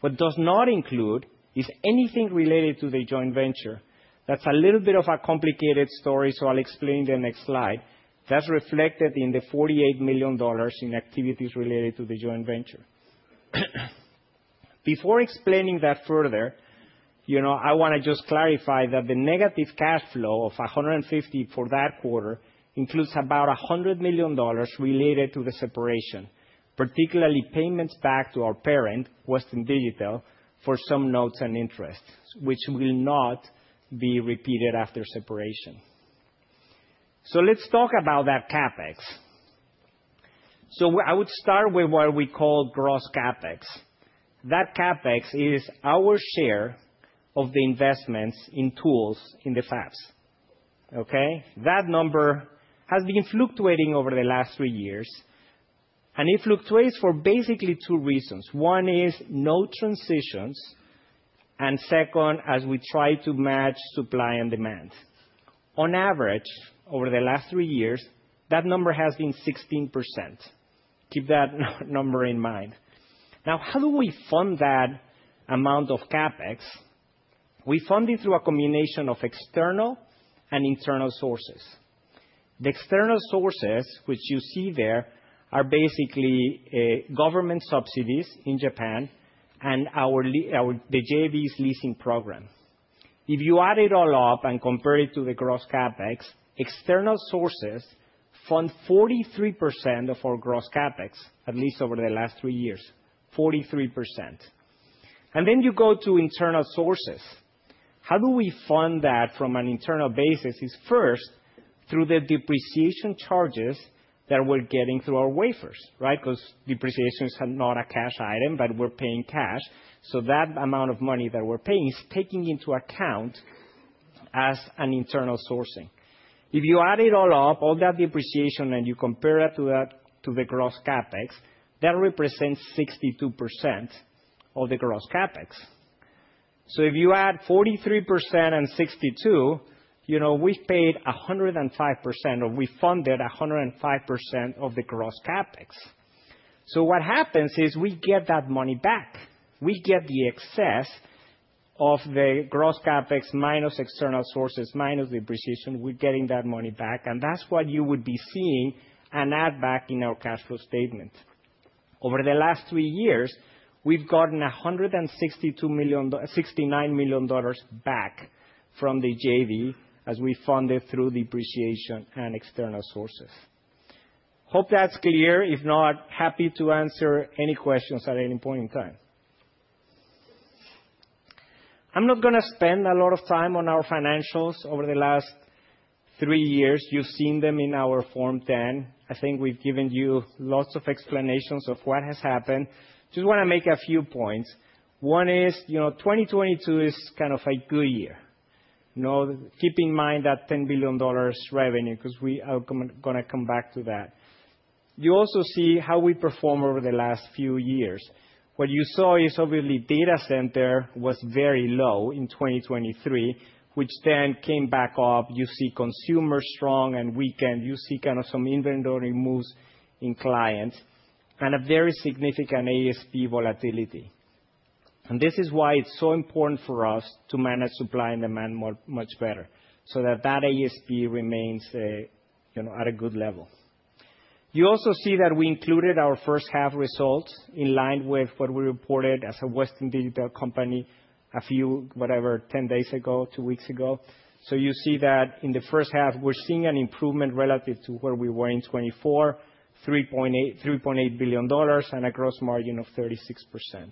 What does not include is anything related to the joint venture. That's a little bit of a complicated story, so I'll explain in the next slide. That's reflected in the $48 million in activities related to the joint venture. Before explaining that further, I want to just clarify that the negative cash flow of $150 million for that quarter includes about $100 million related to the separation, particularly payments back to our parent, Western Digital, for some notes and interest, which will not be repeated after separation. So let's talk about that CapEx. So I would start with what we call gross CapEx. That CapEx is our share of the investments in tools in the fabs. That number has been fluctuating over the last three years, and it fluctuates for basically two reasons. One is node transitions, and second, as we try to match supply and demand. On average, over the last three years, that number has been 16%. Keep that number in mind. Now, how do we fund that amount of CapEx? We fund it through a combination of external and internal sources. The external sources, which you see there, are basically government subsidies in Japan and the JV's leasing program. If you add it all up and compare it to the gross CapEx, external sources fund 43% of our gross CapEx, at least over the last three years, 43%. And then you go to internal sources. How do we fund that from an internal basis? First, through the depreciation charges that we're getting through our wafers, because depreciation is not a cash item, but we're paying cash. So that amount of money that we're paying is taking into account as an internal sourcing. If you add it all up, all that depreciation, and you compare it to the gross CapEx, that represents 62% of the gross CapEx. So if you add 43% and 62%, we've paid 105% or we funded 105% of the gross CapEx. So what happens is we get that money back. We get the excess of the gross CapEx minus external sources minus depreciation. We're getting that money back. And that's what you would be seeing an add back in our cash flow statement. Over the last three years, we've gotten $169 million back from the JV as we funded through depreciation and external sources. Hope that's clear. If not, happy to answer any questions at any point in time. I'm not going to spend a lot of time on our financials over the last three years. You've seen them in our Form 10. I think we've given you lots of explanations of what has happened. Just want to make a few points. One is 2022 is kind of a good year. Keep in mind that $10 billion revenue, because we are going to come back to that. You also see how we perform over the last few years. What you saw is obviously data center was very low in 2023, which then came back up. You see consumer strong and weakened. You see kind of some inventory moves in clients and a very significant ASP volatility. This is why it's so important for us to manage supply and demand much better so that that ASP remains at a good level. You also see that we included our first half results in line with what we reported as a Western Digital company a few, whatever, 10 days ago, two weeks ago. You see that in the first half, we're seeing an improvement relative to where we were in 2024, $3.8 billion and a gross margin of 36%.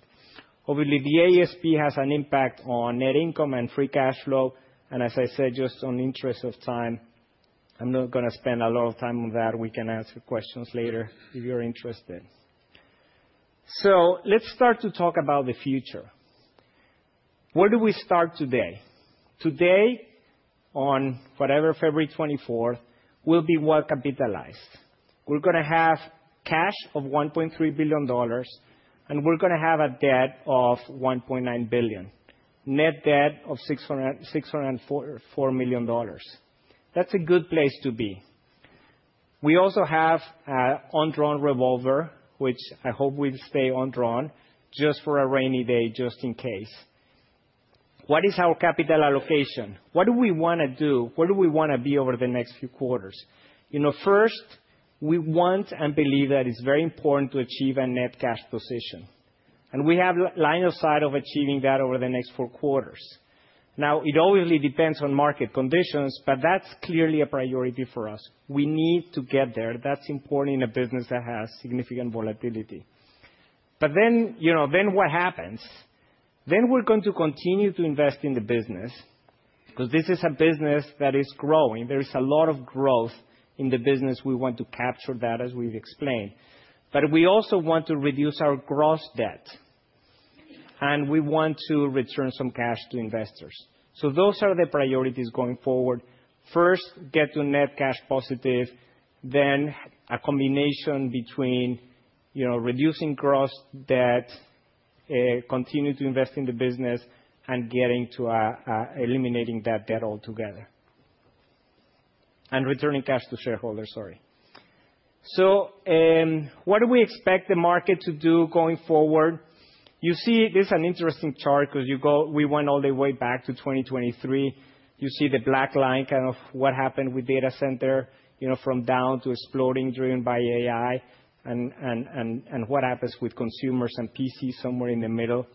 Obviously, the ASP has an impact on net income and free cash flow. As I said, just in the interest of time, I'm not going to spend a lot of time on that. We can answer questions later if you're interested. Let's start to talk about the future. Where do we start today? Today, on whatever, February 24th, we'll be well capitalized. We're going to have cash of $1.3 billion, and we're going to have a debt of $1.9 billion, net debt of $604 million. That's a good place to be. We also have an undrawn revolver, which I hope we stay undrawn just for a rainy day, just in case. What is our capital allocation? What do we want to do? Where do we want to be over the next few quarters? First, we want and believe that it's very important to achieve a net cash position, and we have a line of sight of achieving that over the next four quarters. Now, it obviously depends on market conditions, but that's clearly a priority for us. We need to get there. That's important in a business that has significant volatility, but then what happens? Then we're going to continue to invest in the business because this is a business that is growing. There is a lot of growth in the business. We want to capture that, as we've explained. But we also want to reduce our gross debt, and we want to return some cash to investors. So those are the priorities going forward. First, get to net cash positive, then a combination between reducing gross debt, continue to invest in the business, and getting to eliminating that debt altogether and returning cash to shareholders, sorry. So what do we expect the market to do going forward? You see, this is an interesting chart because we went all the way back to 2023. You see the black line kind of what happened with data center from down to exploding driven by AI and what happens with consumers and PCs somewhere in the middle.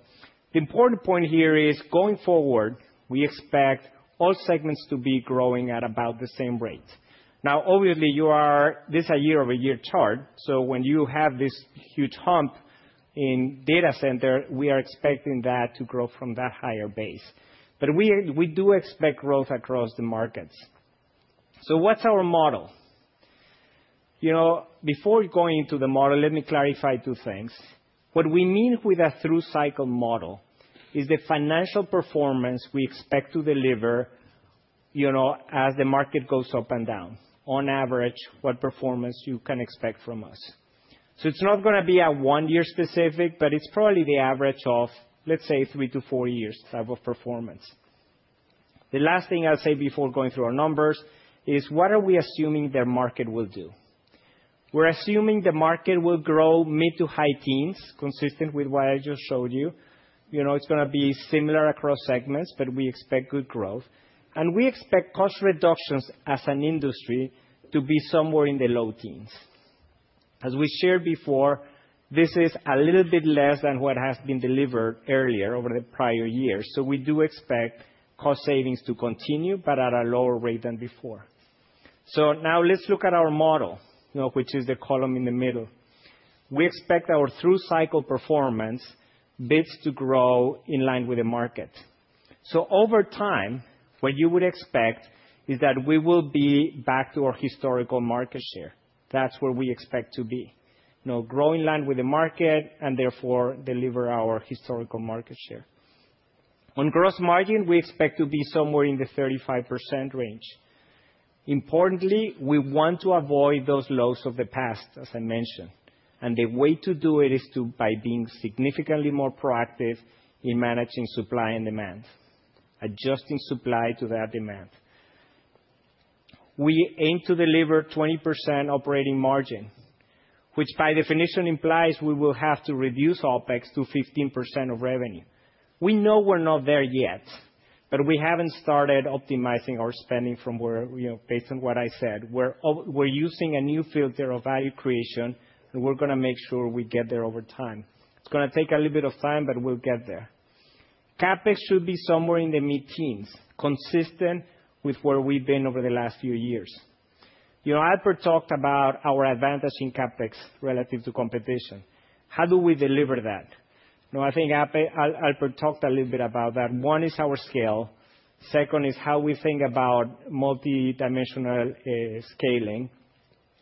The important point here is going forward, we expect all segments to be growing at about the same rate. Now, obviously, this is a year-over-year chart. So when you have this huge hump in data center, we are expecting that to grow from that higher base. But we do expect growth across the markets. So what's our model? Before going into the model, let me clarify two things. What we mean with a through cycle model is the financial performance we expect to deliver as the market goes up and down, on average, what performance you can expect from us. So it's not going to be a one-year specific, but it's probably the average of, let's say, three to four years type of performance. The last thing I'll say before going through our numbers is what are we assuming the market will do? We're assuming the market will grow mid- to high teens, consistent with what I just showed you. It's going to be similar across segments, but we expect good growth, and we expect cost reductions as an industry to be somewhere in the low teens. As we shared before, this is a little bit less than what has been delivered earlier over the prior years, so we do expect cost savings to continue, but at a lower rate than before. Now let's look at our model, which is the column in the middle. We expect our through-cycle performance bits to grow in line with the market, so over time, what you would expect is that we will be back to our historical market share. That's where we expect to be, grow in line with the market and therefore deliver our historical market share. On gross margin, we expect to be somewhere in the 35% range. Importantly, we want to avoid those lows of the past, as I mentioned. And the way to do it is by being significantly more proactive in managing supply and demand, adjusting supply to that demand. We aim to deliver 20% operating margin, which by definition implies we will have to reduce OpEx to 15% of revenue. We know we're not there yet, but we haven't started optimizing our spending from where based on what I said. We're using a new filter of value creation, and we're going to make sure we get there over time. It's going to take a little bit of time, but we'll get there. CapEx should be somewhere in the mid-teens, consistent with where we've been over the last few years. Alper talked about our advantage in CapEx relative to competition. How do we deliver that? I think Alper talked a little bit about that. One is our scale, second is how we think about multidimensional scaling,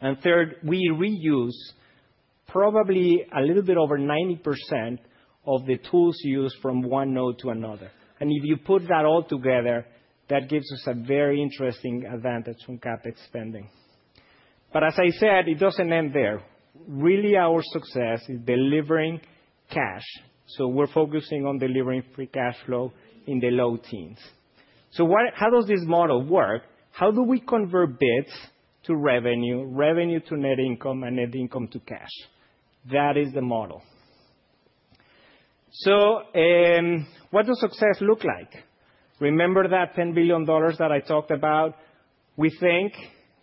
and third, we reuse probably a little bit over 90% of the tools used from one node to another, and if you put that all together, that gives us a very interesting advantage on CapEx spending, but as I said, it doesn't end there. Really, our success is delivering cash, so we're focusing on delivering free cash flow in the low teens. How does this model work? How do we convert bits to revenue, revenue to net income, and net income to cash? That is the model. What does success look like? Remember that $10 billion that I talked about? We think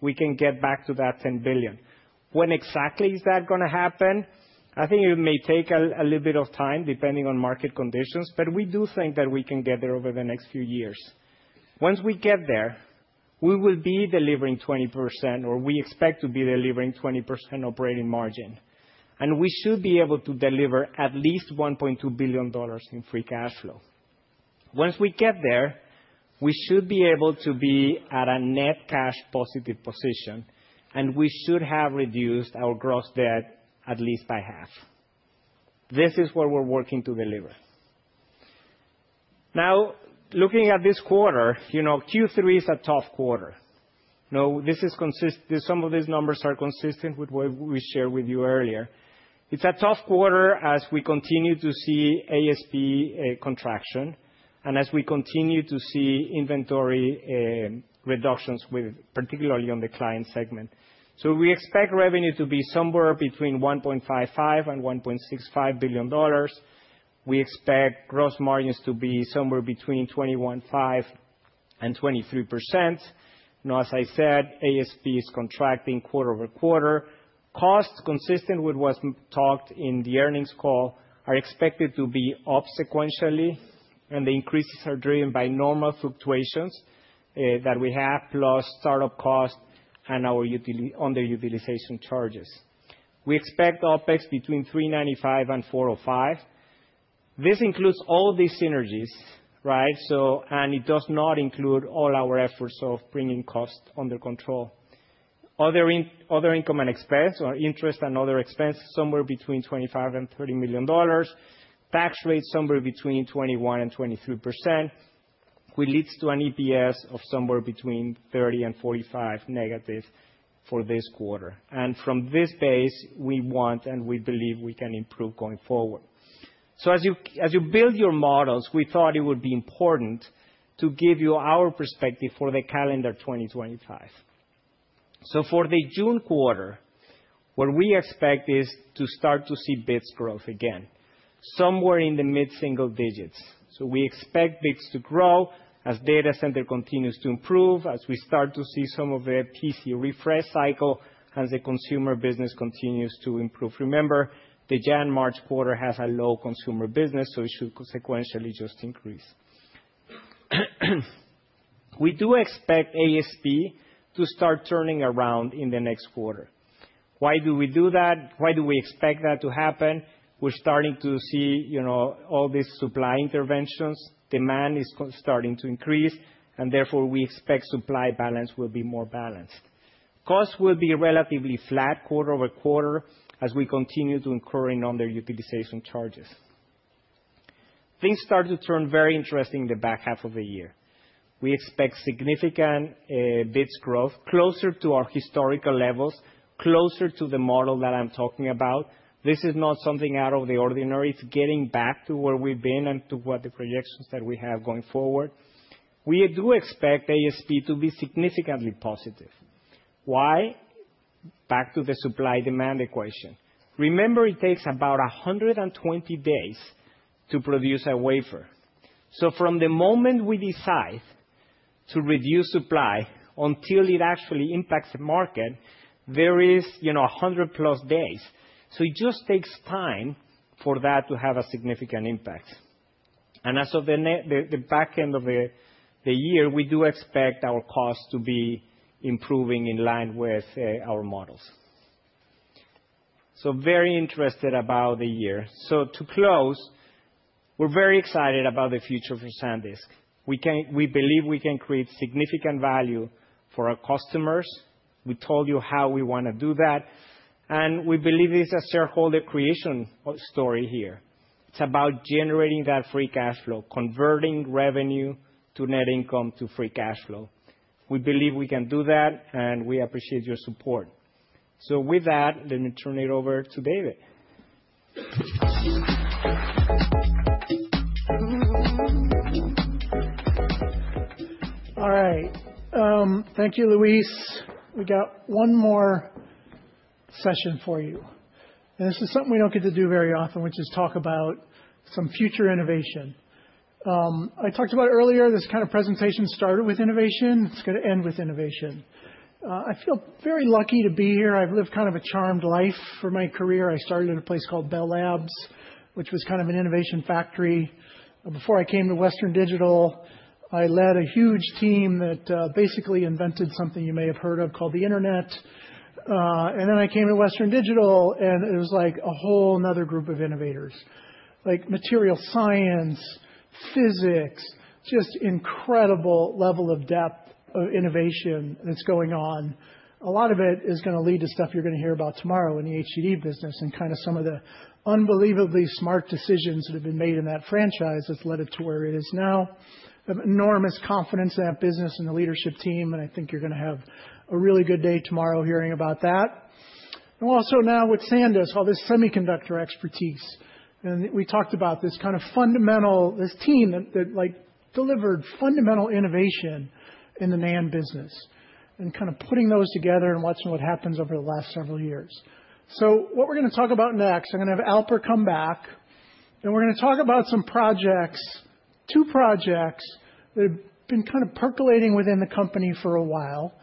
we can get back to that $10 billion. When exactly is that going to happen? I think it may take a little bit of time depending on market conditions, but we do think that we can get there over the next few years. Once we get there, we will be delivering 20% or we expect to be delivering 20% operating margin. And we should be able to deliver at least $1.2 billion in free cash flow. Once we get there, we should be able to be at a net cash positive position, and we should have reduced our gross debt at least by half. This is what we're working to deliver. Now, looking at this quarter, Q3 is a tough quarter. This is consistent. Some of these numbers are consistent with what we shared with you earlier. It's a tough quarter as we continue to see ASP contraction and as we continue to see inventory reductions, particularly on the client segment. We expect revenue to be somewhere between $1.55 billion-$1.65 billion. We expect gross margins to be somewhere between 21.5%-23%. As I said, ASP is contracting quarter over quarter. Costs, consistent with what's talked in the earnings call, are expected to be up sequentially, and the increases are driven by normal fluctuations that we have, plus startup cost and our underutilization charges. We expect OpEx between $395 million-$405 million. This includes all these synergies, and it does not include all our efforts of bringing cost under control. Other income and expense, or interest and other expense, somewhere between $25 million-$30 million. Tax rates, somewhere between 21%-23%, which leads to an EPS of somewhere between -$0.30 and -$0.45 for this quarter. From this base, we want and we believe we can improve going forward. So as you build your models, we thought it would be important to give you our perspective for the calendar 2025. So for the June quarter, what we expect is to start to see bits growth again, somewhere in the mid-single digits. So we expect bits to grow as data center continues to improve, as we start to see some of the PC refresh cycle, and the consumer business continues to improve. Remember, the January-March quarter has a low consumer business, so it should sequentially just increase. We do expect ASP to start turning around in the next quarter. Why do we do that? Why do we expect that to happen? We're starting to see all these supply interventions. Demand is starting to increase, and therefore we expect supply balance will be more balanced. Costs will be relatively flat quarter over quarter as we continue to incur underutilization charges. Things start to turn very interesting in the back half of the year. We expect significant bits growth closer to our historical levels, closer to the model that I'm talking about. This is not something out of the ordinary. It's getting back to where we've been and to what the projections that we have going forward. We do expect ASP to be significantly positive. Why? Back to the supply-demand equation. Remember, it takes about 120 days to produce a wafer. So from the moment we decide to reduce supply until it actually impacts the market, there is 100 plus days. So it just takes time for that to have a significant impact, and as of the back half of the year, we do expect our costs to be improving in line with our models, so very excited about the year. So to close, we're very excited about the future for SanDisk. We believe we can create significant value for our customers. We told you how we want to do that. And we believe this is a shareholder creation story here. It's about generating that free cash flow, converting revenue to net income to free cash flow. We believe we can do that, and we appreciate your support. So with that, let me turn it over to David. All right. Thank you, Luis. We got one more session for you. And this is something we don't get to do very often, which is talk about some future innovation. I talked about earlier, this kind of presentation started with innovation. It's going to end with innovation. I feel very lucky to be here. I've lived kind of a charmed life for my career. I started at a place called Bell Labs, which was kind of an innovation factory. Before I came to Western Digital, I led a huge team that basically invented something you may have heard of called the internet, and then I came to Western Digital, and it was like a whole another group of innovators, like material science, physics, just incredible level of depth of innovation that's going on. A lot of it is going to lead to stuff you're going to hear about tomorrow in the HDD business and kind of some of the unbelievably smart decisions that have been made in that franchise that's led it to where it is now. I have enormous confidence in that business and the leadership team, and I think you're going to have a really good day tomorrow hearing about that, and also now with SanDisk, all this semiconductor expertise. We talked about this kind of fundamental, this team that delivered fundamental innovation in the NAND business and kind of putting those together and watching what happens over the last several years. So what we're going to talk about next, I'm going to have Alper come back, and we're going to talk about some projects, two projects that have been kind of percolating within the company for a while.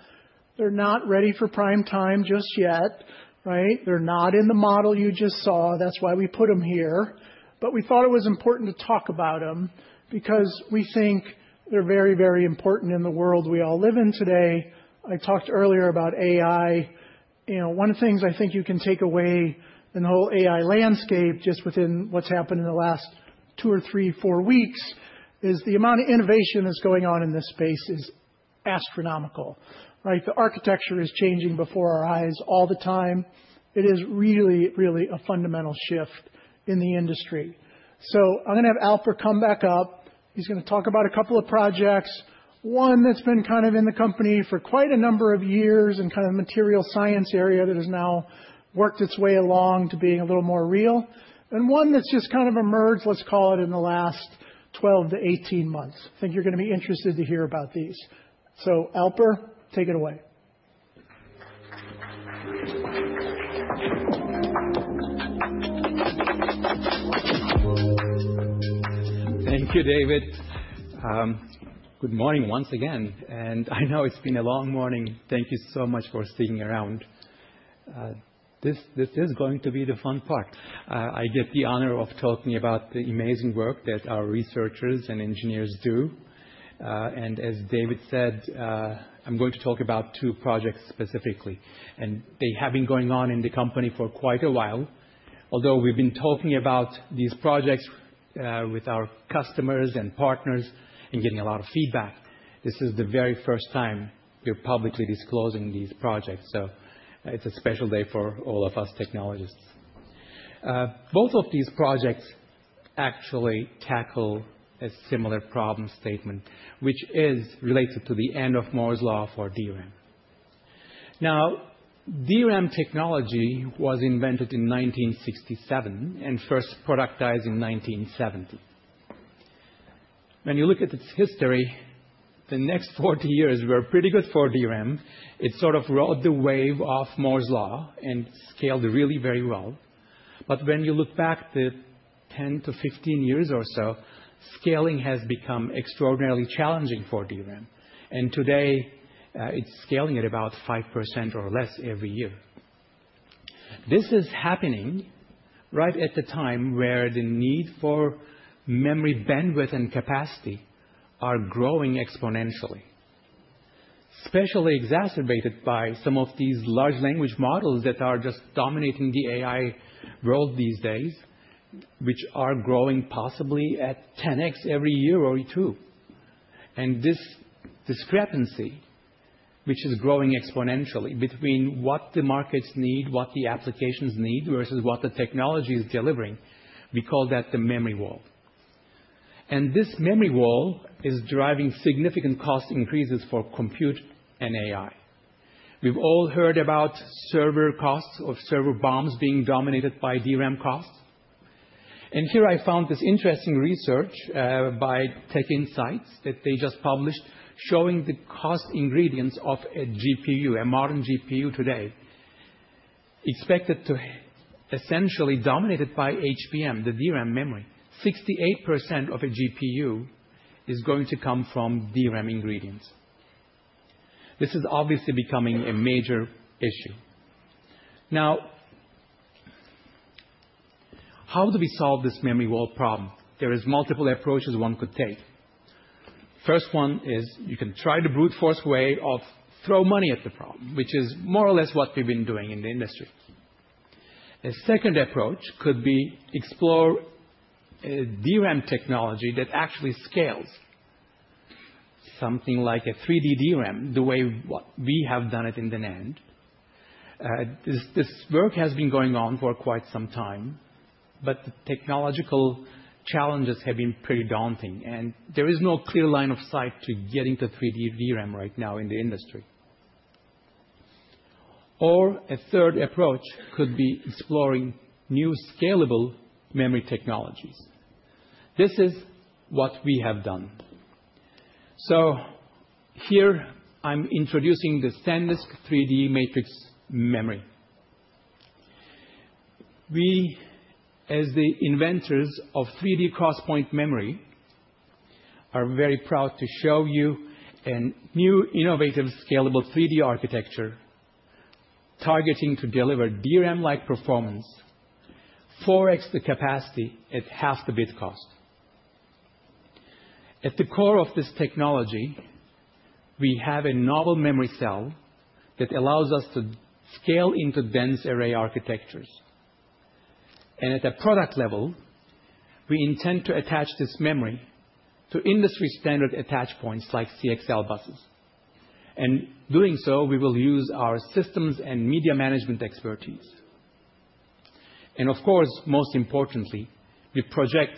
They're not ready for prime time just yet. They're not in the model you just saw. That's why we put them here. But we thought it was important to talk about them because we think they're very, very important in the world we all live in today. I talked earlier about AI. One of the things I think you can take away in the whole AI landscape, just within what's happened in the last two or three, four weeks, is the amount of innovation that's going on in this space is astronomical. The architecture is changing before our eyes all the time. It is really, really a fundamental shift in the industry. So I'm going to have Alper come back up. He's going to talk about a couple of projects, one that's been kind of in the company for quite a number of years and kind of the material science area that has now worked its way along to being a little more real, and one that's just kind of emerged, let's call it, in the last 12 to 18 months. I think you're going to be interested to hear about these. So Alper, take it away. Thank you, David. Good morning once again. And I know it's been a long morning. Thank you so much for sticking around. This is going to be the fun part. I get the honor of talking about the amazing work that our researchers and engineers do. And as David said, I'm going to talk about two projects specifically. And they have been going on in the company for quite a while. Although we've been talking about these projects with our customers and partners and getting a lot of feedback, this is the very first time we're publicly disclosing these projects. So it's a special day for all of us technologists. Both of these projects actually tackle a similar problem statement, which is related to the end of Moore's Law for DRAM. Now, DRAM technology was invented in 1967 and first productized in 1970. When you look at its history, the next 40 years were pretty good for DRAM. It sort of rode the wave of Moore's Law and scaled really very well. But when you look back the 10-15 years or so, scaling has become extraordinarily challenging for DRAM. And today, it's scaling at about 5% or less every year. This is happening right at the time where the need for memory bandwidth and capacity are growing exponentially, especially exacerbated by some of these large language models that are just dominating the AI world these days, which are growing possibly at 10x every year or two. And this discrepancy, which is growing exponentially between what the markets need, what the applications need, versus what the technology is delivering, we call that the memory wall. And this memory wall is driving significant cost increases for compute and AI. We've all heard about server costs or server farms being dominated by DRAM costs. And here I found this interesting research by TechInsights that they just published showing the cost ingredients of a GPU, a modern GPU today, expected to essentially be dominated by HBM, the DRAM memory. 68% of a GPU is going to come from DRAM ingredients. This is obviously becoming a major issue. Now, how do we solve this memory wall problem? There are multiple approaches one could take. The first one is you can try the brute force way of throwing money at the problem, which is more or less what we've been doing in the industry. A second approach could be to explore a DRAM technology that actually scales, something like a 3D DRAM, the way we have done it in the NAND. This work has been going on for quite some time, but the technological challenges have been pretty daunting, and there is no clear line of sight to getting to 3D DRAM right now in the industry, or a third approach could be exploring new scalable memory technologies. This is what we have done, so here I'm introducing the SanDisk 3D Matrix Memory. We, as the inventors of 3D cross-point memory, are very proud to show you a new innovative scalable 3D architecture targeting to deliver DRAM-like performance, 4x the capacity at half the bit cost. At the core of this technology, we have a novel memory cell that allows us to scale into dense array architectures, and at a product level, we intend to attach this memory to industry-standard attach points like CXL buses, and doing so, we will use our systems and media management expertise. Of course, most importantly, we project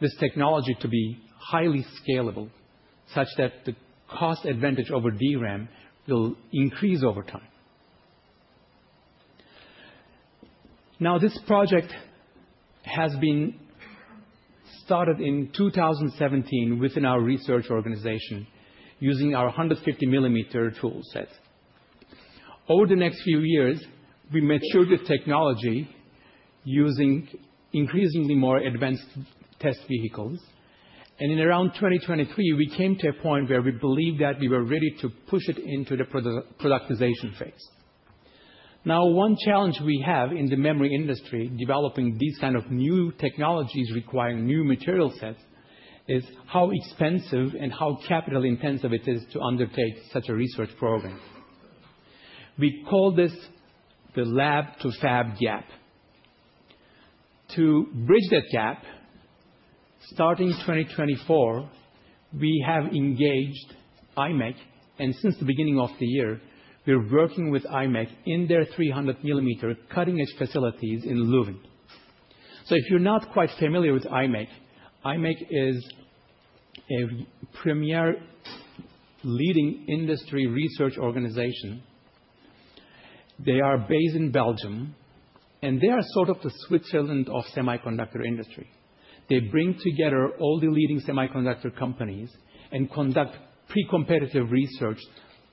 this technology to be highly scalable, such that the cost advantage over DRAM will increase over time. Now, this project has been started in 2017 within our research organization using our 150 mm tool set. Over the next few years, we matured the technology using increasingly more advanced test vehicles. In around 2023, we came to a point where we believed that we were ready to push it into the productization phase. Now, one challenge we have in the memory industry developing these kinds of new technologies requiring new material sets is how expensive and how capital-intensive it is to undertake such a research program. We call this the lab-to-fab gap. To bridge that gap, starting 2024, we have engaged IMEC. Since the beginning of the year, we're working with IMEC in their 300 millimeter cutting-edge facilities in Leuven. If you're not quite familiar with IMEC, IMEC is a premier leading industry research organization. They are based in Belgium, and they are sort of the Switzerland of semiconductor industry. They bring together all the leading semiconductor companies and conduct pre-competitive research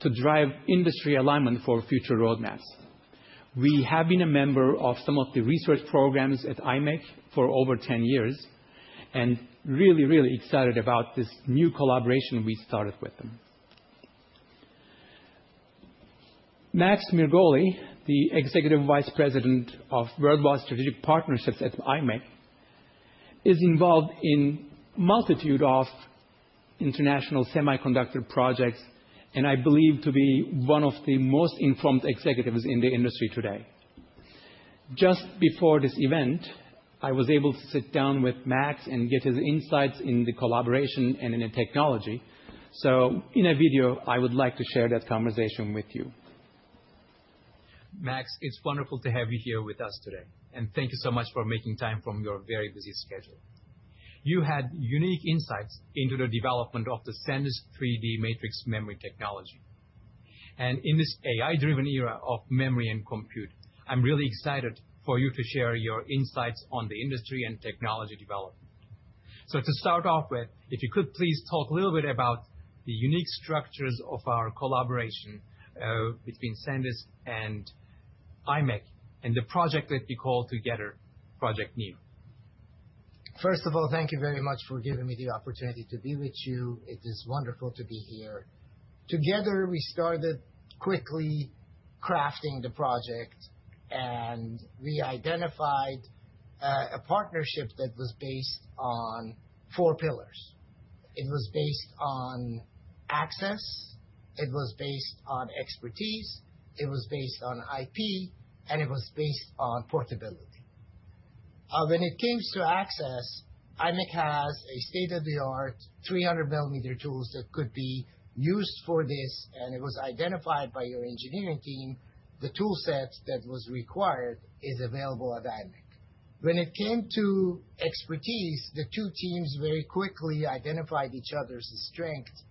to drive industry alignment for future roadmaps. We have been a member of some of the research programs at IMEC for over 10 years and really, really excited about this new collaboration we started with them. Max Mirgoli, the Executive Vice President of Worldwide Strategic Partnerships at IMEC, is involved in a multitude of international semiconductor projects and I believe to be one of the most informed executives in the industry today. Just before this event, I was able to sit down with Max and get his insights in the collaboration and in the technology. In a video, I would like to share that conversation with you. Max, it's wonderful to have you here with us today. Thank you so much for making time from your very busy schedule. You had unique insights into the development of the SanDisk 3D Matrix Memory technology. In this AI-driven era of memory and compute, I'm really excited for you to share your insights on the industry and technology development. To start off with, if you could please talk a little bit about the unique structures of our collaboration between SanDisk and IMEC and the project that we call together, Project NEAR. First of all, thank you very much for giving me the opportunity to be with you. It is wonderful to be here. Together, we started quickly crafting the project, and we identified a partnership that was based on four pillars. It was based on access. It was based on expertise. It was based on IP. And it was based on portability. When it comes to access, IMEC has a state-of-the-art 300-millimeter tools that could be used for this. And it was identified by your engineering team. The tool set that was required is available at IMEC. When it came to expertise, the two teams very quickly identified each other's strengths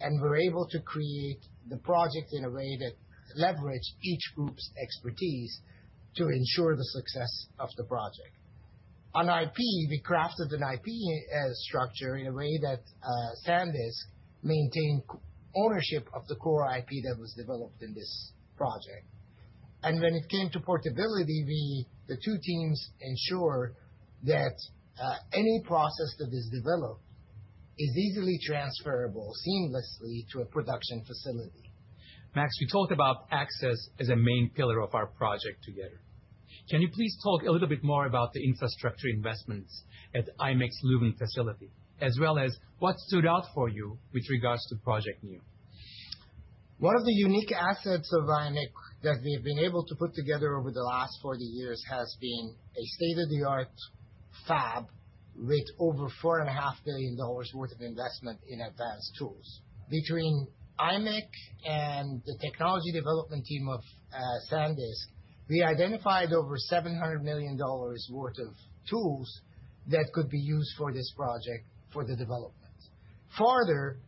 and were able to create the project in a way that leveraged each group's expertise to ensure the success of the project. On IP, we crafted an IP structure in a way that SanDisk maintained ownership of the core IP that was developed in this project and when it came to portability, the two teams ensured that any process that is developed is easily transferable seamlessly to a production facility. Max, we talked about access as a main pillar of our project together. Can you please talk a little bit more about the infrastructure investments at IMEC's Leuven facility, as well as what stood out for you with regards to Project NEAR? One of the unique assets of IMEC that we have been able to put together over the last 40 years has been a state-of-the-art fab with over $4.5 billion worth of investment in advanced tools. Between IMEC and the technology development team of SanDisk, we identified over $700 million worth of tools that could be used for this project for the development. Further,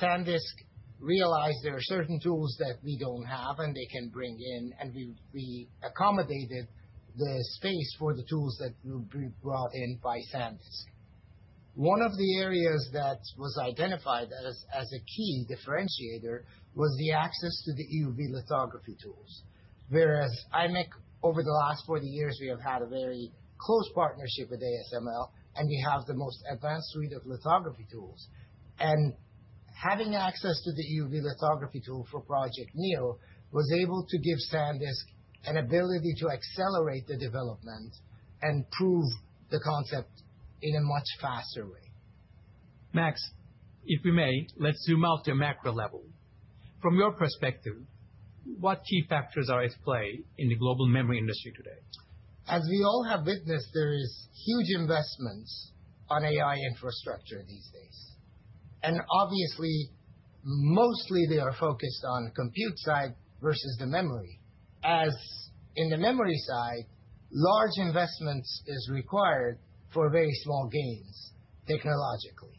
SanDisk realized there are certain tools that we don't have, and they can bring in, and we accommodated the space for the tools that will be brought in by SanDisk. One of the areas that was identified as a key differentiator was the access to the EUV lithography tools, whereas IMEC, over the last 40 years, we have had a very close partnership with ASML, and we have the most advanced suite of lithography tools. Having access to the EUV lithography tool for Project NEAR was able to give SanDisk an ability to accelerate the development and prove the concept in a much faster way. Max, if we may, let's zoom out to a macro level. From your perspective, what key factors are at play in the global memory industry today? As we all have witnessed, there are huge investments on AI infrastructure these days. Obviously, mostly they are focused on the compute side versus the memory. As in the memory side, large investments are required for very small gains technologically.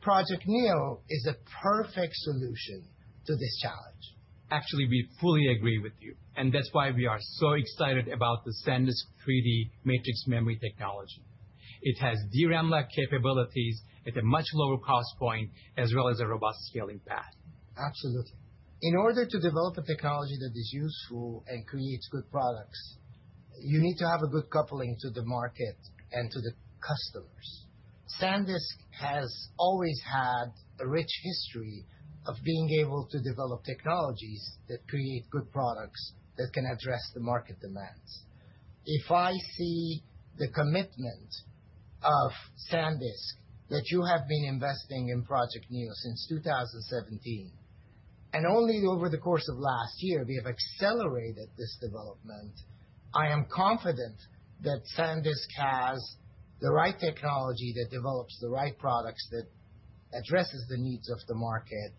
Project NEAR is a perfect solution to this challenge. Actually, we fully agree with you, and that's why we are so excited about the SanDisk 3D Matrix Memory technology. It has DRAM-like capabilities at a much lower cost point, as well as a robust scaling path. Absolutely. In order to develop a technology that is useful and creates good products, you need to have a good coupling to the market and to the customers. SanDisk has always had a rich history of being able to develop technologies that create good products that can address the market demands. If I see the commitment of SanDisk that you have been investing in Project NEAR since 2017, and only over the course of last year, we have accelerated this development, I am confident that SanDisk has the right technology that develops the right products that address the needs of the market.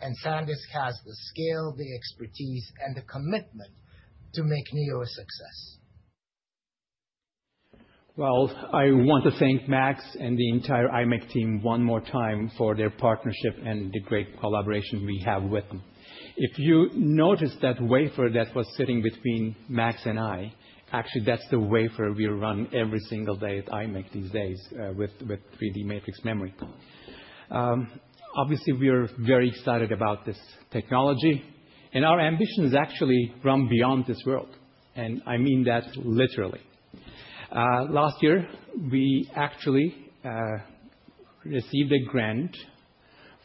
And SanDisk has the scale, the expertise, and the commitment to make NEAR a success. I want to thank Max and the entire IMEC team one more time for their partnership and the great collaboration we have with them. If you notice that wafer that was sitting between Max and I, actually, that's the wafer we run every single day at IMEC these days with 3D Matrix memory. Obviously, we are very excited about this technology. Our ambitions actually run beyond this world. I mean that literally. Last year, we actually received a grant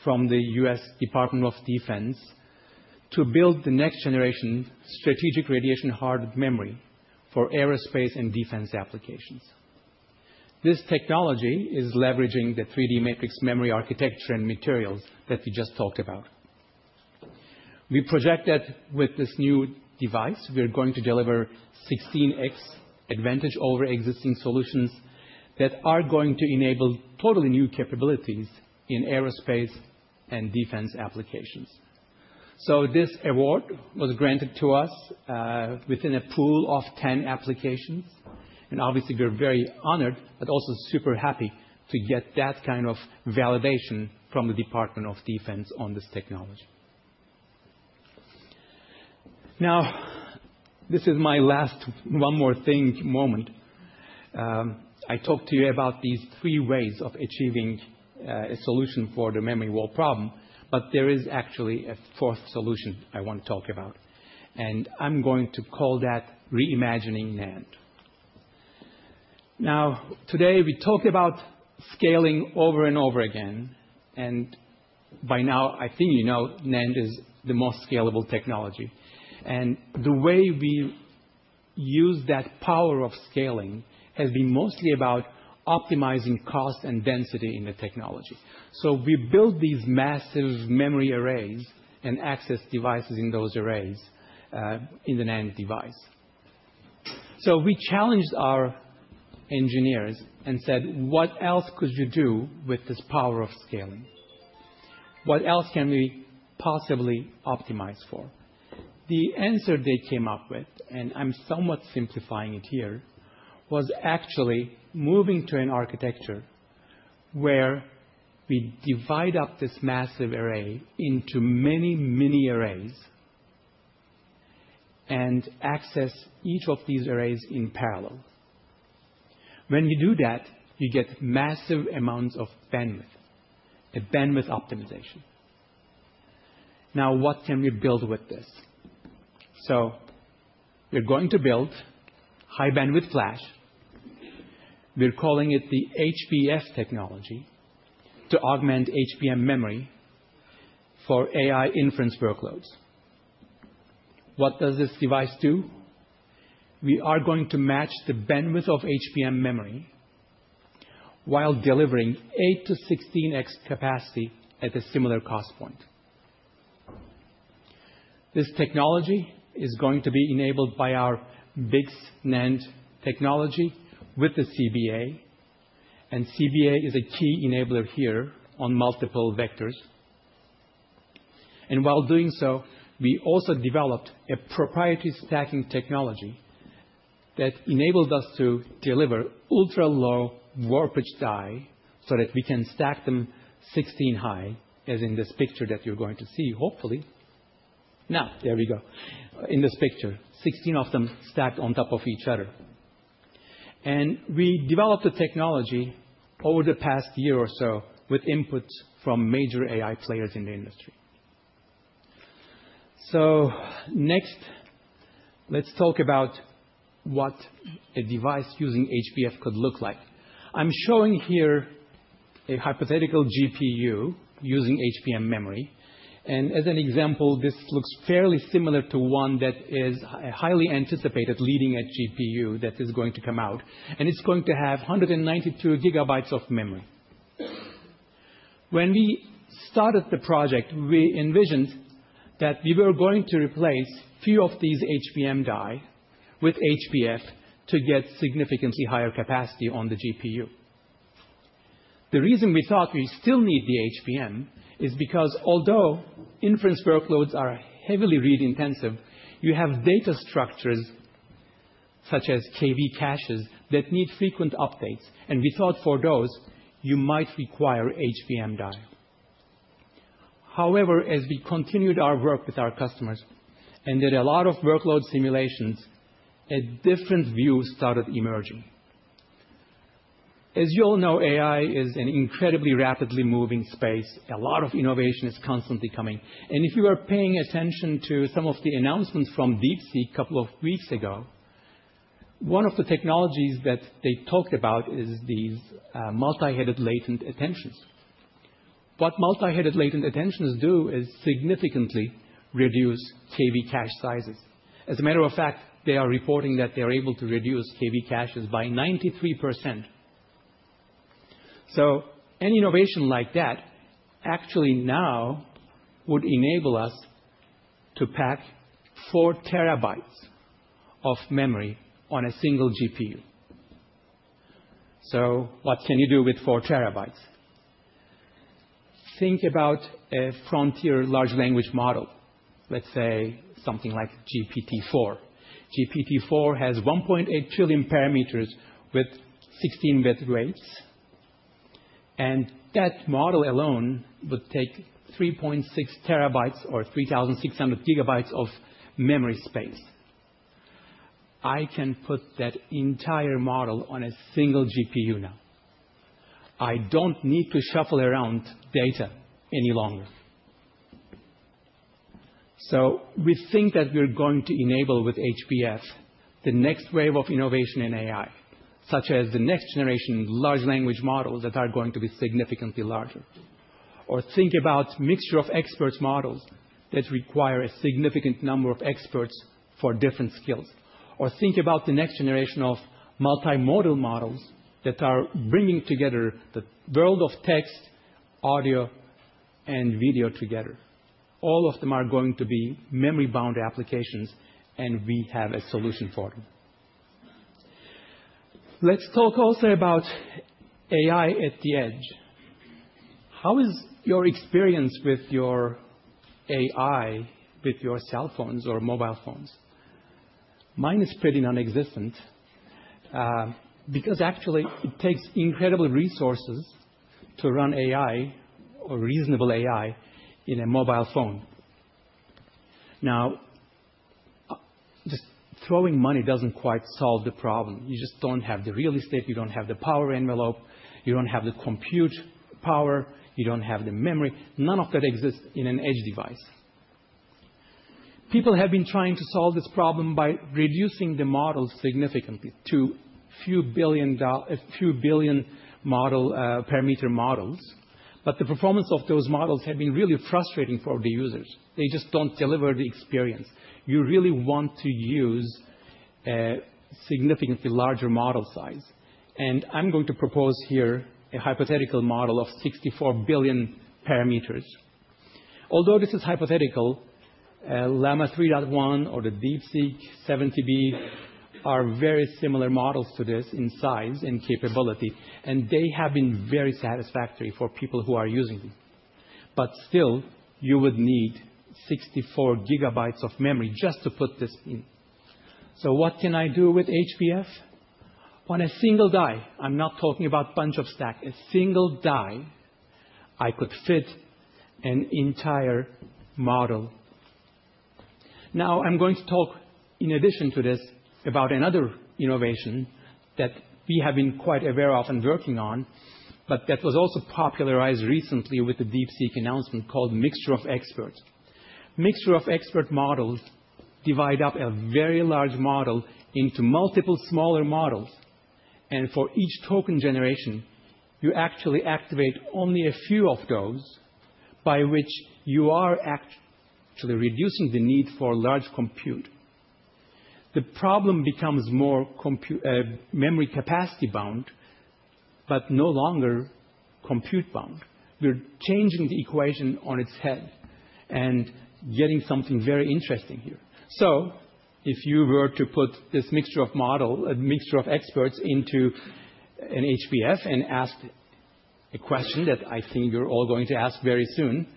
from the U.S. Department of Defense to build the next generation strategic radiation-hard memory for aerospace and defense applications. This technology is leveraging the 3D Matrix memory architecture and materials that we just talked about. We project that with this new device, we are going to deliver 16x advantage over existing solutions that are going to enable totally new capabilities in aerospace and defense applications. This award was granted to us within a pool of 10 applications. And obviously, we're very honored, but also super happy to get that kind of validation from the U.S. Department of Defense on this technology. Now, this is my last one more thing moment. I talked to you about these three ways of achieving a solution for the memory wall problem, but there is actually a fourth solution I want to talk about. And I'm going to call that reimagining NAND. Now, today, we talked about scaling over and over again. And by now, I think you know NAND is the most scalable technology. And the way we use that power of scaling has been mostly about optimizing cost and density in the technology. So we build these massive memory arrays and access devices in those arrays in the NAND device. So we challenged our engineers and said, what else could you do with this power of scaling? What else can we possibly optimize for? The answer they came up with, and I'm somewhat simplifying it here, was actually moving to an architecture where we divide up this massive array into many, many arrays and access each of these arrays in parallel. When you do that, you get massive amounts of bandwidth, a bandwidth optimization. Now, what can we build with this? So we're going to build high bandwidth flash. We're calling it the HBF technology to augment HBM memory for AI inference workloads. What does this device do? We are going to match the bandwidth of HBM memory while delivering 8-16x capacity at a similar cost point. This technology is going to be enabled by our BiCS NAND technology with the CBA. And CBA is a key enabler here on multiple vectors. And while doing so, we also developed a proprietary stacking technology that enabled us to deliver ultra-low warpage die so that we can stack them 16 high, as in this picture that you're going to see, hopefully. Now, there we go. In this picture, 16 of them stacked on top of each other. And we developed the technology over the past year or so with input from major AI players in the industry. So next, let's talk about what a device using HBF could look like. I'm showing here a hypothetical GPU using HBM memory. And as an example, this looks fairly similar to one that is a highly anticipated leading-edge GPU that is going to come out. And it's going to have 192 GB of memory. When we started the project, we envisioned that we were going to replace a few of these HBM die with HBF to get significantly higher capacity on the GPU. The reason we thought we still need the HBM is because, although inference workloads are heavily read-intensive, you have data structures such as KV caches that need frequent updates, and we thought for those, you might require HBM die. However, as we continued our work with our customers and did a lot of workload simulations, a different view started emerging. As you all know, AI is an incredibly rapidly moving space. A lot of innovation is constantly coming, and if you are paying attention to some of the announcements from DeepSeek a couple of weeks ago, one of the technologies that they talked about is these multi-headed latent attentions. What multi-headed latent attentions do is significantly reduce KV cache sizes. As a matter of fact, they are reporting that they are able to reduce KV caches by 93%. So any innovation like that actually now would enable us to pack 4 TB of memory on a single GPU. So what can you do with 4 TB? Think about a frontier large language model, let's say something like GPT-4. GPT-4 has 1.8 trillion parameters with 16-bit weights. And that model alone would take 3.6 TB or 3,600 GB of memory space. I can put that entire model on a single GPU now. I don't need to shuffle around data any longer. So we think that we're going to enable with HBF the next wave of innovation in AI, such as the next generation large language models that are going to be significantly larger. Or think about a mixture of experts models that require a significant number of experts for different skills. Or think about the next generation of multimodal models that are bringing together the world of text, audio, and video together. All of them are going to be memory-bound applications, and we have a solution for them. Let's talk also about AI at the edge. How is your experience with your AI with your cell phones or mobile phones? Mine is pretty nonexistent because actually, it takes incredible resources to run AI or reasonable AI in a mobile phone. Now, just throwing money doesn't quite solve the problem. You just don't have the real estate. You don't have the power envelope. You don't have the compute power. You don't have the memory. None of that exists in an edge device. People have been trying to solve this problem by reducing the models significantly to a few billion parameter models. But the performance of those models has been really frustrating for the users. They just don't deliver the experience. You really want to use a significantly larger model size. And I'm going to propose here a hypothetical model of 64 billion parameters. Although this is hypothetical, Llama 3.1 or the DeepSeek 70B are very similar models to this in size and capability. And they have been very satisfactory for people who are using them. But still, you would need 64 GB of memory just to put this in. So what can I do with HBF? On a single die, I'm not talking about a bunch of stack. A single die, I could fit an entire model. Now, I'm going to talk, in addition to this, about another innovation that we have been quite aware of and working on, but that was also popularized recently with the DeepSeek announcement called mixture of experts. Mixture of expert models divide up a very large model into multiple smaller models. And for each token generation, you actually activate only a few of those by which you are actually reducing the need for large compute. The problem becomes more memory capacity bound, but no longer compute bound. We're changing the equation on its head and getting something very interesting here. So if you were to put this mixture of models, a mixture of experts into an HBF and ask a question that I think you're all going to ask very soon,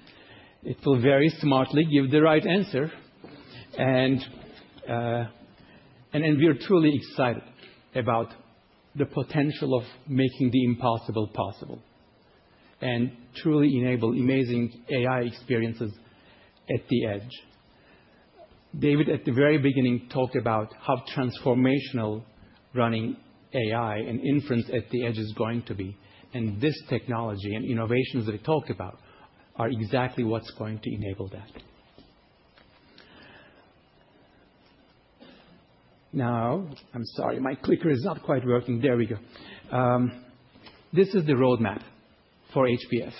it will very smartly give the right answer. And we are truly excited about the potential of making the impossible possible and truly enable amazing AI experiences at the edge. David, at the very beginning, talked about how transformational running AI and inference at the edge is going to be. And this technology and innovations that we talked about are exactly what's going to enable that. Now, I'm sorry, my clicker is not quite working. There we go. This is the roadmap for HBF.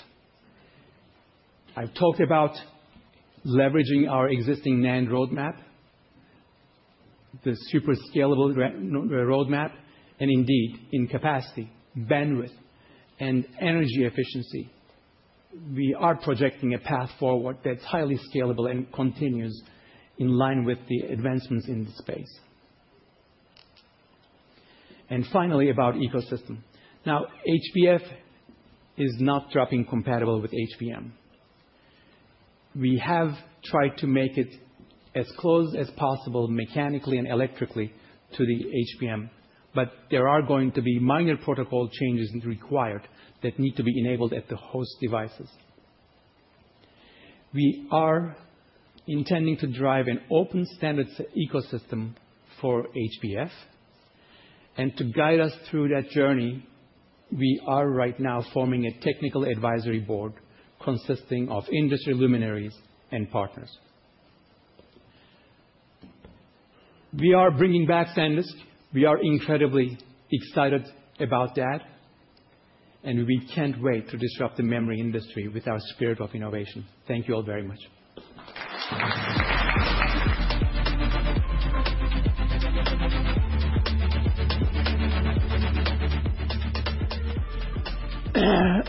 I've talked about leveraging our existing NAND roadmap, the super scalable roadmap, and indeed, in capacity, bandwidth, and energy efficiency, we are projecting a path forward that's highly scalable and continues in line with the advancements in the space. And finally, about ecosystem. Now, HBF is not drop-in compatible with HBM. We have tried to make it as close as possible mechanically and electrically to the HBM, but there are going to be minor protocol changes required that need to be enabled at the host devices. We are intending to drive an open standards ecosystem for HBF. And to guide us through that journey, we are right now forming a technical advisory board consisting of industry luminaries and partners. We are bringing back SanDisk. We are incredibly excited about that. And we can't wait to disrupt the memory industry with our spirit of innovation. Thank you all very much.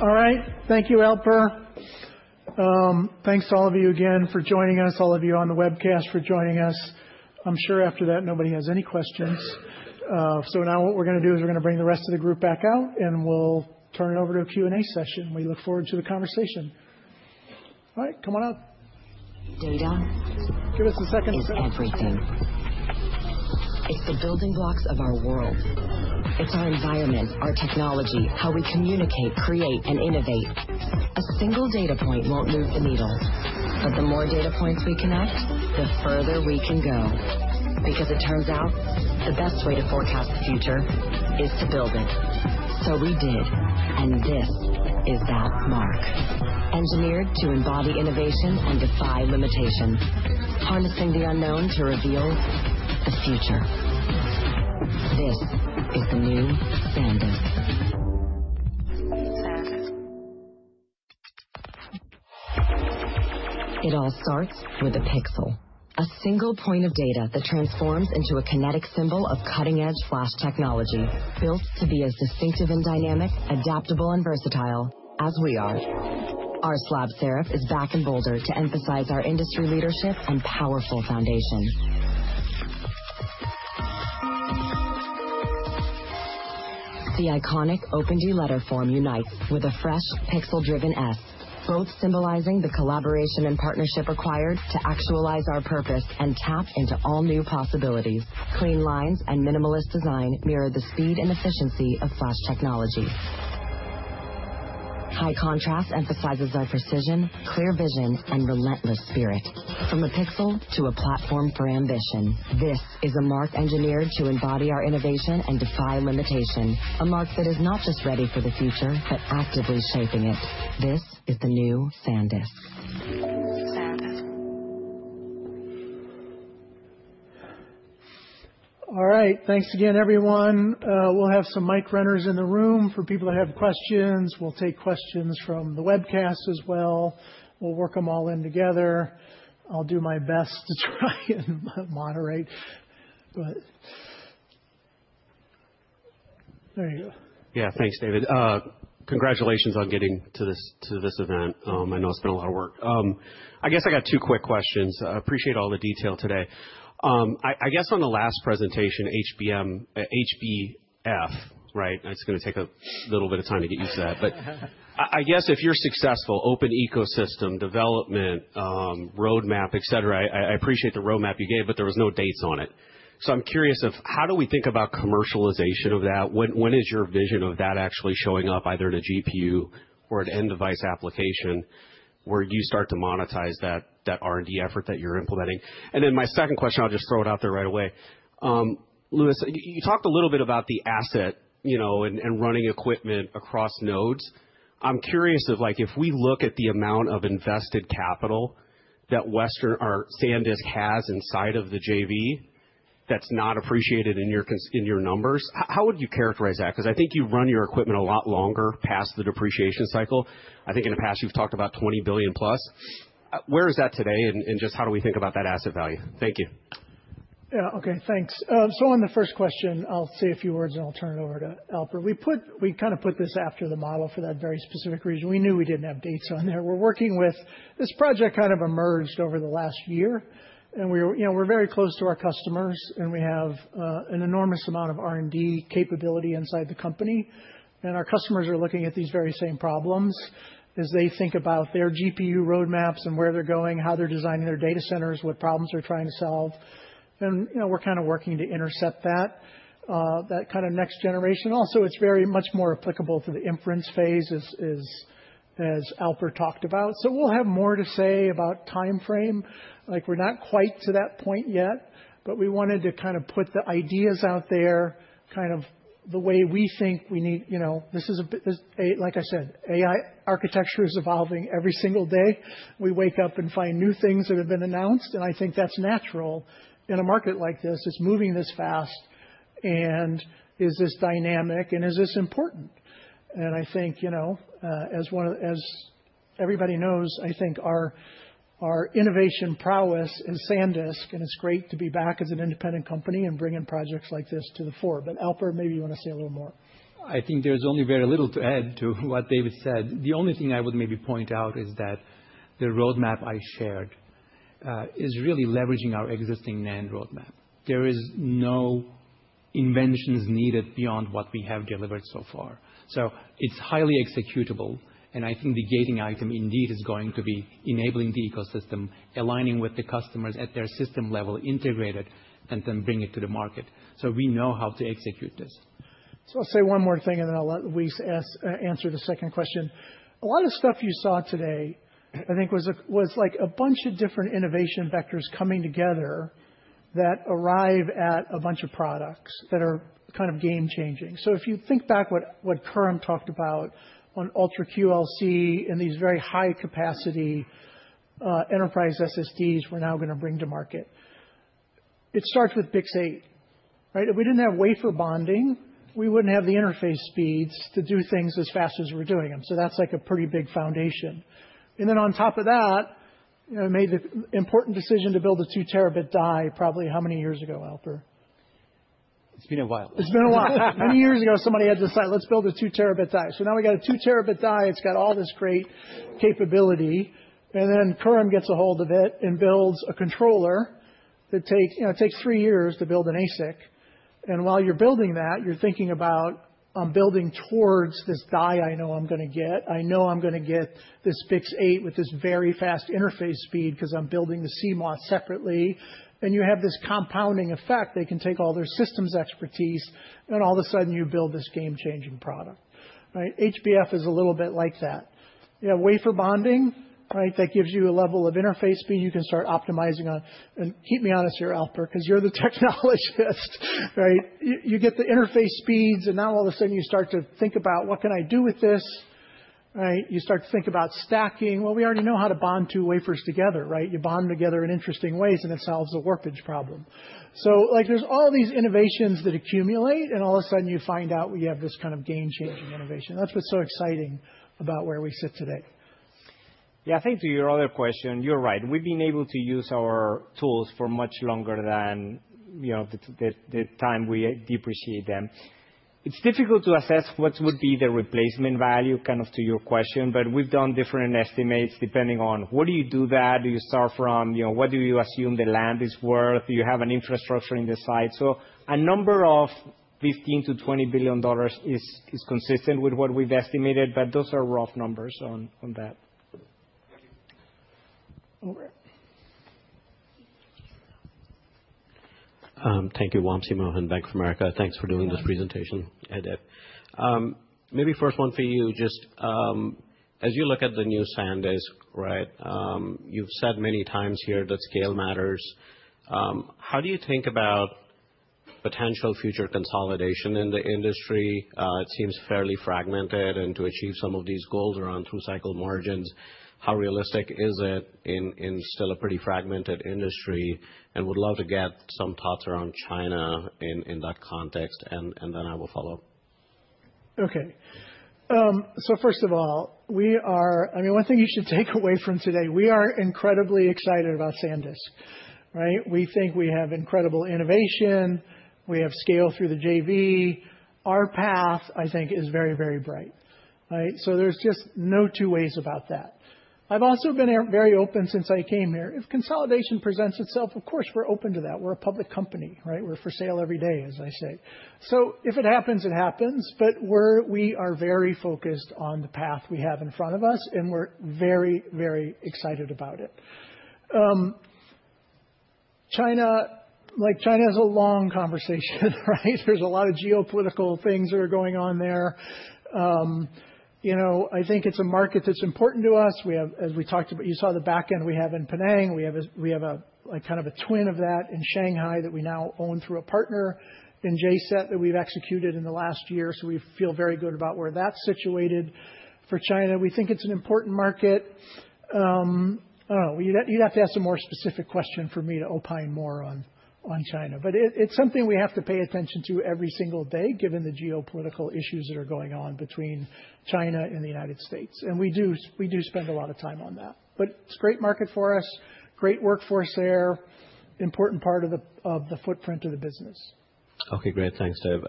All right. Thank you, Alper. Thanks to all of you again for joining us, all of you on the webcast for joining us. I'm sure after that, nobody has any questions. So now what we're going to do is we're going to bring the rest of the group back out, and we'll turn it over to a Q&A session. We look forward to the conversation. All right, come on up. There you go. Give us a second. is everything. It's the building blocks of our world. It's our environment, our technology, how we communicate, create, and innovate. A single data point won't move the needle. But the more data points we connect, the further we can go. Because it turns out the best way to forecast the future is to build it. So we did. And this is that mark. Engineered to embody innovation and defy limitation, harnessing the unknown to reveal the future. This is the new SanDisk. SanDisk. It all starts with a pixel, a single point of data that transforms into a kinetic symbol of cutting-edge flash technology built to be as distinctive and dynamic, adaptable and versatile as we are. Our slab serif is bolder to emphasize our industry leadership and powerful foundation. The iconic OpenD letterform unites with a fresh pixel-driven S, both symbolizing the collaboration and partnership required to actualize our purpose and tap into all new possibilities. Clean lines and minimalist design mirror the speed and efficiency of flash technology. High contrast emphasizes our precision, clear vision, and relentless spirit. From a pixel to a platform for ambition, this is a mark engineered to embody our innovation and defy limitation, a mark that is not just ready for the future, but actively shaping it. This is the new SanDisk. SanDisk. All right. Thanks again, everyone. We'll have some mic runners in the room for people that have questions. We'll take questions from the webcast as well. We'll work them all in together. I'll do my best to try and moderate. But there you go. Yeah, thanks, David. Congratulations on getting to this event. I know it's been a lot of work. I guess I got two quick questions. I appreciate all the detail today. I guess on the last presentation, HBF, right? It's going to take a little bit of time to get used to that. But I guess if you're successful, open ecosystem development, roadmap, et cetera, I appreciate the roadmap you gave, but there were no dates on it. So I'm curious of how do we think about commercialization of that? When is your vision of that actually showing up either in a GPU or an end device application where you start to monetize that R&D effort that you're implementing? And then my second question, I'll just throw it out there right away. Luis, you talked a little bit about the asset and running equipment across nodes. I'm curious if we look at the amount of invested capital that SanDisk has inside of the JV that's not appreciated in your numbers, how would you characterize that? Because I think you run your equipment a lot longer past the depreciation cycle. I think in the past, you've talked about $20 billion plus. Where is that today and just how do we think about that asset value? Thank you. Yeah, OK, thanks. So on the first question, I'll say a few words and I'll turn it over to Alper. We kind of put this after the model for that very specific reason. We knew we didn't have dates on there. We're working with this project kind of emerged over the last year. And we're very close to our customers. And we have an enormous amount of R&D capability inside the company. And our customers are looking at these very same problems as they think about their GPU roadmaps and where they're going, how they're designing their data centers, what problems they're trying to solve. And we're kind of working to intercept that kind of next generation. Also, it's very much more applicable to the inference phase, as Alper talked about. So we'll have more to say about time frame. We're not quite to that point yet. But we wanted to kind of put the ideas out there kind of the way we think we need. Like I said, AI architecture is evolving every single day. We wake up and find new things that have been announced. And I think that's natural in a market like this. It's moving this fast. And is this dynamic? And is this important? And I think as everybody knows, I think our innovation prowess is SanDisk. And it's great to be back as an independent company and bringing projects like this to the fore. But Alper, maybe you want to say a little more. I think there's only very little to add to what David said. The only thing I would maybe point out is that the roadmap I shared is really leveraging our existing NAND roadmap. There are no inventions needed beyond what we have delivered so far. So it's highly executable, and I think the gating item indeed is going to be enabling the ecosystem, aligning with the customers at their system level, integrate it, and then bring it to the market, so we know how to execute this. So I'll say one more thing, and then I'll let Luis answer the second question. A lot of stuff you saw today, I think, was like a bunch of different innovation vectors coming together that arrive at a bunch of products that are kind of game changing. So if you think back what Khurram talked about on UltraQLC and these very high capacity enterprise SSDs we're now going to bring to market, it starts with BiCS8. If we didn't have wafer bonding, we wouldn't have the interface speeds to do things as fast as we're doing them. So that's like a pretty big foundation. And then on top of that, we made the important decision to build a 2 Tb die probably how many years ago, Alper? It's been a while. It's been a while. Many years ago, somebody had to decide, let's build a 2 Tb die. So now we've got a 2 Tb die. It's got all this great capability. And then Khurram gets a hold of it and builds a controller that takes three years to build an ASIC. And while you're building that, you're thinking about, I'm building towards this die I know I'm going to get. I know I'm going to get this BiCS8 with this very fast interface speed because I'm building the CMOS separately. And you have this compounding effect. They can take all their systems expertise. And all of a sudden, you build this game changing product. HBF is a little bit like that. You have wafer bonding that gives you a level of interface speed. You can start optimizing on. And keep me honest here, Alper, because you're the technologist. You get the interface speeds, and now all of a sudden, you start to think about what can I do with this? You start to think about stacking. Well, we already know how to bond two wafers together. You bond them together in interesting ways, and it solves a warpage problem, so there's all these innovations that accumulate, and all of a sudden, you find out you have this kind of game-changing innovation. That's what's so exciting about where we sit today. Yeah, I think to your other question, you're right. We've been able to use our tools for much longer than the time we depreciate them. It's difficult to assess what would be the replacement value kind of to your question. But we've done different estimates depending on, where do you do that? Do you start from what do you assume the land is worth? Do you have an infrastructure in the site? So a number of $15 billion-$20 billion is consistent with what we've estimated. But those are rough numbers on that. Thank you, Wamsi Mohan, Bank of America. Thanks for doing this presentation. Maybe first one for you. Just as you look at the new SanDisk, you've said many times here that scale matters. How do you think about potential future consolidation in the industry? It seems fairly fragmented. And to achieve some of these goals around through cycle margins, how realistic is it in still a pretty fragmented industry? And would love to get some thoughts around China in that context. And then I will follow. OK. So first of all, I mean, one thing you should take away from today, we are incredibly excited about SanDisk. We think we have incredible innovation. We have scale through the JV. Our path, I mean, is very, very bright. So there's just no two ways about that. I've also been very open since I came here. If consolidation presents itself, of course, we're open to that. We're a public company. We're for sale every day, as I say. So if it happens, it happens. But we are very focused on the path we have in front of us. And we're very, very excited about it. China is a long conversation. There's a lot of geopolitical things that are going on there. I think it's a market that's important to us. As we talked about, you saw the back end we have in Penang. We have kind of a twin of that in Shanghai that we now own through a partner in JCET that we've executed in the last year, so we feel very good about where that's situated for China. We think it's an important market. You'd have to ask a more specific question for me to opine more on China, but it's something we have to pay attention to every single day, given the geopolitical issues that are going on between China and the United States. We do spend a lot of time on that, but it's a great market for us, great workforce there, important part of the footprint of the business. OK, great. Thanks, Dave.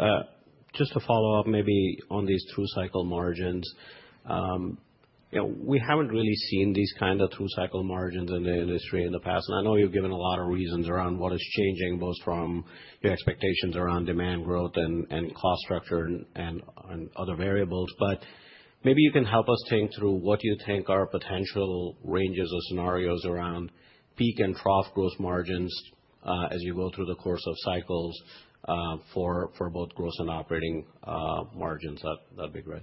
Just to follow up maybe on these through cycle margins, we haven't really seen these kind of through cycle margins in the industry in the past. And I know you've given a lot of reasons around what is changing, both from your expectations around demand growth and cost structure and other variables. But maybe you can help us think through what you think are potential ranges or scenarios around peak and trough gross margins as you go through the course of cycles for both gross and operating margins. That'd be great.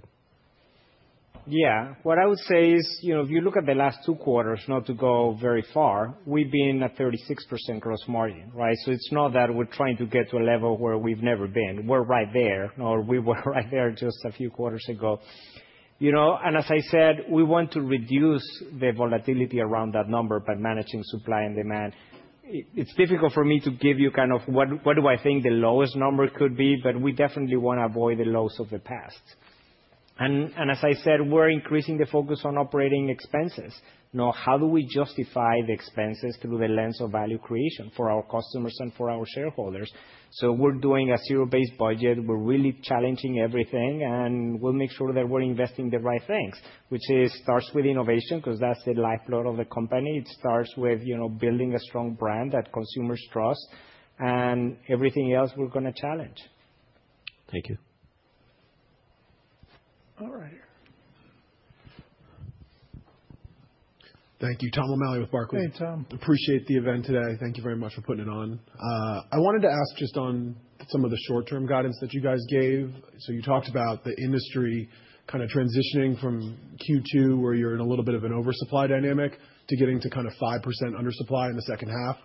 Yeah, what I would say is if you look at the last two quarters, not to go very far, we've been at 36% gross margin. So it's not that we're trying to get to a level where we've never been. We're right there. Or we were right there just a few quarters ago. And as I said, we want to reduce the volatility around that number by managing supply and demand. It's difficult for me to give you kind of what do I think the lowest number could be. But we definitely want to avoid the lows of the past. And as I said, we're increasing the focus on operating expenses. Now, how do we justify the expenses through the lens of value creation for our customers and for our shareholders? So we're doing a zero-based budget. We're really challenging everything. We'll make sure that we're investing the right things, which starts with innovation because that's the lifeblood of the company. It starts with building a strong brand that consumers trust. Everything else, we're going to challenge. Thank you. All right. Thank you. Tom O'Malley with Barclays. Hey, Tom. Appreciate the event today. Thank you very much for putting it on. I wanted to ask just on some of the short-term guidance that you guys gave. So you talked about the industry kind of transitioning from Q2, where you're in a little bit of an oversupply dynamic, to getting to kind of 5% undersupply in the second half.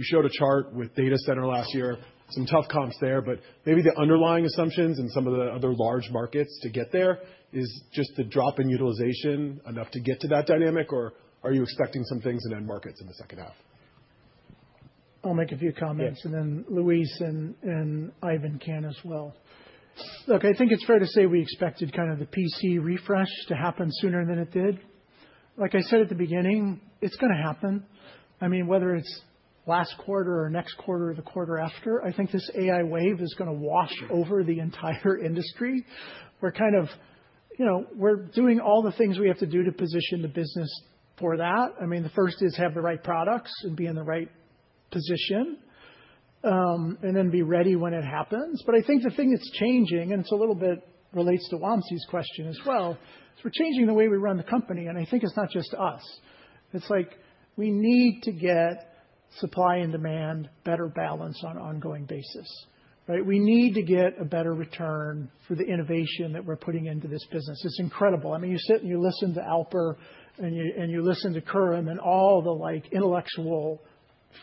You showed a chart with data center last year, some tough comps there. But maybe the underlying assumptions in some of the other large markets to get there is just the drop in utilization enough to get to that dynamic? Or are you expecting some things in end markets in the second half? I'll make a few comments. And then Luis and Ivan can as well. Look, I think it's fair to say we expected kind of the PC refresh to happen sooner than it did. Like I said at the beginning, it's going to happen. I mean, whether it's last quarter or next quarter or the quarter after, I think this AI wave is going to wash over the entire industry. We're kind of doing all the things we have to do to position the business for that. I mean, the first is have the right products and be in the right position. And then be ready when it happens. But I think the thing that's changing, and it's a little bit relates to Wamsi's question as well, is we're changing the way we run the company. And I think it's not just us. It's like we need to get supply and demand better balance on an ongoing basis. We need to get a better return for the innovation that we're putting into this business. It's incredible. I mean, you sit and you listen to Alper and you listen to Kurram and all the intellectual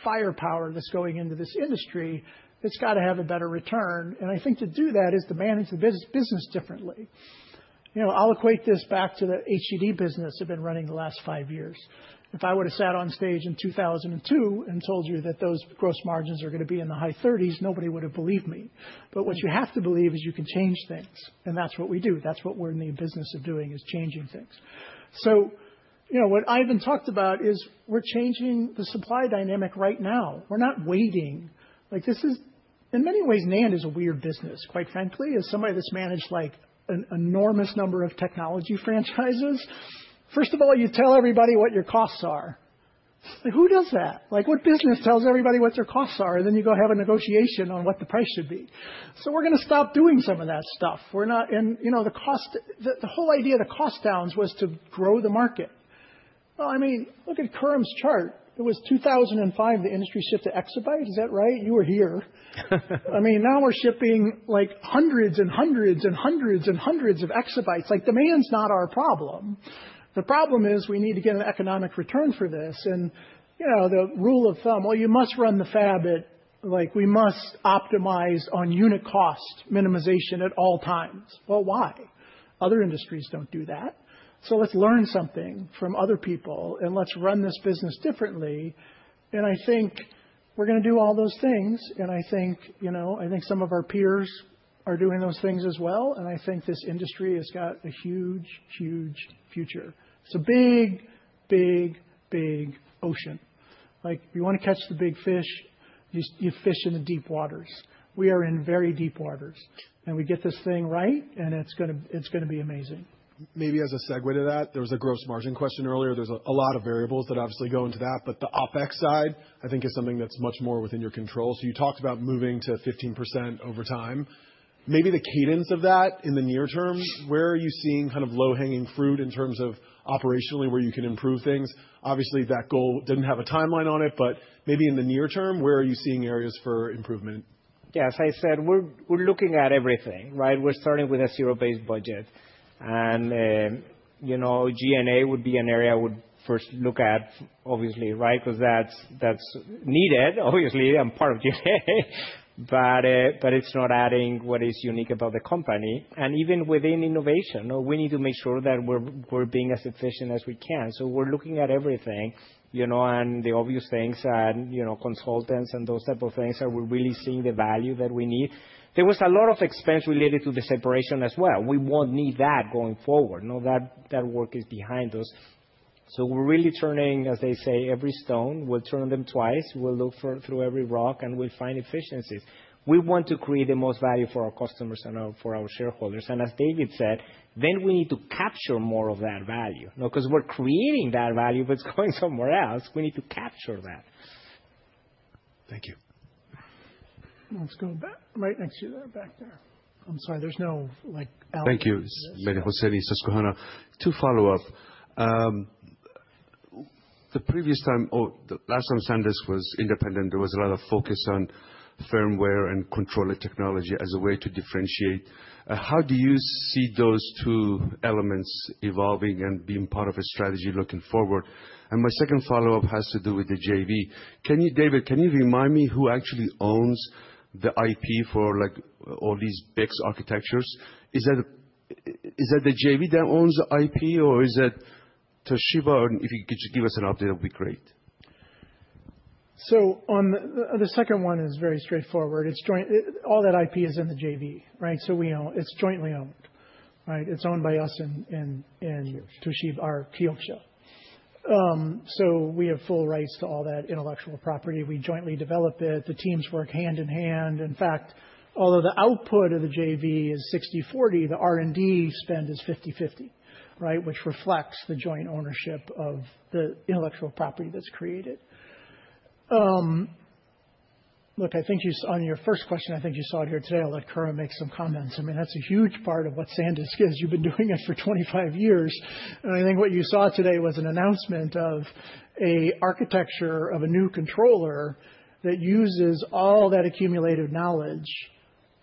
firepower that's going into this industry. It's got to have a better return, and I think to do that is to manage the business differently. I'll equate this back to the HED business I've been running the last five years. If I would have sat on stage in 2002 and told you that those gross margins are going to be in the high 30s%, nobody would have believed me. But what you have to believe is you can change things, and that's what we do. That's what we're in the business of doing, is changing things. What Ivan talked about is we're changing the supply dynamic right now. We're not waiting. In many ways, NAND is a weird business, quite frankly, as somebody that's managed an enormous number of technology franchises. First of all, you tell everybody what your costs are. Who does that? What business tells everybody what their costs are? And then you go have a negotiation on what the price should be. So we're going to stop doing some of that stuff. The whole idea of the cost downs was to grow the market. Well, I mean, look at Khurram's chart. It was 2005, the industry shipped two exabytes. Is that right? You were here. I mean, now we're shipping hundreds and hundreds and hundreds and hundreds of exabytes. Like demand's not our problem. The problem is we need to get an economic return for this. And the rule of thumb, well, you must run the fab. We must optimize on unit cost minimization at all times. Well, why? Other industries don't do that. So let's learn something from other people. And let's run this business differently. And I think we're going to do all those things. And I think some of our peers are doing those things as well. And I think this industry has got a huge, huge future. It's a big, big, big ocean. If you want to catch the big fish, you fish in the deep waters. We are in very deep waters. And we get this thing right. And it's going to be amazing. Maybe as a segue to that, there was a gross margin question earlier. There's a lot of variables that obviously go into that. But the OpEx side, I think, is something that's much more within your control. So you talked about moving to 15% over time. Maybe the cadence of that in the near term, where are you seeing kind of low-hanging fruit in terms of operationally where you can improve things? Obviously, that goal didn't have a timeline on it. But maybe in the near term, where are you seeing areas for improvement? Yeah, as I said, we're looking at everything. We're starting with a zero-based budget. And G&A would be an area I would first look at, obviously, because that's needed, obviously. I'm part of G&A. But it's not adding what is unique about the company. And even within innovation, we need to make sure that we're being as efficient as we can. So we're looking at everything and the obvious things, consultants and those type of things, are we really seeing the value that we need? There was a lot of expense related to the separation as well. We won't need that going forward. That work is behind us. So we're really turning, as they say, every stone. We'll turn them twice. We'll look through every rock. And we'll find efficiencies. We want to create the most value for our customers and for our shareholders. As David said, then we need to capture more of that value. Because we're creating that value, but it's going somewhere else. We need to capture that. Thank you. Let's go back right next to that back there. I'm sorry. There's no Al. Thank you, Mehdi Hosseini, Susquehanna. Two follow-up. The previous time, or the last time SanDisk was independent, there was a lot of focus on firmware and controller technology as a way to differentiate. How do you see those two elements evolving and being part of a strategy looking forward? And my second follow-up has to do with the JV. David, can you remind me who actually owns the IP for all these BiCS architectures? Is that the JV that owns the IP? Or is that Toshiba? If you could just give us an update, that would be great. So the second one is very straightforward. All that IP is in the JV. So it's jointly owned. It's owned by us and Toshiba, our Kioxia. So we have full rights to all that intellectual property. We jointly develop it. The teams work hand in hand. In fact, although the output of the JV is 60/40, the R&D spend is 50/50, which reflects the joint ownership of the intellectual property that's created. Look, I think on your first question, I think you saw it here today. I'll let Khurram make some comments. I mean, that's a huge part of what SanDisk is. You've been doing it for 25 years. And I think what you saw today was an announcement of an architecture of a new controller that uses all that accumulated knowledge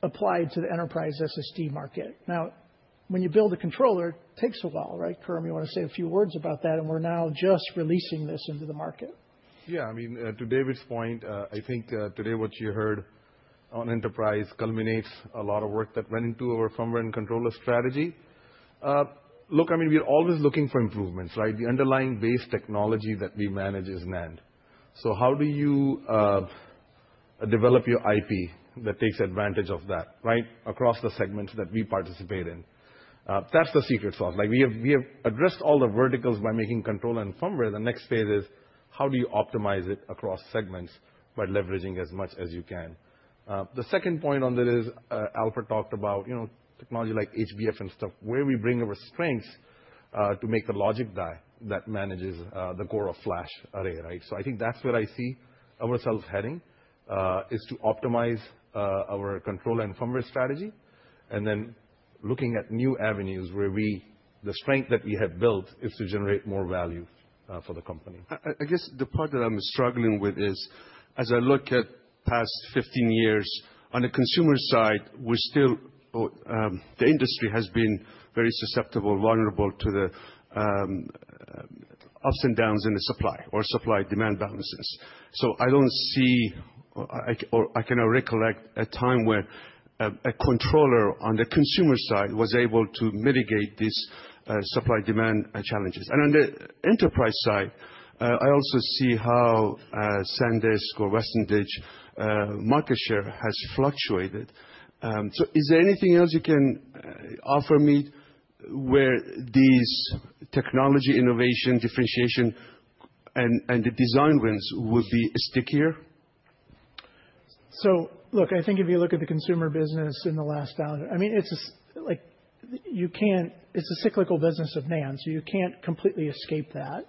applied to the enterprise SSD market. Now, when you build a controller, it takes a while. Khurram, you want to say a few words about that? And we're now just releasing this into the market. Yeah, I mean, to David's point, I think today what you heard on enterprise culminates a lot of work that went into our firmware and controller strategy. Look, I mean, we're always looking for improvements. The underlying base technology that we manage is NAND. So how do you develop your IP that takes advantage of that across the segments that we participate in? That's the secret sauce. We have addressed all the verticals by making control and firmware. The next phase is how do you optimize it across segments by leveraging as much as you can? The second point on that is Alper talked about technology like HBF and stuff, where we bring our strengths to make the logic die that manages the core of flash array. So I think that's where I see ourselves heading, is to optimize our control and firmware strategy. And then looking at new avenues where the strength that we have built is to generate more value for the company. I guess the part that I'm struggling with is, as I look at past 15 years, on the consumer side, the industry has been very susceptible, vulnerable to the ups and downs in the supply or supply-demand balances. So I don't see, or I can recollect a time where a controller on the consumer side was able to mitigate these supply-demand challenges. And on the enterprise side, I also see how SanDisk or Western Digital market share has fluctuated. So is there anything else you can offer me where these technology innovation, differentiation, and the design wins would be stickier? So look, I think if you look at the consumer business in the last, I mean, it's a cyclical business of NAND. So you can't completely escape that.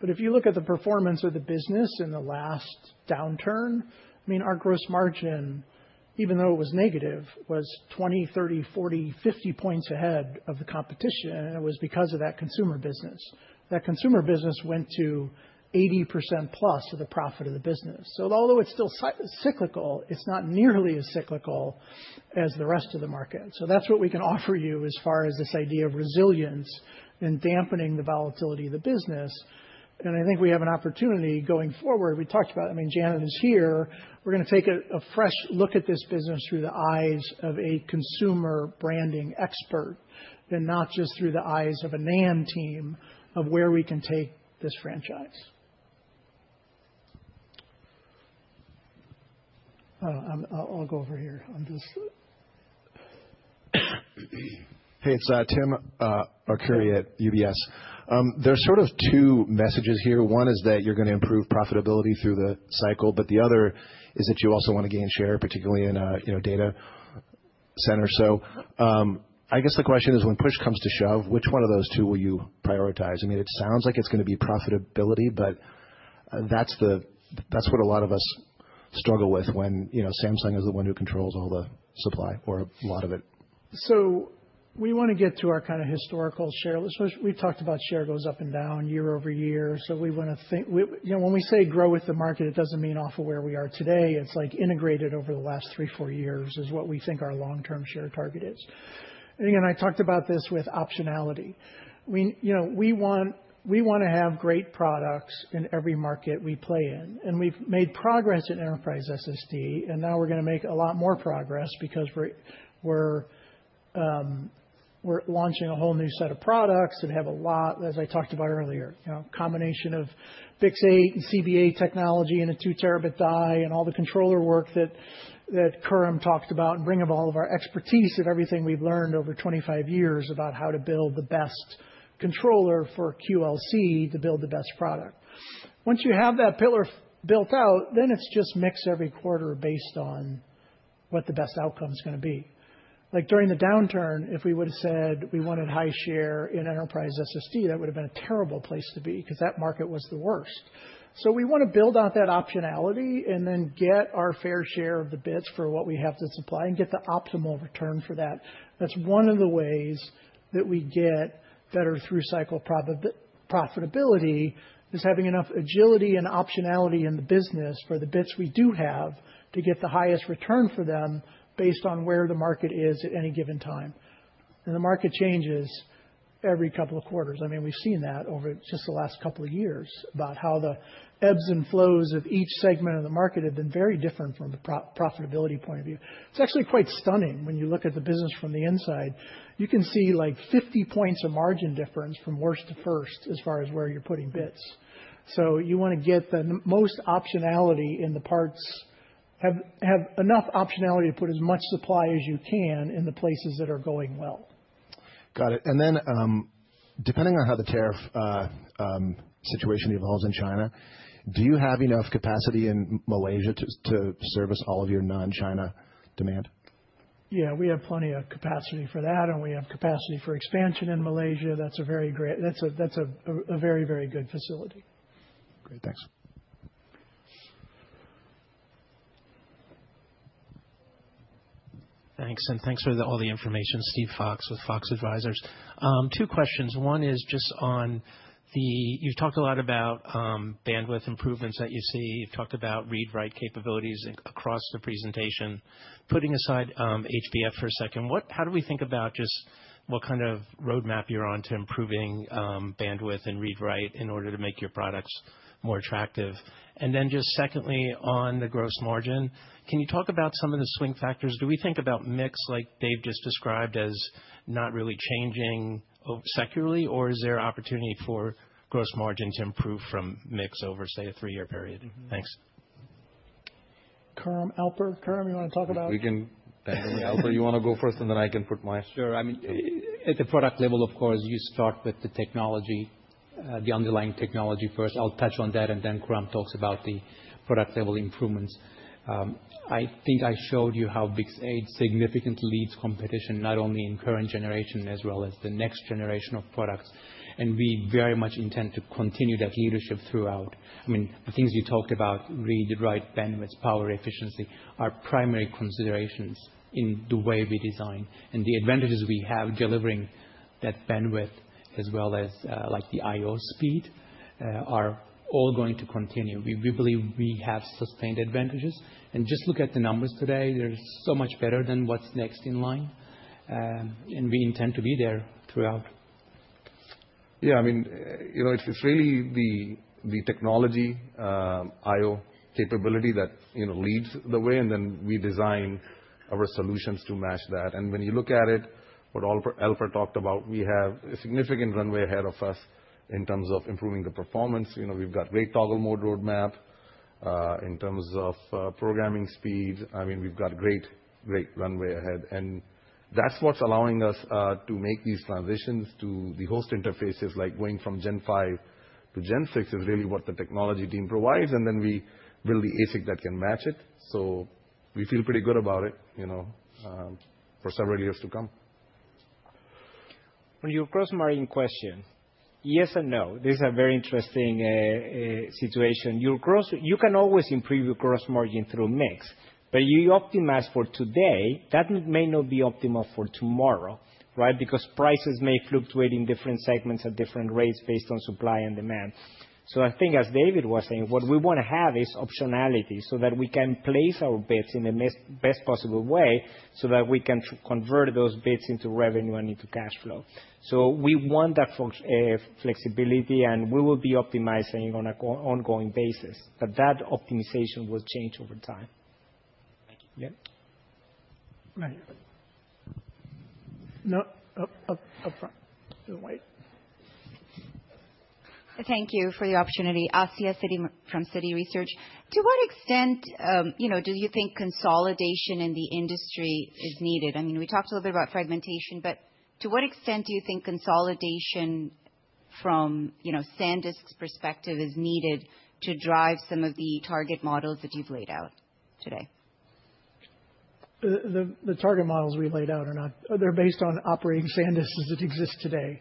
But if you look at the performance of the business in the last downturn, I mean, our gross margin, even though it was negative, was 20, 30, 40, 50 points ahead of the competition. And it was because of that consumer business. That consumer business went to 80% plus of the profit of the business. So although it's still cyclical, it's not nearly as cyclical as the rest of the market. So that's what we can offer you as far as this idea of resilience and dampening the volatility of the business. And I think we have an opportunity going forward. We talked about, I mean, Janet is here. We're going to take a fresh look at this business through the eyes of a consumer branding expert, and not just through the eyes of a NAND team of where we can take this franchise. I'll go over here on this. Hey, it's Tim Arcuri at UBS. There's sort of two messages here. One is that you're going to improve profitability through the cycle. But the other is that you also want to gain share, particularly in data centers. So I guess the question is, when push comes to shove, which one of those two will you prioritize? I mean, it sounds like it's going to be profitability. But that's what a lot of us struggle with when Samsung is the one who controls all the supply or a lot of it. So we want to get to our kind of historical share. We talked about share goes up and down year over year. So we want to think when we say grow with the market, it doesn't mean off of where we are today. It's like integrated over the last three, four years is what we think our long-term share target is. And again, I talked about this with optionality. We want to have great products in every market we play in. And we've made progress in enterprise SSD. Now we're going to make a lot more progress because we're launching a whole new set of products that have a lot, as I talked about earlier, a combination of BiCS8 and CBA technology and a 2 TB die and all the controller work that Khurram talked about and bringing all of our expertise of everything we've learned over 25 years about how to build the best controller for QLC to build the best product. Once you have that pillar built out, then it's just mix every quarter based on what the best outcome is going to be. Like during the downturn, if we would have said we wanted high share in enterprise SSD, that would have been a terrible place to be because that market was the worst. So we want to build out that optionality and then get our fair share of the bids for what we have to supply and get the optimal return for that. That's one of the ways that we get better through cycle profitability is having enough agility and optionality in the business for the bids we do have to get the highest return for them based on where the market is at any given time. And the market changes every couple of quarters. I mean, we've seen that over just the last couple of years about how the ebbs and flows of each segment of the market have been very different from the profitability point of view. It's actually quite stunning when you look at the business from the inside. You can see like 50 points of margin difference from worst to first as far as where you're putting bids. So you want to get the most optionality in the parts, have enough optionality to put as much supply as you can in the places that are going well. Got it. And then depending on how the tariff situation evolves in China, do you have enough capacity in Malaysia to service all of your non-China demand? Yeah, we have plenty of capacity for that. And we have capacity for expansion in Malaysia. That's a very, very good facility. Great. Thanks. Thanks. And thanks for all the information, Steve Fox with Fox Advisors. Two questions. One is just on the. You've talked a lot about bandwidth improvements that you see. You've talked about read-write capabilities across the presentation. Putting aside HBF for a second, how do we think about just what kind of roadmap you're on to improving bandwidth and read-write in order to make your products more attractive? And then just secondly, on the gross margin, can you talk about some of the swing factors? Do we think about MIX, like Dave just described, as not really changing securely? Or is there opportunity for gross margin to improve from MIX over, say, a three-year period? Thanks. Khurram, Alper. Khurram, you want to talk about? We can. Alper, you want to go first? And then I can put my. Sure. I mean, at the product level, of course, you start with the technology, the underlying technology first. I'll touch on that. And then Khurram talks about the product level improvements. I think I showed you how BiCS8 significantly leads competition, not only in current generation as well as the next generation of products. And we very much intend to continue that leadership throughout. I mean, the things you talked about, read-write bandwidth, power efficiency, are primary considerations in the way we design. And the advantages we have delivering that bandwidth as well as the I/O speed are all going to continue. We believe we have sustained advantages. And just look at the numbers today. They're so much better than what's next in line. And we intend to be there throughout. Yeah, I mean, it's really the technology, I/O capability that leads the way. And then we design our solutions to match that. And when you look at it, what Alper talked about, we have a significant runway ahead of us in terms of improving the performance. We've got great toggle mode roadmap in terms of programming speed. I mean, we've got great runway ahead. And that's what's allowing us to make these transitions to the host interfaces, like going from Gen 5 to Gen 6, is really what the technology team provides. And then we build the ASIC that can match it. So we feel pretty good about it for several years to come. On your gross margin question, yes and no. This is a very interesting situation. You can always improve your gross margin through MIX. But you optimize for today. That may not be optimal for tomorrow because prices may fluctuate in different segments at different rates based on supply and demand. So I think, as David was saying, what we want to have is optionality so that we can place our bids in the best possible way so that we can convert those bids into revenue and into cash flow. So we want that flexibility. And we will be optimizing on an ongoing basis. But that optimization will change over time. Thank you. May. No, up front. You're the white. Thank you for the opportunity. Asiya from Citi Research. To what extent do you think consolidation in the industry is needed? I mean, we talked a little bit about fragmentation. But to what extent do you think consolidation from SanDisk's perspective is needed to drive some of the target models that you've laid out today? The target models we laid out are not. They're based on operating SanDisk as it exists today,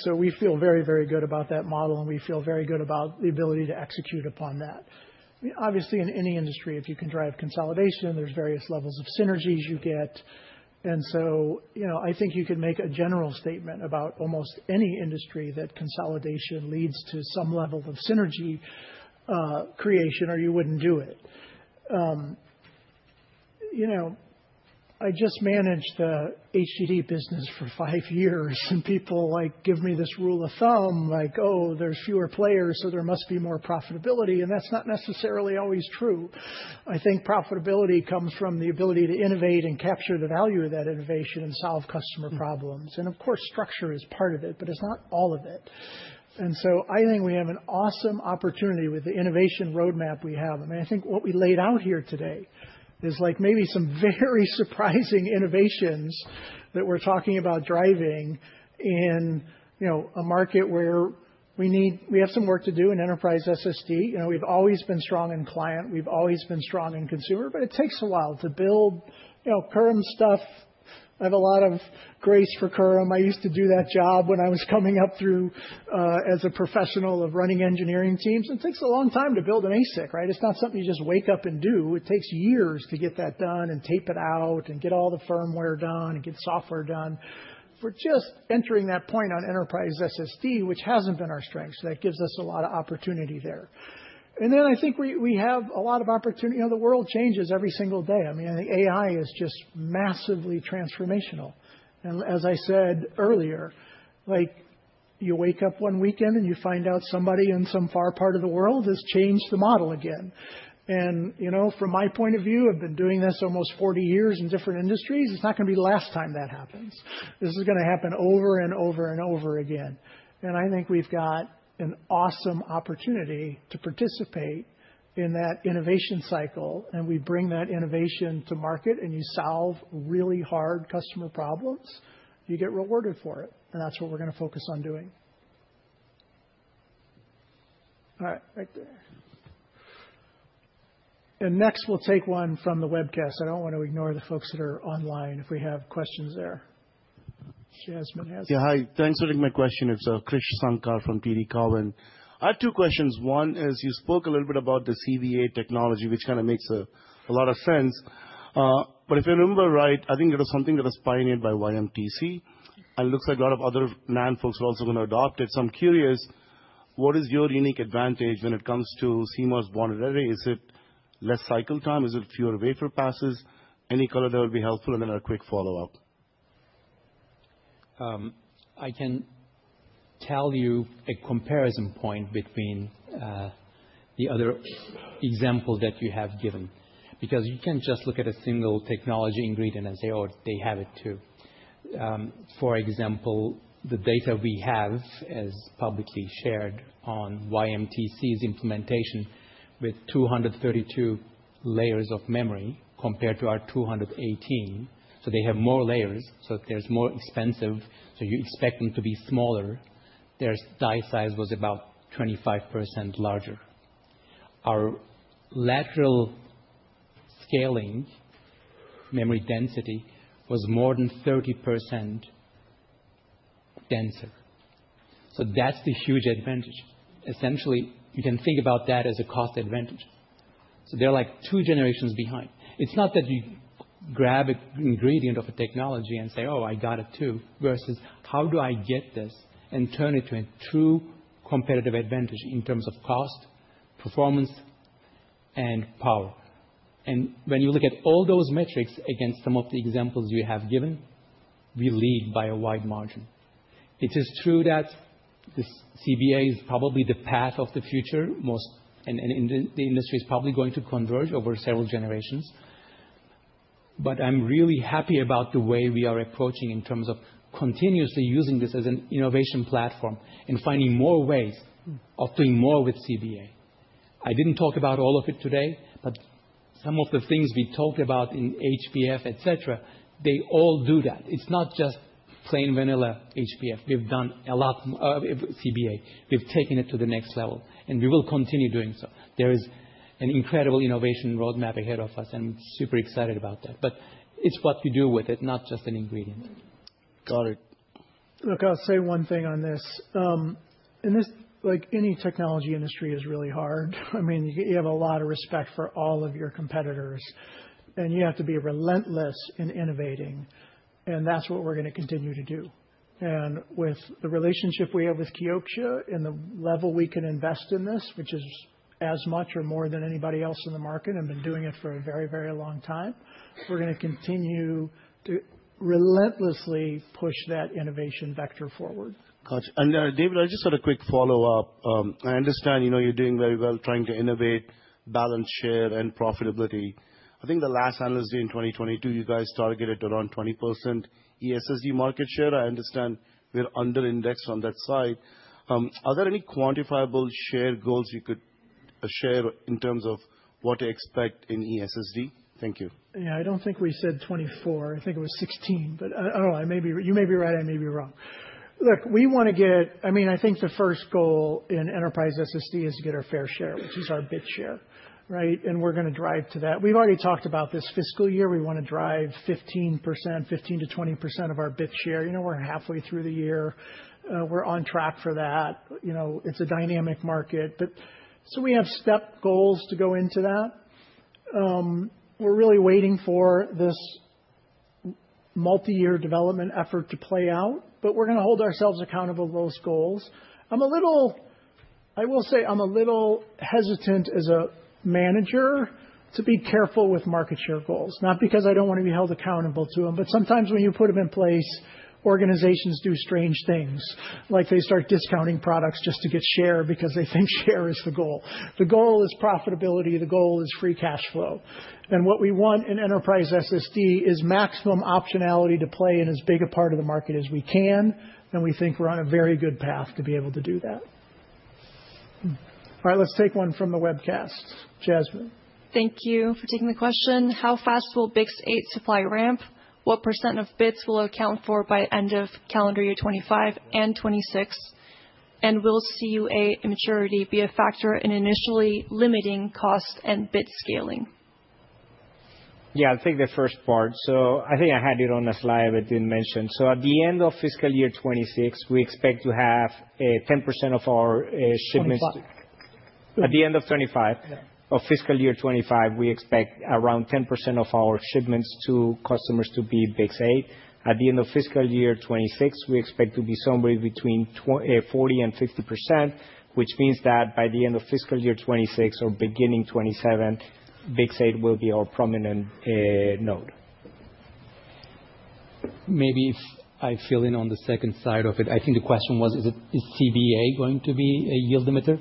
so we feel very, very good about that model, and we feel very good about the ability to execute upon that. Obviously, in any industry, if you can drive consolidation, there's various levels of synergies you get, and so I think you can make a general statement about almost any industry that consolidation leads to some level of synergy creation, or you wouldn't do it. I just managed the HDD business for five years, and people give me this rule of thumb, like, oh, there's fewer players, so there must be more profitability, and that's not necessarily always true. I think profitability comes from the ability to innovate and capture the value of that innovation and solve customer problems, and of course, structure is part of it, but it's not all of it. And so I think we have an awesome opportunity with the innovation roadmap we have. I mean, I think what we laid out here today is like maybe some very surprising innovations that we're talking about driving in a market where we have some work to do in enterprise SSD. We've always been strong in client. We've always been strong in consumer. But it takes a while to build. Khurram's stuff, I have a lot of grace for Khurram. I used to do that job when I was coming up through as a professional of running engineering teams. And it takes a long time to build an ASIC. It's not something you just wake up and do. It takes years to get that done and tape it out and get all the firmware done and get software done. We're just entering that point on enterprise SSD, which hasn't been our strength. So that gives us a lot of opportunity there. And then I think we have a lot of opportunity. The world changes every single day. I mean, I think AI is just massively transformational. And as I said earlier, you wake up one weekend and you find out somebody in some far part of the world has changed the model again. And from my point of view, I've been doing this almost 40 years in different industries. It's not going to be the last time that happens. This is going to happen over and over and over again. And I think we've got an awesome opportunity to participate in that innovation cycle. And we bring that innovation to market. And you solve really hard customer problems. You get rewarded for it. That's what we're going to focus on doing. All right, right there. Next, we'll take one from the webcast. I don't want to ignore the folks that are online if we have questions there. Jasmine has. Yeah, hi. Thanks for taking my question. It's Krish Sankar from TD Cowen. I have two questions. One is, you spoke a little bit about the CBA technology, which kind of makes a lot of sense. But if I remember right, I think it was something that was pioneered by YMTC. And it looks like a lot of other NAND folks are also going to adopt it. So I'm curious, what is your unique advantage when it comes to CMOS bonded array? Is it less cycle time? Is it fewer wafer passes? Any color that would be helpful? And then a quick follow-up. I can tell you a comparison point between the other example that you have given because you can't just look at a single technology ingredient and say, oh, they have it too. For example, the data we have as publicly shared on YMTC's implementation with 232 layers of memory compared to our 218. So they have more layers. So they're more expensive. So you expect them to be smaller. Their die size was about 25% larger. Our lateral scaling memory density was more than 30% denser. So that's the huge advantage. Essentially, you can think about that as a cost advantage. So they're like two generations behind. It's not that you grab an ingredient of a technology and say, oh, I got it too, versus how do I get this and turn it to a true competitive advantage in terms of cost, performance, and power. And when you look at all those metrics against some of the examples you have given, we lead by a wide margin. It is true that the CBA is probably the path of the future. And the industry is probably going to converge over several generations. But I'm really happy about the way we are approaching in terms of continuously using this as an innovation platform and finding more ways of doing more with CBA. I didn't talk about all of it today. But some of the things we talked about in HBF, et cetera, they all do that. It's not just plain vanilla HBF. We've done a lot with CBA. We've taken it to the next level. And we will continue doing so. There is an incredible innovation roadmap ahead of us. And we're super excited about that. But it's what you do with it, not just an ingredient. Got it. Look, I'll say one thing on this. And this, like any technology industry, is really hard. I mean, you have a lot of respect for all of your competitors. And you have to be relentless in innovating. And that's what we're going to continue to do. And with the relationship we have with Kioxia, and the level we can invest in this, which is as much or more than anybody else in the market, and been doing it for a very, very long time, we're going to continue to relentlessly push that innovation vector forward. Gotcha. And David, I just had a quick follow-up. I understand you're doing very well trying to innovate balance share and profitability. I think the last analyst day in 2022, you guys targeted around 20% ESSD market share. I understand we're under-indexed on that side. Are there any quantifiable share goals you could share in terms of what to expect in ESSD? Thank you. Yeah, I don't think we said 24. I think it was 16. But I don't know. You may be right. I may be wrong. Look, we want to get, I mean, I think the first goal in enterprise SSD is to get our fair share, which is our bit share. And we're going to drive to that. We've already talked about this fiscal year. We want to drive 15% to 20% of our bit share. We're halfway through the year. We're on track for that. It's a dynamic market. So we have step goals to go into that. We're really waiting for this multi-year development effort to play out. But we're going to hold ourselves accountable to those goals. I will say I'm a little hesitant as a manager to be careful with market share goals, not because I don't want to be held accountable to them. But sometimes when you put them in place, organizations do strange things. Like they start discounting products just to get share because they think share is the goal. The goal is profitability. The goal is free cash flow. And what we want in enterprise SSD is maximum optionality to play in as big a part of the market as we can. And we think we're on a very good path to be able to do that. All right, let's take one from the webcast. Jasmine. Thank you for taking the question. How fast will BiCS8 supply ramp? What % of bits will account for by end of calendar year 2025 and 2026? And will CUA maturity be a factor in initially limiting cost and bit scaling? Yeah, I'll take the first part. So I think I had it on the slide, but I didn't mention. So at the end of fiscal year 2026, we expect to have 10% of our shipments. 25. At the end of 2025, of fiscal year 2025, we expect around 10% of our shipments to customers to be BiCS8. At the end of fiscal year 2026, we expect to be somewhere between 40% and 50%, which means that by the end of fiscal year 2026 or beginning 2027, BiCS8 will be our prominent node. Maybe if I fill in on the second side of it, I think the question was, is CBA going to be a yield limiter?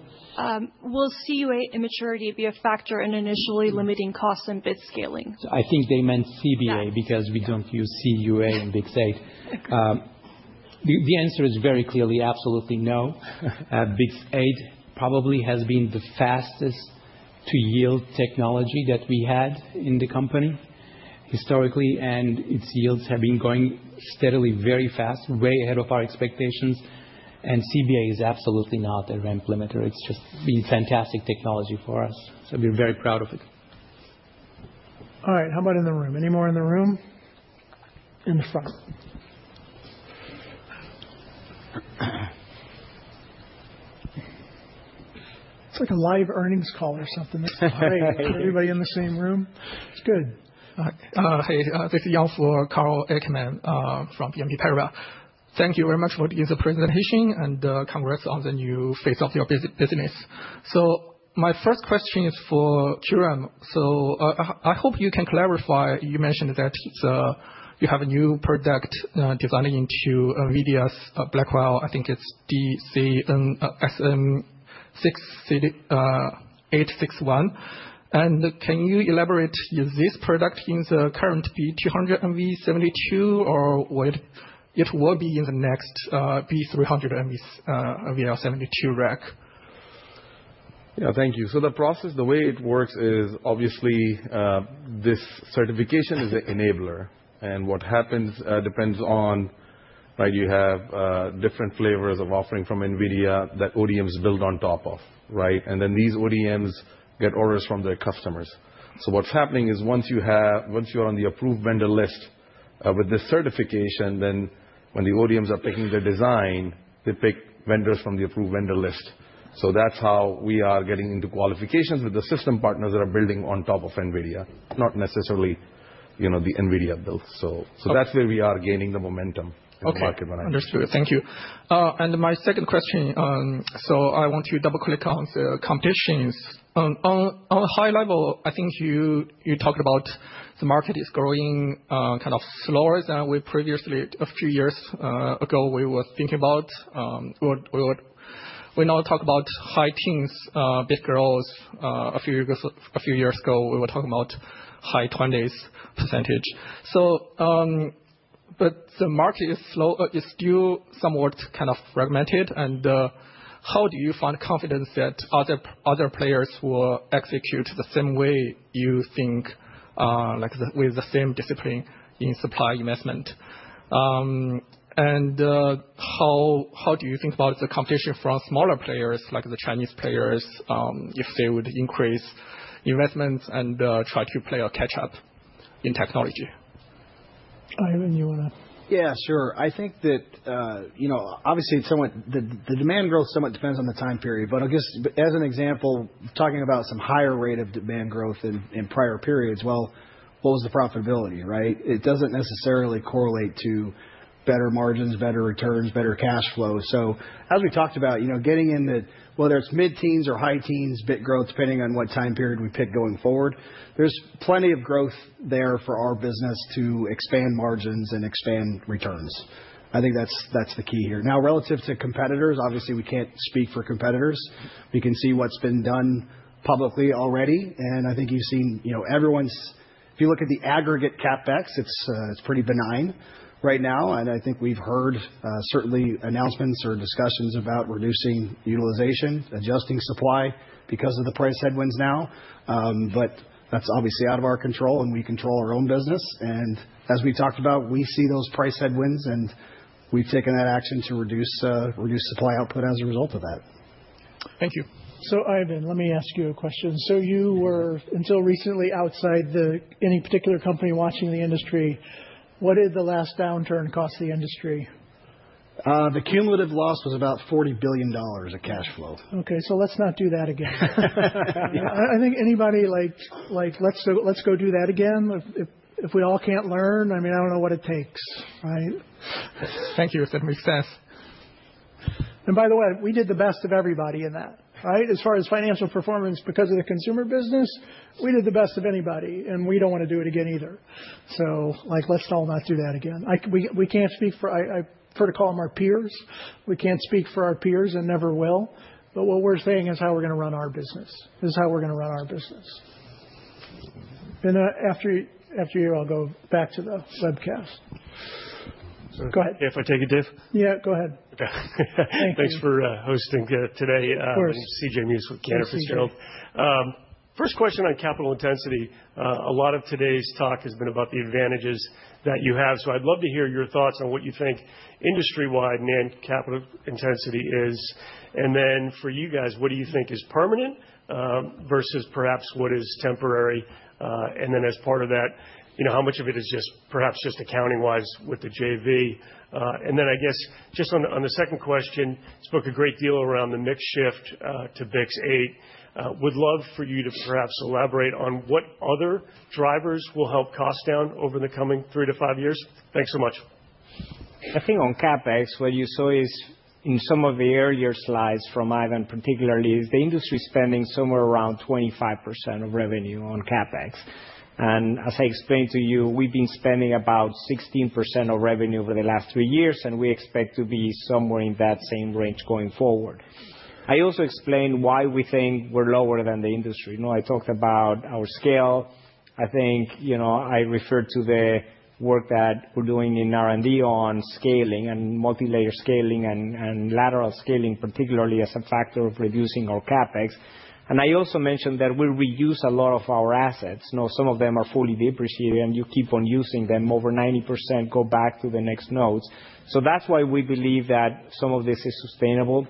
Will CUA maturity be a factor in initially limiting cost and bit scaling? I think they meant CBA because we don't use CUA in BiCS8. The answer is very clearly absolutely no. BiCS8 probably has been the fastest-to-yield technology that we had in the company historically. And its yields have been going steadily very fast, way ahead of our expectations. And CBA is absolutely not a ramp limiter. It's just been fantastic technology for us. So we're very proud of it. All right, how about in the room? Any more in the room? In the front. It's like a live earnings call or something. All right, everybody in the same room? It's good. Hi. This is Yang for Karl Ackerman from BNP Paribas. Thank you very much for the presentation, and congrats on the new phase of your business. So my first question is for Kiran, so I hope you can clarify. You mentioned that you have a new product designed into NVIDIA's Blackwell. I think it's DC SN861. And can you elaborate? Is this product in the current B200 NVL72, or it will be in the next B300 NVL72 rack? Yeah, thank you. So the process, the way it works is obviously this certification is an enabler. And what happens depends on you have different flavors of offering from NVIDIA that ODMs build on top of. And then these ODMs get orders from their customers. So what's happening is once you're on the approved vendor list with this certification, then when the ODMs are picking the design, they pick vendors from the approved vendor list. So that's how we are getting into qualifications with the system partners that are building on top of NVIDIA, not necessarily the NVIDIA build. So that's where we are gaining the momentum in the market. Understood. Thank you. And my second question, so I want to double-click on the competition. On a high level, I think you talked about the market is growing kind of slower than we previously, a few years ago, we were thinking about. We now talk about high teens, big growth. A few years ago, we were talking about high 20%. But the market is still somewhat kind of fragmented. And how do you find confidence that other players will execute the same way you think, with the same discipline in supply investment? And how do you think about the competition from smaller players, like the Chinese players, if they would increase investments and try to play a catch-up in technology? Ivan, you want to? Yeah, sure. I think that obviously, the demand growth somewhat depends on the time period. But I guess as an example, talking about some higher rate of demand growth in prior periods, well, what was the profitability? It doesn't necessarily correlate to better margins, better returns, better cash flow. So as we talked about, getting in the, whether it's mid-teens or high teens, bit growth, depending on what time period we pick going forward, there's plenty of growth there for our business to expand margins and expand returns. I think that's the key here. Now, relative to competitors, obviously, we can't speak for competitors. We can see what's been done publicly already. And I think you've seen everyone's if you look at the aggregate CapEx, it's pretty benign right now. And I think we've heard certainly announcements or discussions about reducing utilization, adjusting supply because of the price headwinds now. But that's obviously out of our control. And we control our own business. And as we talked about, we see those price headwinds. And we've taken that action to reduce supply output as a result of that. Thank you. So Ivan, let me ask you a question. So you were until recently outside any particular company watching the industry. What did the last downturn cost the industry? The cumulative loss was about $40 billion of cash flow. OK, so let's not do that again. I think anybody like, let's go do that again. If we all can't learn, I mean, I don't know what it takes. Right? Thank you. That makes sense. And by the way, we did the best of everybody in that. As far as financial performance, because of the consumer business, we did the best of anybody. And we don't want to do it again either. So let's all not do that again. We can't speak for. I prefer to call them our peers. We can't speak for our peers and never will. But what we're saying is how we're going to run our business is how we're going to run our business. And after you, I'll go back to the webcast. Go ahead. If I take a dip? Yeah, go ahead. Thanks for hosting today. Of course. C.J. Muse with Cantor Fitzgerald. First question on capital intensity. A lot of today's talk has been about the advantages that you have. So I'd love to hear your thoughts on what you think industry-wide and capital intensity is. And then for you guys, what do you think is permanent versus perhaps what is temporary? And then as part of that, how much of it is just perhaps just accounting-wise with the JV? And then I guess just on the second question, spoke a great deal around the mix shift to BiCS8. Would love for you to perhaps elaborate on what other drivers will help cost down over the coming three to five years. Thanks so much. I think on CapEx, what you saw is in some of the earlier slides from Ivan, particularly, is the industry spending somewhere around 25% of revenue on CapEx. And as I explained to you, we've been spending about 16% of revenue over the last three years. And we expect to be somewhere in that same range going forward. I also explained why we think we're lower than the industry. I talked about our scale. I think I referred to the work that we're doing in R&D on scaling and multi-layer scaling and lateral scaling, particularly as a factor of reducing our CapEx. And I also mentioned that we reuse a lot of our assets. Some of them are fully depreciated. And you keep on using them. Over 90% go back to the next nodes. So that's why we believe that some of this is sustainable.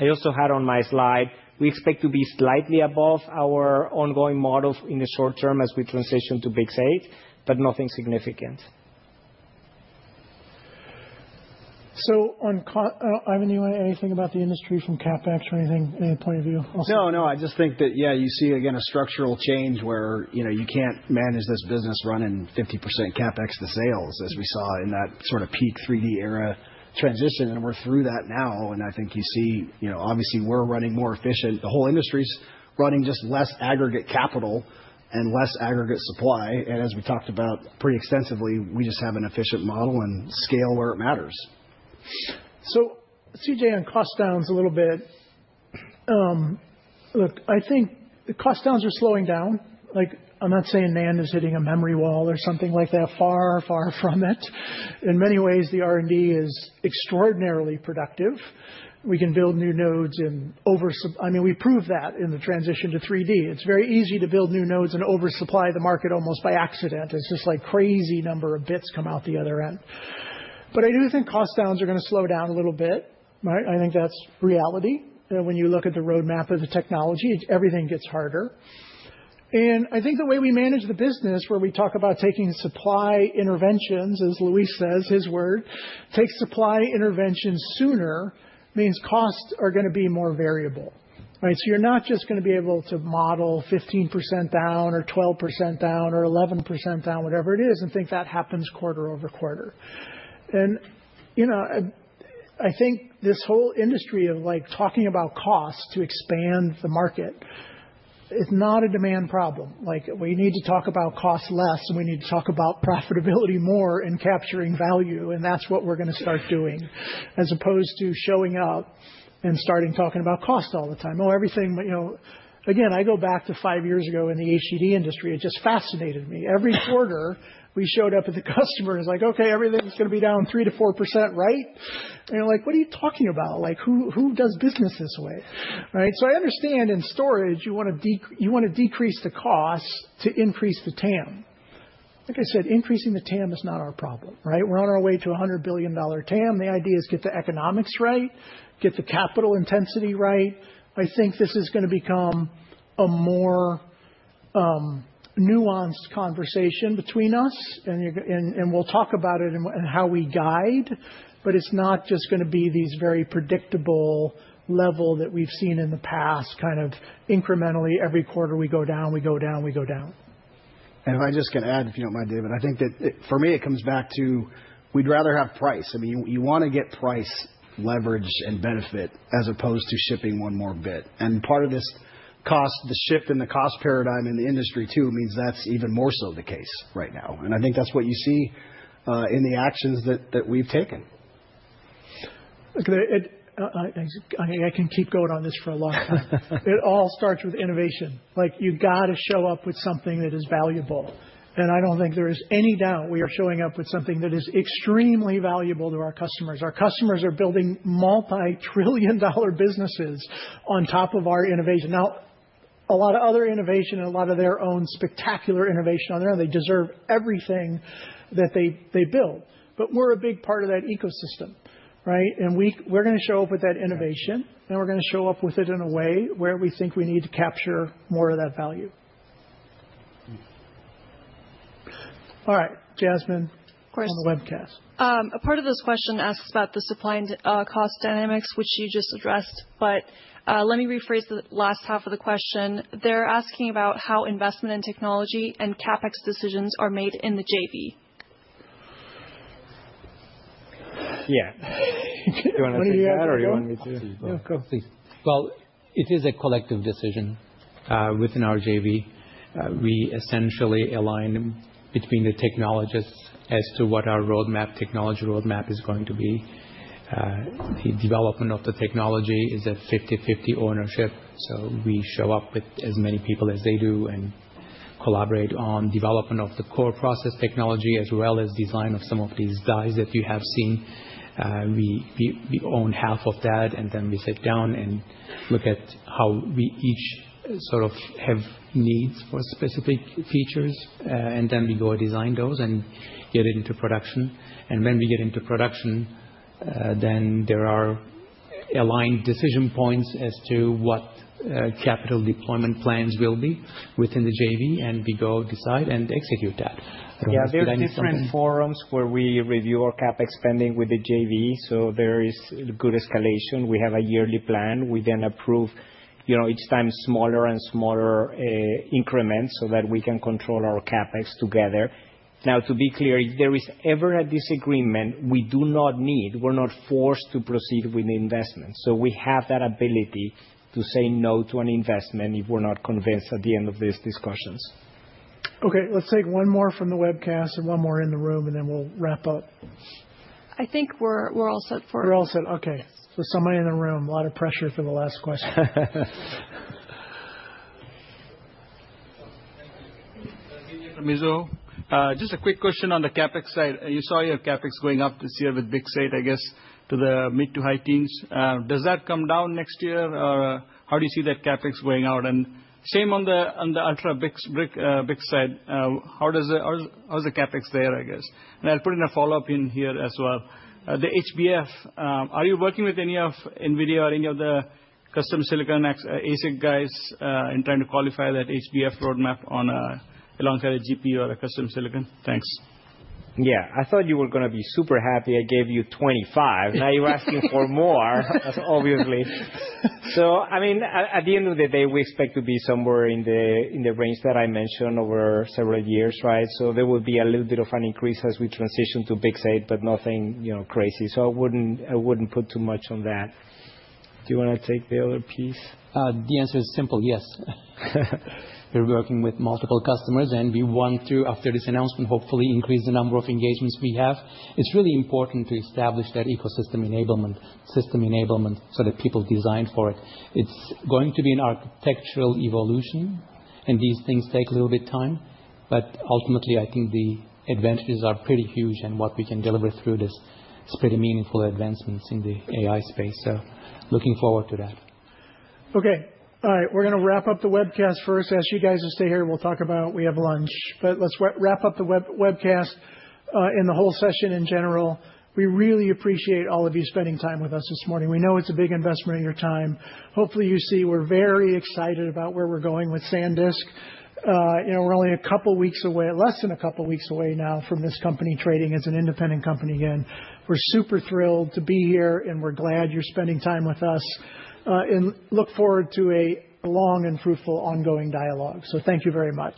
I also had on my slide, we expect to be slightly above our ongoing model in the short term as we transition to BiCS8, but nothing significant. So Ivan, do you want to add anything about the industry from CapEx or any point of view? No, no. I just think that, yeah, you see, again, a structural change where you can't manage this business running 50% CapEx to sales as we saw in that sort of peak 3D era transition. And we're through that now. And I think you see, obviously, we're running more efficient. The whole industry's running just less aggregate capital and less aggregate supply. And as we talked about pretty extensively, we just have an efficient model and scale where it matters. So, C.J., on cost downs a little bit. Look, I think the cost downs are slowing down. I'm not saying NAND is hitting a memory wall or something like that. Far, far from it. In many ways, the R&D is extraordinarily productive. We can build new nodes and, I mean, we proved that in the transition to 3D. It's very easy to build new nodes and oversupply the market almost by accident. It's just like a crazy number of bits come out the other end. But I do think cost downs are going to slow down a little bit. I think that's reality. When you look at the roadmap of the technology, everything gets harder. And I think the way we manage the business, where we talk about taking supply interventions, as Luis says, in his words, take supply interventions sooner means costs are going to be more variable. So you're not just going to be able to model 15% down or 12% down or 11% down, whatever it is, and think that happens quarter over quarter. And I think this whole industry of talking about cost to expand the market is not a demand problem. We need to talk about cost less. And we need to talk about profitability more in capturing value. And that's what we're going to start doing as opposed to showing up and starting talking about cost all the time. Oh, everything. Again, I go back to five years ago in the HDD industry. It just fascinated me. Every quarter, we showed up at the customer and was like, OK, everything's going to be down 3%-4%, right? And you're like, what are you talking about? Who does business this way? So I understand in storage, you want to decrease the cost to increase the TAM. Like I said, increasing the TAM is not our problem. We're on our way to $100 billion TAM. The idea is get the economics right, get the capital intensity right. I think this is going to become a more nuanced conversation between us. And we'll talk about it and how we guide. But it's not just going to be these very predictable level that we've seen in the past, kind of incrementally, every quarter we go down, we go down, we go down. And if I just can add, if you don't mind, David, I think that for me, it comes back to we'd rather have price. I mean, you want to get price leverage and benefit as opposed to shipping one more bit. And part of this cost, the shift in the cost paradigm in the industry too, means that's even more so the case right now. And I think that's what you see in the actions that we've taken. I can keep going on this for a long time. It all starts with innovation. You've got to show up with something that is valuable. And I don't think there is any doubt we are showing up with something that is extremely valuable to our customers. Our customers are building multi-trillion-dollar businesses on top of our innovation. Now, a lot of other innovation and a lot of their own spectacular innovation on their own, they deserve everything that they build. But we're a big part of that ecosystem. And we're going to show up with that innovation. And we're going to show up with it in a way where we think we need to capture more of that value. All right, Jasmine, on the webcast. Of course. A part of this question asks about the supply and cost dynamics, which you just addressed. But let me rephrase the last half of the question. They're asking about how investment in technology and CapEx decisions are made in the JV. Yeah. Want to do that, or you want me to? No, go ahead. Well, it is a collective decision within our JV. We essentially align between the technologists as to what our roadmap, technology roadmap, is going to be. The development of the technology is a 50/50 ownership. So we show up with as many people as they do and collaborate on development of the core process technology as well as design of some of these dies that you have seen. We own half of that. And then we sit down and look at how we each sort of have needs for specific features. And then we go design those and get it into production. And when we get into production, then there are aligned decision points as to what capital deployment plans will be within the JV. And we go decide and execute that. Yeah, there's different forums where we review our CapEx spending with the JV. So there is good escalation. We have a yearly plan. We then approve each time smaller and smaller increments so that we can control our CapEx together. Now, to be clear, if there is ever a disagreement, we're not forced to proceed with the investment. So we have that ability to say no to an investment if we're not convinced at the end of these discussions. OK. Let's take one more from the webcast and one more in the room. And then we'll wrap up. I think we're all set for. We're all set. OK, so somebody in the room, a lot of pressure for the last question. Just a quick question on the CapEx side. You saw your CapEx going up this year with BiCS8, I guess, to the mid to high teens. Does that come down next year? Or how do you see that CapEx going out? And same on the Ultra BiCS side. How's the CapEx there, I guess? And I'll put in a follow-up in here as well. The HBF, are you working with any of NVIDIA or any of the custom silicon ASIC guys in trying to qualify that HBF roadmap on a long-term GPU or a custom silicon? Thanks. Yeah, I thought you were going to be super happy I gave you 25. Now you're asking for more, obviously. So I mean, at the end of the day, we expect to be somewhere in the range that I mentioned over several years. So there will be a little bit of an increase as we transition to BiCS 8, but nothing crazy. So I wouldn't put too much on that. Do you want to take the other piece? The answer is simple. Yes, we're working with multiple customers, and we want to, after this announcement, hopefully increase the number of engagements we have. It's really important to establish that ecosystem enablement system enablement so that people design for it. It's going to be an architectural evolution, and these things take a little bit of time, but ultimately, I think the advantages are pretty huge, and what we can deliver through this is pretty meaningful advancements in the AI space, so looking forward to that. OK. All right, we're going to wrap up the webcast first. As you guys will stay here, we'll talk about, we have lunch, but let's wrap up the webcast in the whole session in general. We really appreciate all of you spending time with us this morning. We know it's a big investment of your time. Hopefully, you see we're very excited about where we're going with SanDisk. We're only a couple of weeks away, less than a couple of weeks away now from this company trading as an independent company again. We're super thrilled to be here, and we're glad you're spending time with us, and look forward to a long and fruitful ongoing dialogue. So thank you very much.